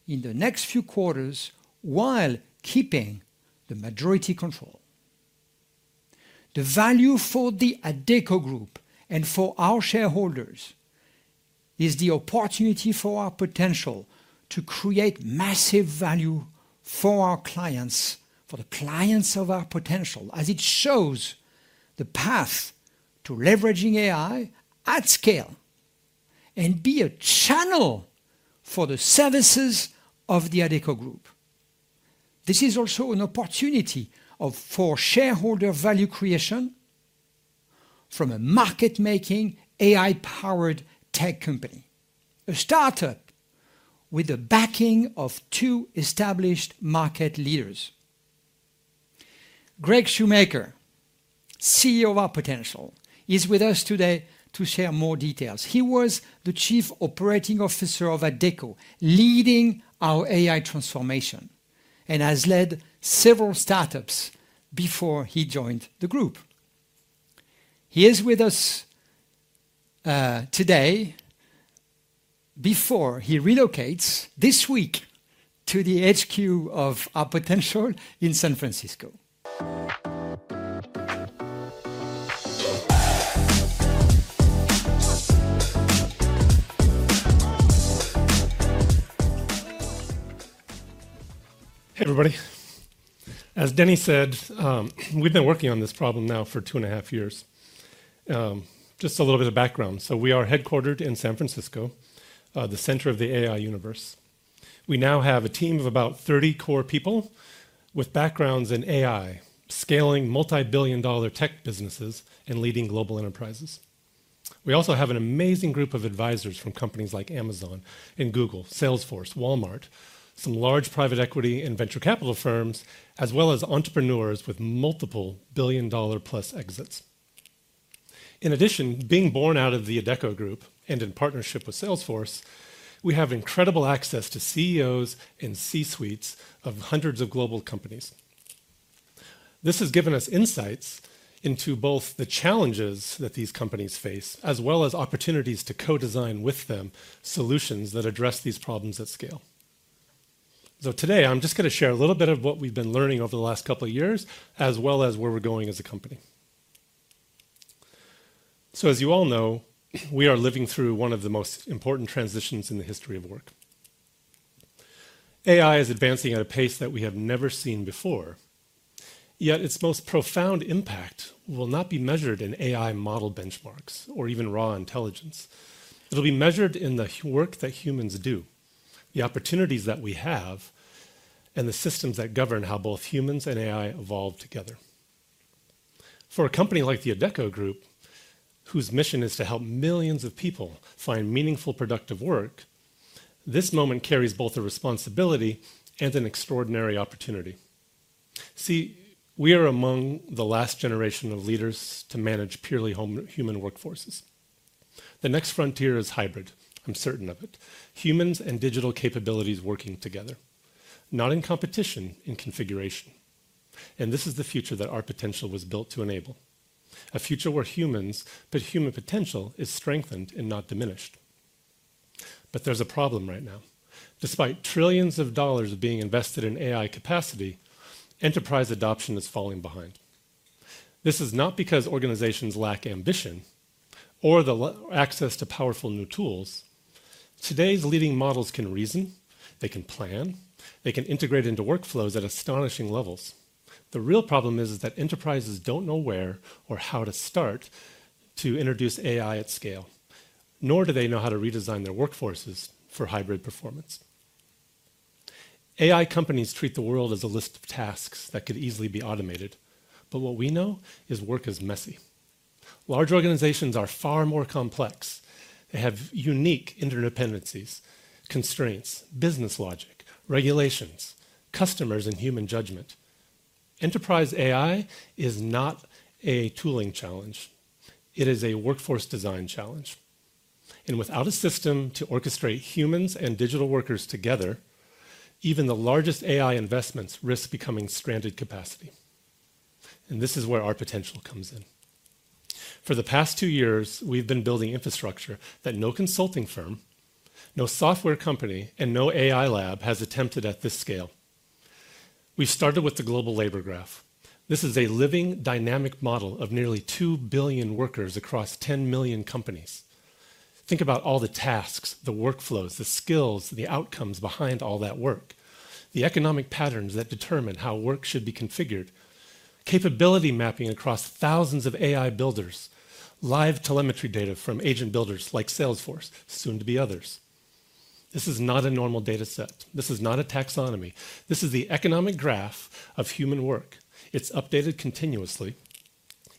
in the next few quarters while keeping the majority control. The value for the Adecco Group and for our shareholders is the opportunity for AuPotential to create massive value for our clients, for the clients of AuPotential, as it shows the path to leveraging AI at scale and be a channel for the services of the Adecco Group. This is also an opportunity for shareholder value creation from a market-making AI-powered tech company, a startup with the backing of two established market leaders. Gregg Shoemaker, CEO of AuPotential, is with us today to share more details. He was the Chief Operating Officer of Adecco, leading our AI transformation and has led several startups before he joined the group. He is with us today before he relocates this week to the HQ of AuPotential in San Francisco. Hey, everybody. As Denis said, we've been working on this problem now for two and a half years. Just a little bit of background. So we are headquartered in San Francisco, the center of the AI universe. We now have a team of about 30 core people with backgrounds in AI, scaling multi-billion-dollar tech businesses and leading global enterprises. We also have an amazing group of advisors from companies like Amazon and Google, Salesforce, Walmart, some large private equity and venture capital firms, as well as entrepreneurs with multiple billion-dollar-plus exits. In addition, being born out of the Adecco Group and in partnership with Salesforce, we have incredible access to CEOs and C-suites of hundreds of global companies. This has given us insights into both the challenges that these companies face as well as opportunities to co-design with them solutions that address these problems at scale. So today, I'm just going to share a little bit of what we've been learning over the last couple of years, as well as where we're going as a company. So as you all know, we are living through one of the most important transitions in the history of work. AI is advancing at a pace that we have never seen before. Yet its most profound impact will not be measured in AI model benchmarks or even raw intelligence. It'll be measured in the work that humans do, the opportunities that we have, and the systems that govern how both humans and AI evolve together. For a company like the Adecco Group, whose mission is to help millions of people find meaningful, productive work, this moment carries both a responsibility and an extraordinary opportunity. See, we are among the last generation of leaders to manage purely human workforces. The next frontier is hybrid, I'm certain of it, humans and digital capabilities working together, not in competition, in configuration, and this is the future that AuPotential was built to enable, a future where humans' human potential is strengthened and not diminished, but there's a problem right now. Despite trillions of dollars being invested in AI capacity, enterprise adoption is falling behind. This is not because organizations lack ambition or access to powerful new tools. Today's leading models can reason, they can plan, they can integrate into workflows at astonishing levels. The real problem is that enterprises don't know where or how to start to introduce AI at scale, nor do they know how to redesign their workforces for hybrid performance. AI companies treat the world as a list of tasks that could easily be automated. But what we know is work is messy. Large organizations are far more complex. They have unique interdependencies, constraints, business logic, regulations, customers, and human judgment. Enterprise AI is not a tooling challenge. It is a workforce design challenge. And without a system to orchestrate humans and digital workers together, even the largest AI investments risk becoming stranded capacity. And this is where AuPotential comes in. For the past two years, we've been building infrastructure that no consulting firm, no software company, and no AI lab has attempted at this scale. We started with the Global Labor Graph. This is a living, dynamic model of nearly 2 billion workers across 10 million companies. Think about all the tasks, the workflows, the skills, the outcomes behind all that work, the economic patterns that determine how work should be configured, capability mapping across thousands of AI builders, live telemetry data from agent builders like Salesforce, soon to be others. This is not a normal data set. This is not a taxonomy. This is the economic graph of human work. It's updated continuously.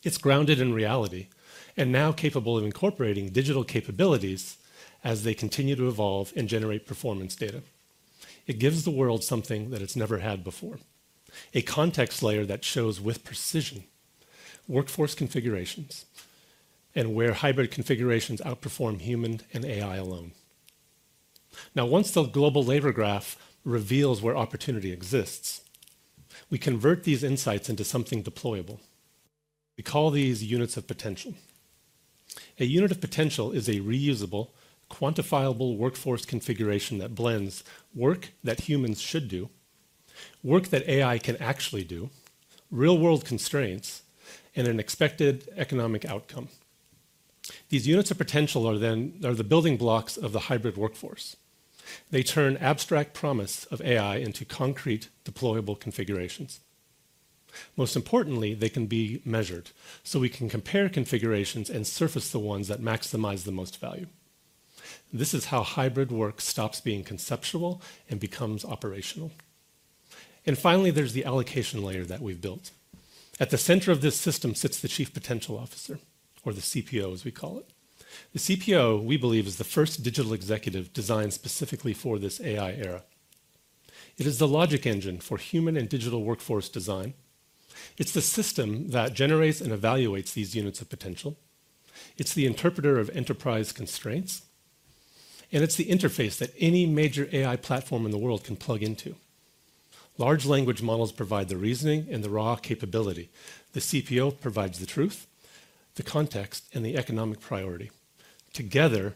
It's grounded in reality and now capable of incorporating digital capabilities as they continue to evolve and generate performance data. It gives the world something that it's never had before, a context layer that shows with precision workforce configurations and where hybrid configurations outperform human and AI alone. Now, once the Global Labor Graph reveals where opportunity exists, we convert these insights into something deployable. We call these Units of Potential. A Unit of Potential is a reusable, quantifiable workforce configuration that blends work that humans should do, work that AI can actually do, real-world constraints, and an expected economic outcome. These Units of Potential are then the building blocks of the hybrid workforce. They turn abstract promise of AI into concrete, deployable configurations. Most importantly, they can be measured so we can compare configurations and surface the ones that maximize the most value. This is how hybrid work stops being conceptual and becomes operational. And finally, there's the allocation layer that we've built. At the center of this system sits the Chief Potential Officer, or the CPO, as we call it. The CPO, we believe, is the first digital executive designed specifically for this AI era. It is the logic engine for human and digital workforce design. It's the system that generates and evaluates these units of potential. It's the interpreter of enterprise constraints. And it's the interface that any major AI platform in the world can plug into. Large language models provide the reasoning and the raw capability. The CPO provides the truth, the context, and the economic priority. Together,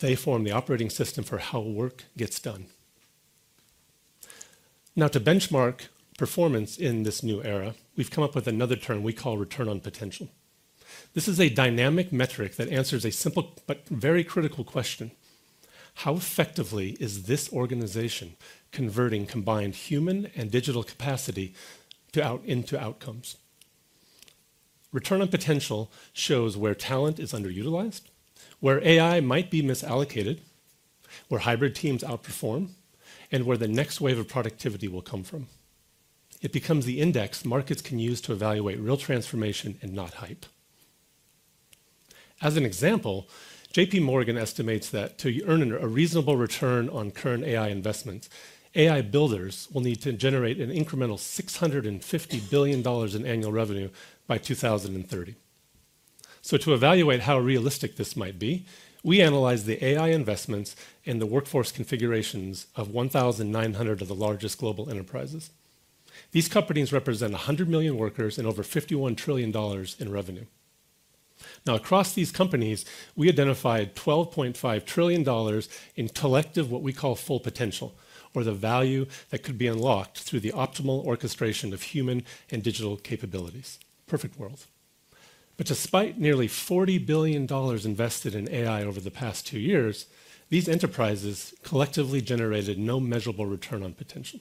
they form the operating system for how work gets done. Now, to benchmark performance in this new era, we've come up with another term we call Return on Potential. This is a dynamic metric that answers a simple but very critical question: how effectively is this organization converting combined human and digital capacity into outcomes? Return on Potential shows where talent is underutilized, where AI might be misallocated, where hybrid teams outperform, and where the next wave of productivity will come from. It becomes the index markets can use to evaluate real transformation and not hype. As an example, JPMorgan estimates that to earn a reasonable return on current AI investments, AI builders will need to generate an incremental $650 billion in annual revenue by 2030. So to evaluate how realistic this might be, we analyze the AI investments and the workforce configurations of 1,900 of the largest global enterprises. These companies represent 100 million workers and over $51 trillion in revenue. Now, across these companies, we identified $12.5 trillion in collective what we call full potential, or the value that could be unlocked through the optimal orchestration of human and digital capabilities. Perfect world. But despite nearly $40 billion invested in AI over the past two years, these enterprises collectively generated no measurable return on potential.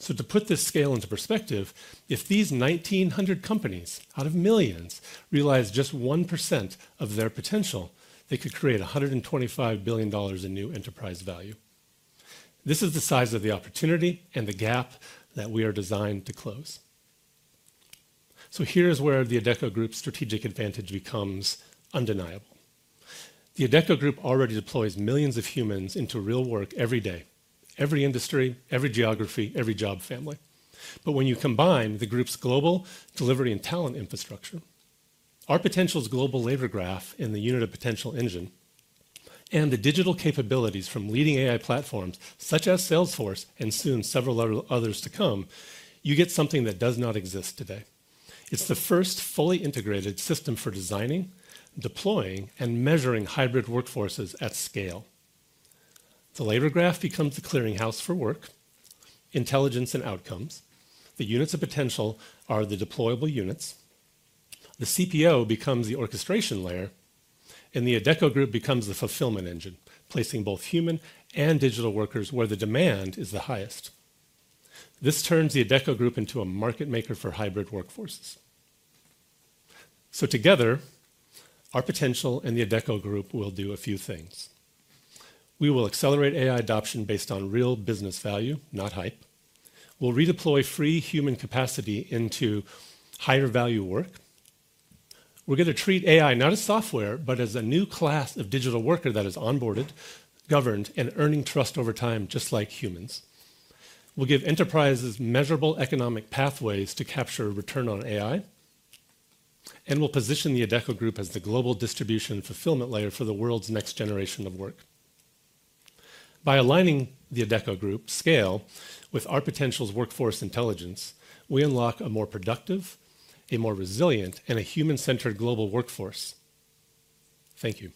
So to put this scale into perspective, if these 1,900 companies out of millions realized just 1% of their potential, they could create $125 billion in new enterprise value. This is the size of the opportunity and the gap that we are designed to close. So here is where the Adecco Group's strategic advantage becomes undeniable. The Adecco Group already deploys millions of humans into real work every day, every industry, every geography, every job family. When you combine the group's global delivery and talent infrastructure, AuPotential's Global Labor Graph and the Unit of Potential engine, and the digital capabilities from leading AI platforms such as Salesforce and soon several others to come, you get something that does not exist today. It's the first fully integrated system for designing, deploying, and measuring hybrid workforces at scale. The Global Labor Graph becomes the clearinghouse for work, intelligence, and outcomes. The Units of Potential are the deployable units. The CPO becomes the orchestration layer. The Adecco Group becomes the fulfillment engine, placing both human and digital workers where the demand is the highest. This turns the Adecco Group into a market maker for hybrid workforces. Together, AuPotential and the Adecco Group will do a few things. We will accelerate AI adoption based on real business value, not hype. We'll redeploy free human capacity into higher value work. We're going to treat AI not as software, but as a new class of digital worker that is onboarded, governed, and earning trust over time, just like humans. We'll give enterprises measurable economic pathways to capture return on AI, and we'll position the Adecco Group as the global distribution fulfillment layer for the world's next generation of work. By aligning the Adecco Group scale with AuPotential's workforce intelligence, we unlock a more productive, a more resilient, and a human-centered global workforce. Thank you.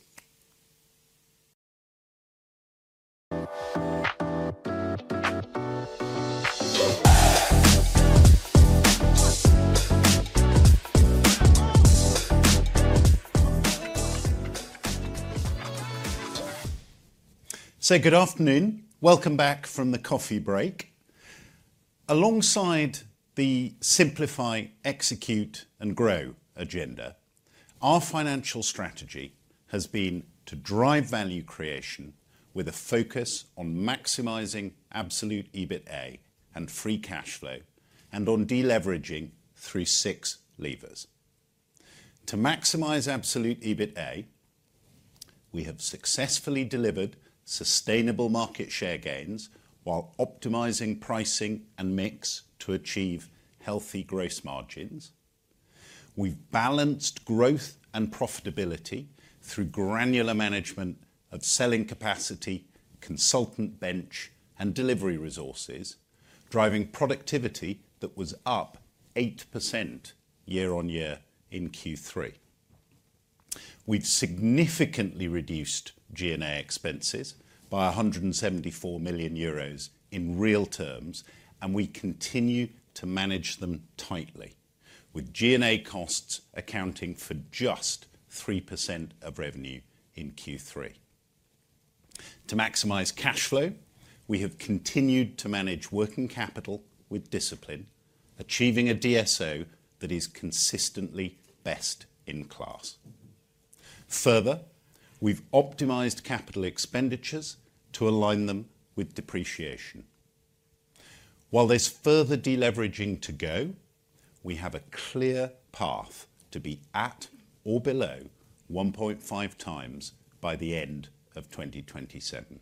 Say good afternoon. Welcome back from the coffee break. Alongside the simplify, execute, and grow agenda, our financial strategy has been to drive value creation with a focus on maximizing absolute EBITDA and free cash flow and on deleveraging through six levers. To maximize absolute EBITDA, we have successfully delivered sustainable market share gains while optimizing pricing and mix to achieve healthy gross margins. We've balanced growth and profitability through granular management of selling capacity, consultant bench, and delivery resources, driving productivity that was up 8% year on year in Q3. We've significantly reduced G&A expenses by 174 million euros in real terms, and we continue to manage them tightly, with G&A costs accounting for just 3% of revenue in Q3. To maximize cash flow, we have continued to manage working capital with discipline, achieving a DSO that is consistently best in class. Further, we've optimized capital expenditures to align them with depreciation. While there's further deleveraging to go, we have a clear path to be at or below 1.5 times by the end of 2027.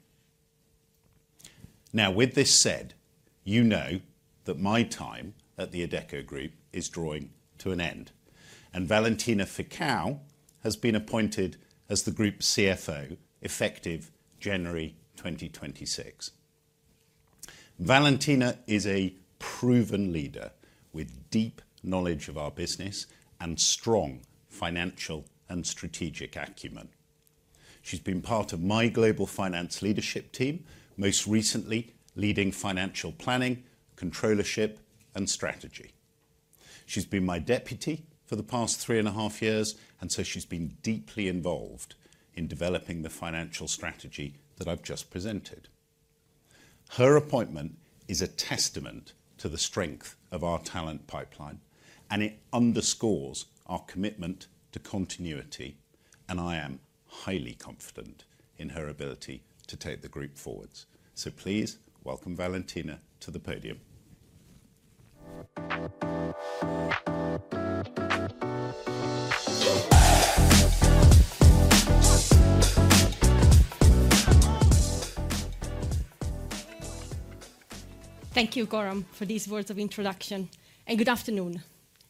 Now, with this said, you know that my time at the Adecco Group is drawing to an end, and Valentina Ficalora has been appointed as the group's CFO effective January 2026. Valentina is a proven leader with deep knowledge of our business and strong financial and strategic acumen. She's been part of my global finance leadership team, most recently leading financial planning, controllership, and strategy. She's been my deputy for the past three and a half years, and so she's been deeply involved in developing the financial strategy that I've just presented. Her appointment is a testament to the strength of our talent pipeline, and it underscores our commitment to continuity, and I am highly confident in her ability to take the group forwards, so please welcome Valentina to the podium. Thank you, Coram, for these words of introduction, and good afternoon.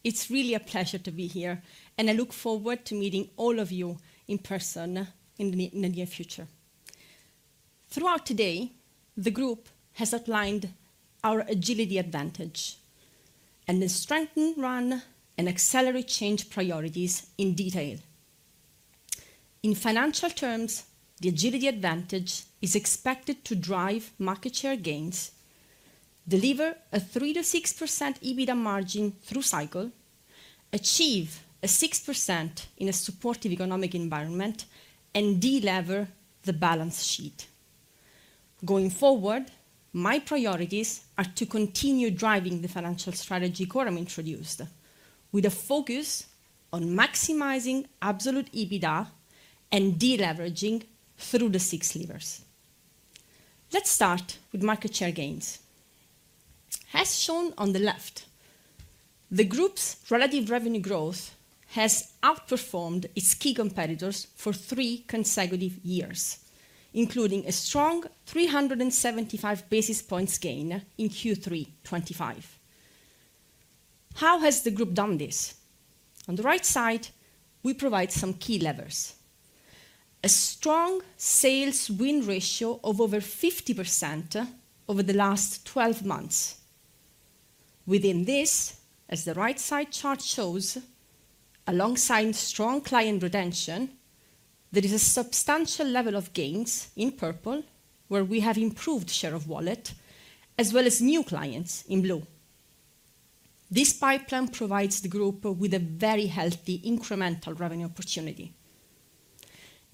It's really a pleasure to be here, and I look forward to meeting all of you in person in the near future. Throughout today, the group has outlined our agility advantage and then strengthened run and Accelerate Change priorities in detail. In financial terms, the agility advantage is expected to drive market share gains, deliver a 3%-6% EBITDA margin through cycle, achieve a 6% in a supportive economic environment, and deliver the balance sheet. Going forward, my priorities are to continue driving the financial strategy Coram introduced with a focus on maximizing absolute EBITDA and deleveraging through the six levers. Let's start with market share gains. As shown on the left, the group's relative revenue growth has outperformed its key competitors for three consecutive years, including a strong 375 basis points gain in Q3 2025. How has the group done this? On the right side, we provide some key levers: a strong sales win ratio of over 50% over the last 12 months. Within this, as the right side chart shows, alongside strong client retention, there is a substantial level of gains in purple, where we have improved share of wallet, as well as new clients in blue. This pipeline provides the group with a very healthy incremental revenue opportunity.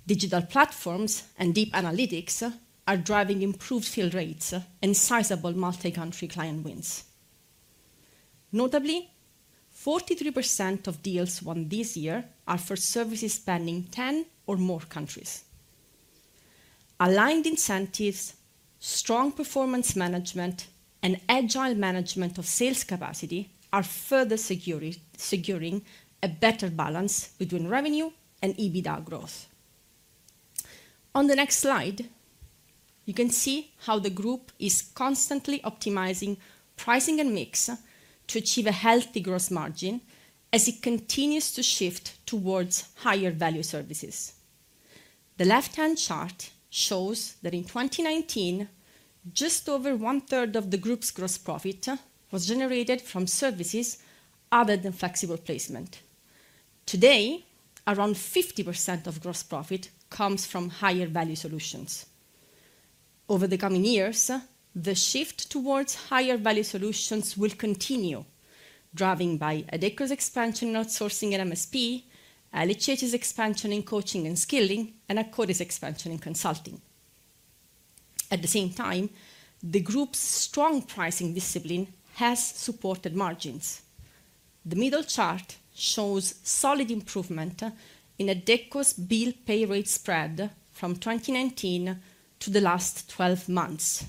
Digital platforms and deep analytics are driving improved fill rates and sizable multi-country client wins. Notably, 43% of deals won this year are for services spanning 10 or more countries. Aligned incentives, strong performance management, and agile management of sales capacity are further securing a better balance between revenue and EBITDA growth. On the next slide, you can see how the group is constantly optimizing pricing and mix to achieve a healthy gross margin as it continues to shift towards higher value services. The left-hand chart shows that in 2019, just over one-third of the group's gross profit was generated from services other than flexible placement. Today, around 50% of gross profit comes from higher value solutions. Over the coming years, the shift towards higher value solutions will continue, driven by Adecco's expansion in outsourcing and MSP, LHH's expansion in coaching and skilling, and Akkodis' expansion in consulting. At the same time, the group's strong pricing discipline has supported margins. The middle chart shows solid improvement in Adecco's bill pay rate spread from 2019 to the last 12 months.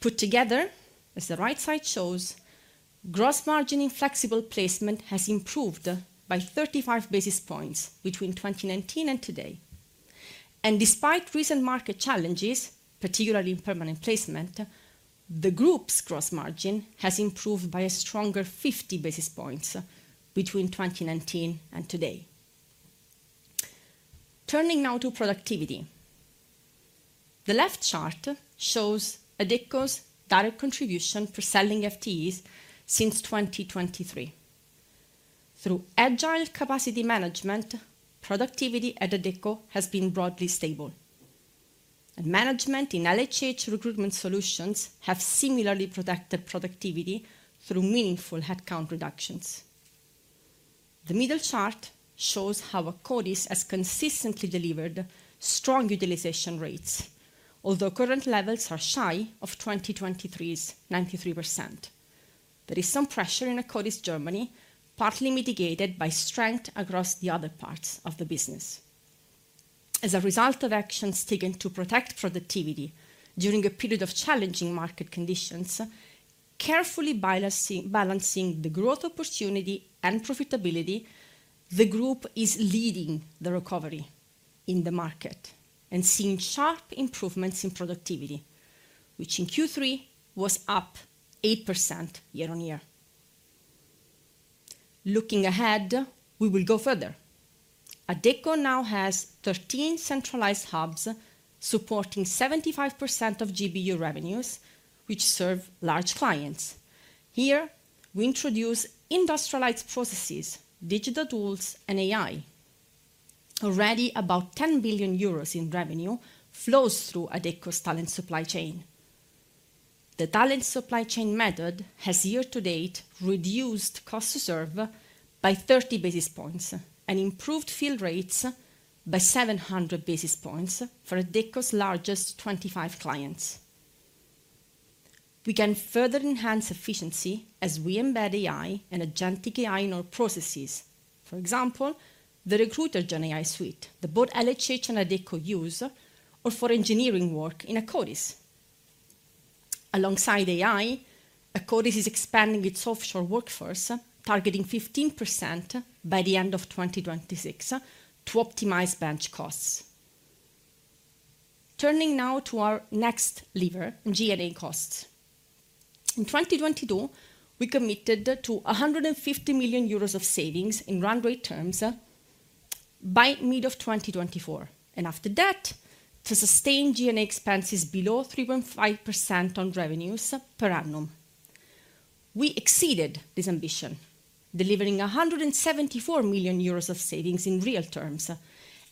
Put together, as the right side shows, gross margin in flexible placement has improved by 35 basis points between 2019 and today. Despite recent market challenges, particularly in permanent placement, the group's gross margin has improved by a stronger 50 basis points between 2019 and today. Turning now to productivity. The left chart shows Adecco's direct contribution for selling FTEs since 2023. Through agile capacity management, productivity at Adecco has been broadly stable. Management in LHH recruitment solutions have similarly protected productivity through meaningful headcount reductions. The middle chart shows how Akkodis has consistently delivered strong utilization rates, although current levels are shy of 2023's 93%. There is some pressure in Akkodis Germany, partly mitigated by strength across the other parts of the business. As a result of actions taken to protect productivity during a period of challenging market conditions, carefully balancing the growth opportunity and profitability, the group is leading the recovery in the market and seeing sharp improvements in productivity, which in Q3 was up 8% year on year. Looking ahead, we will go further. Adecco now has 13 centralized hubs supporting 75% of GBU revenues, which serve large clients. Here, we introduce industrialized processes, digital tools, and AI. Already, about 10 billion euros in revenue flows through Adecco's talent supply chain. The talent supply chain method has, year to date, reduced cost to serve by 30 basis points and improved fill rates by 700 basis points for Adecco's largest 25 clients. We can further enhance efficiency as we embed AI and agentic AI in our processes, for example, the Recruiter GenAI Suite that both LHH and Adecco use, or for engineering work in Akkodis. Alongside AI, Akkodis is expanding its offshore workforce, targeting 15% by the end of 2026, to optimize bench costs. Turning now to our next lever, G&A costs. In 2022, we committed to 150 million euros of savings in run rate terms by mid-2024, and after that, to sustain G&A expenses below 3.5% on revenues per annum. We exceeded this ambition, delivering 174 million euros of savings in real terms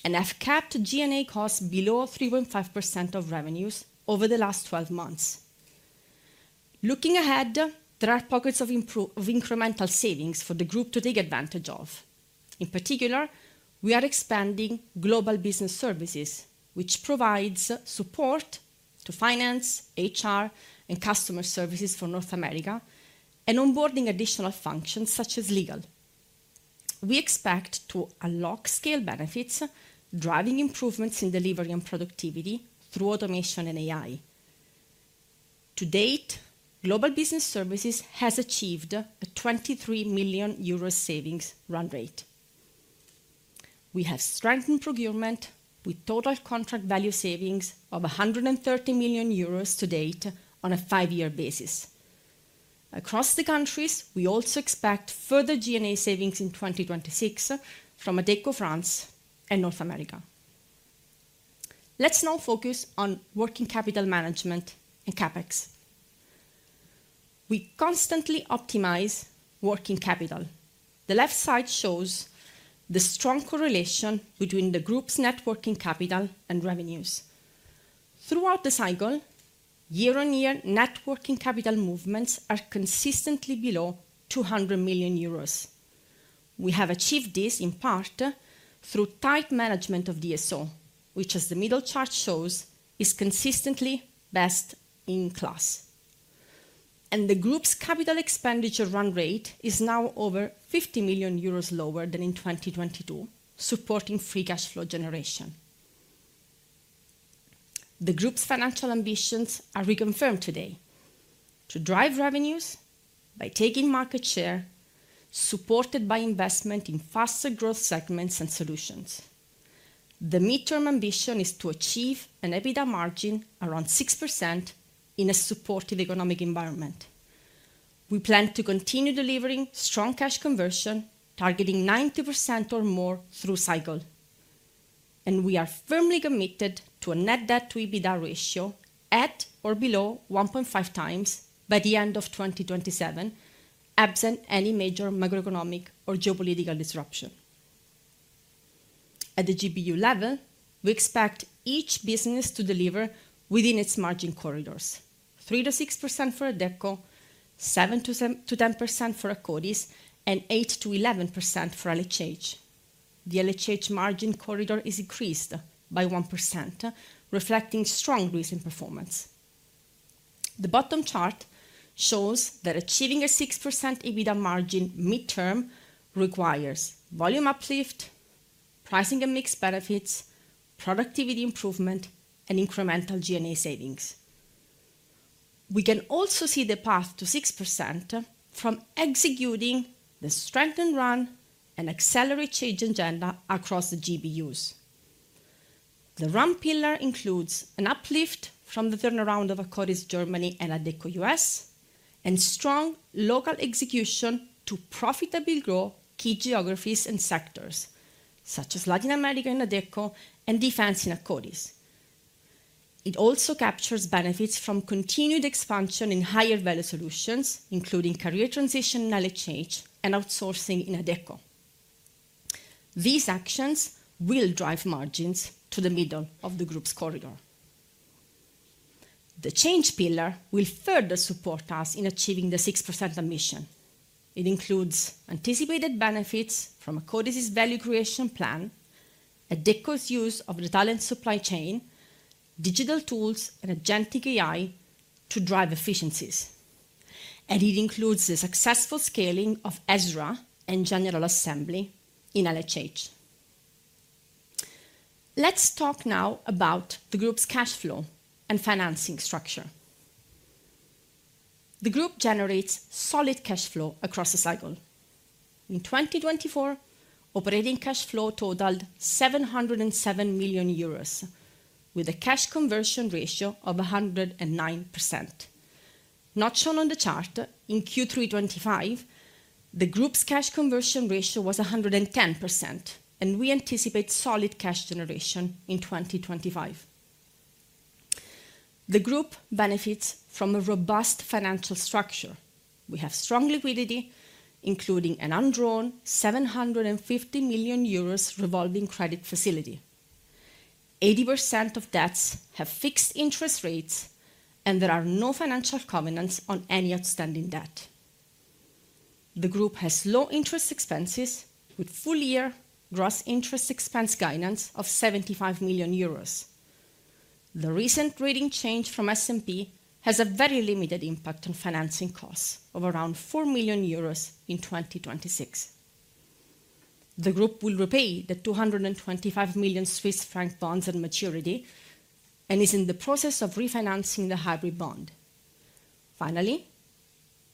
and have capped G&A costs below 3.5% of revenues over the last 12 months. Looking ahead, there are pockets of incremental savings for the group to take advantage of. In particular, we are expanding global business services, which provides support to finance, HR, and customer services for North America and onboarding additional functions such as legal. We expect to unlock scale benefits, driving improvements in delivery and productivity through automation and AI. To date, global business services has achieved a 23 million euro savings run rate. We have strengthened procurement with total contract value savings of 130 million euros to date on a five-year basis. Across the countries, we also expect further G&A savings in 2026 from Adecco France and North America. Let's now focus on working capital management and CapEx. We constantly optimize working capital. The left side shows the strong correlation between the group's net working capital and revenues. Throughout the cycle, year on year, net working capital movements are consistently below 200 million euros. We have achieved this in part through tight management of DSO, which, as the middle chart shows, is consistently best in class, and the group's capital expenditure run rate is now over 50 million euros lower than in 2022, supporting free cash flow generation. The group's financial ambitions are reconfirmed today to drive revenues by taking market share, supported by investment in faster growth segments and solutions. The midterm ambition is to achieve an EBITDA margin around 6% in a supportive economic environment. We plan to continue delivering strong cash conversion, targeting 90% or more through cycle, and we are firmly committed to a net debt to EBITDA ratio at or below 1.5 times by the end of 2027, absent any major macroeconomic or geopolitical disruption. At the GBU level, we expect each business to deliver within its margin corridors: 3%-6% for Adecco, 7%-10% for Akkodis, and 8%-11% for LHH. The LHH margin corridor is increased by 1%, reflecting strong recent performance. The bottom chart shows that achievig a 6% EBITDA margin midterm requires volume uplift, pricing and mix benefits, productivity improvement, and incremental G&A savings. We can also see the path to 6% from executing the strengthened run and Accelerate Change agenda across the GBUs. The run pillar includes an uplift from the turnaround of Akkodis Germany and Adecco US and strong local execution to profitability grow key geographies and sectors, such as Latin America in Adecco and defense in Akkodis. It also captures benefits from continued expansion in higher value solutions, including career transition in LHH and outsourcing in Adecco. These actions will drive margins to the middle of the group's corridor. The change pillar will further support us in achieving the 6% ambition. It includes anticipated benefits from Akkodis' value creation plan, Adecco's use of the talent supply chain, digital tools, and agentic AI to drive efficiencies. And it includes the successful scaling of Ezra and General Assembly in LHH. Let's talk now about the group's cash flow and financing structure. The group generates solid cash flow across the cycle. In 2024, operating cash flow totaled 707 million euros, with a cash conversion ratio of 109%. Not shown on the chart, in Q3 2025, the group's cash conversion ratio was 110%, and we anticipate solid cash generation in 2025. The group benefits from a robust financial structure. We have strong liquidity, including an un-drawn 750 million euros revolving credit facility. 80% of debts have fixed interest rates, and there are no financial covenants on any outstanding debt. The group has low interest expenses, with full-year gross interest expense guidance of 75 million euros. The recent rating change from S&P has a very limited impact on financing costs of around 4 million euros in 2026. The group will repay the 225 million Swiss franc bonds at maturity and is in the process of refinancing the hybrid bond. Finally,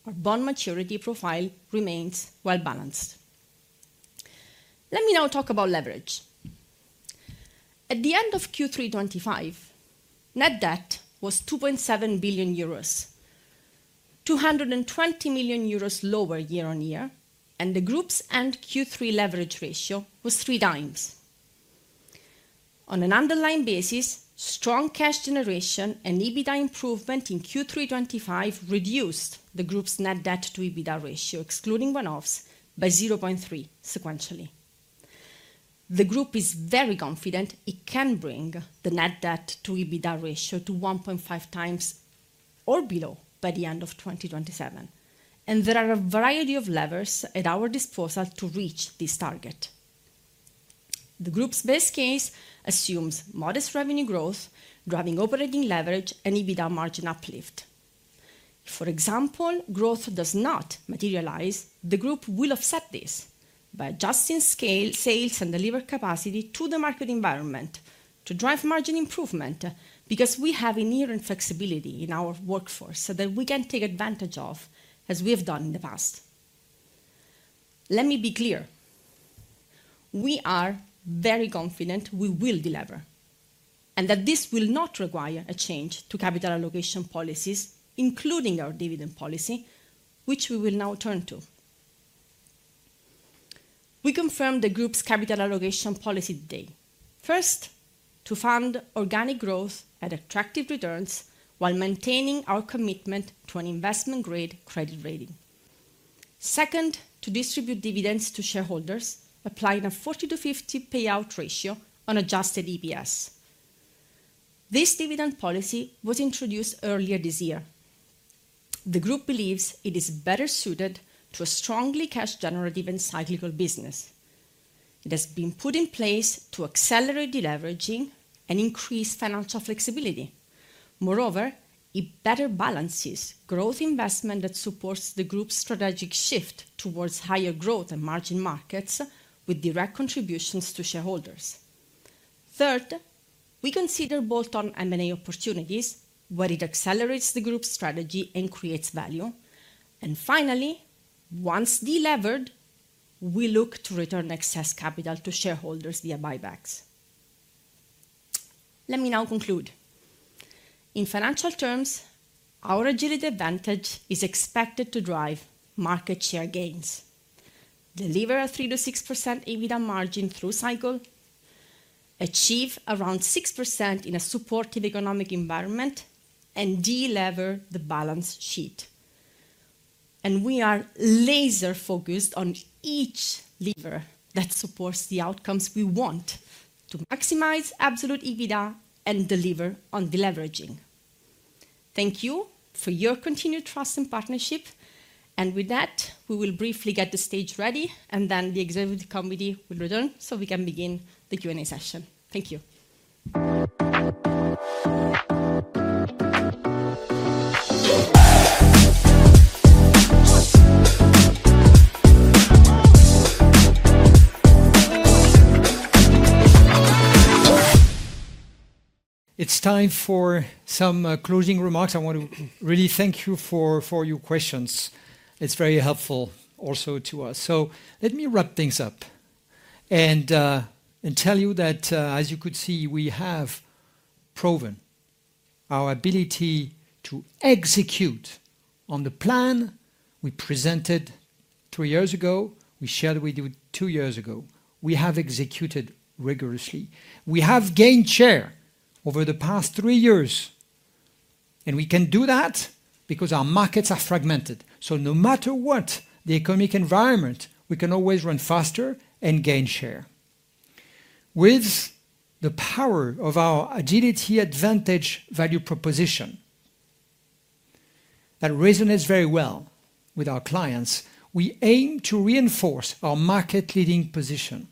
our bond maturity profile remains well-balanced. Let me now talk about leverage. At the end of Q3 2025, net debt was 2.7 billion euros, 220 million euros lower year on year, and the group's end Q3 leverage ratio was three times. On an underlying basis, strong cash generation and EBITDA improvement in Q3 2025 reduced the group's net debt to EBITDA ratio, excluding one-offs, by 0.3 sequentially. The group is very confident it can bring the net debt to EBITDA ratio to 1.5 times or below by the end of 2027. There are a variety of levers at our disposal to reach this target. The group's base case assumes modest revenue growth, driving operating leverage and EBITDA margin uplift. If, for example, growth does not materialize, the group will offset this by adjusting sales and delivery capacity to the market environment to drive margin improvement because we have inherent flexibility in our workforce that we can take advantage of, as we have done in the past. Let me be clear. We are very confident we will deliver and that this will not require a change to capital allocation policies, including our dividend policy, which we will now turn to. We confirmed the group's capital allocation policy today. First, to fund organic growth at attractive returns while maintaining our commitment to an investment-grade credit rating. Second, to distribute dividends to shareholders applying a 40-50 payout ratio on adjusted EPS. This dividend policy was introduced earlier this year. The group believes it is better suited to a strongly cash-generative and cyclical business. It has been put in place to accelerate deleveraging and increase financial flexibility. Moreover, it better balances growth investment that supports the group's strategic shift towards higher growth and margin markets with direct contributions to shareholders. Third, we consider bolt-on M&A opportunities where it accelerates the group's strategy and creates value. And finally, once delivered, we look to return excess capital to shareholders via buybacks. Let me now conclude. In financial terms, our agility advantage is expected to drive market share gains, deliver a 3%-6% EBITDA margin through cycle, achieve around 6% in a supportive economic environment, and deliver the balance sheet, and we are laser-focused on each lever that supports the outcomes we want to maximize absolute EBITDA and deliver on deleveraging. Thank you for your continued trust and partnership, and with that, we will briefly get the stage ready, and then the executive committee will return so we can begin the Q&A session. Thank you. [audio distortion] It's time for some closing remarks. I want to really thank you for your questions. It's very helpful also to us, so let me wrap things up and tell you that, as you could see, we have proven our ability to execute on the plan we presented three years ago. We shared with you two years ago. We have executed rigorously. We have gained share over the past three years. And we can do that because our markets are fragmented. So no matter what the economic environment, we can always run faster and gain share. With the power of our agility advantage value proposition that resonates very well with our clients, we aim to reinforce our market-leading position.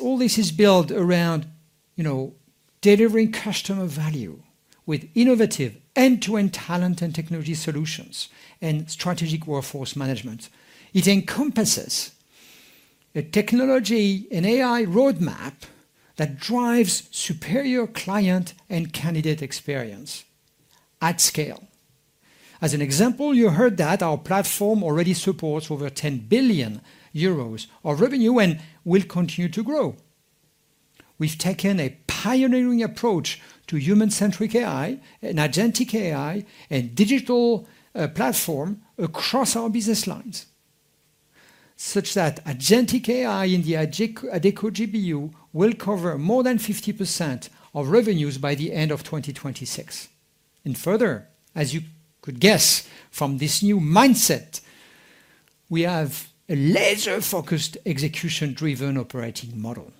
All this is built around delivering customer value with innovative end-to-end talent and technology solutions and strategic workforce management. It encompasses a technology and AI roadmap that drives superior client and candidate experience at scale. As an example, you heard that our platform already supports over 10 billion euros of revenue and will continue to grow. We've taken a pioneering approach to human-centric AI and agentic AI and digital platform across our business lines, such that agentic AI in the Adecco GBU will cover more than 50% of revenues by the end of 2026, and further, as you could guess from this new mindset, we have a laser-focused, execution-driven operating model,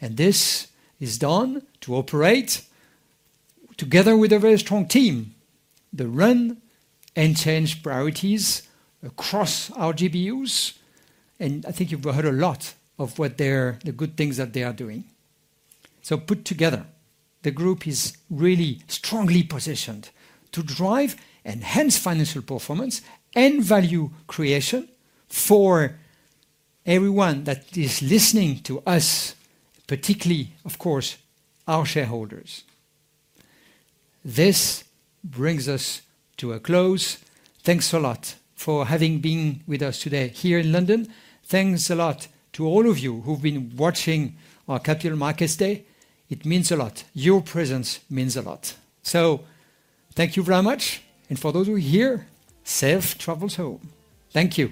and this is done to operate together with a very strong team, to run and change priorities across our GBUs, and I think you've heard a lot of the good things that they are doing, so put together, the group is really strongly positioned to drive enhanced financial performance and value creation for everyone that is listening to us, particularly, of course, our shareholders. This brings us to a close. Thanks a lot for having been with us today here in London. Thanks a lot to all of you who've been watching our Capital Markets Day. It means a lot. Your presence means a lot, so thank you very much, and for those who are here, safe travels home. Thank you.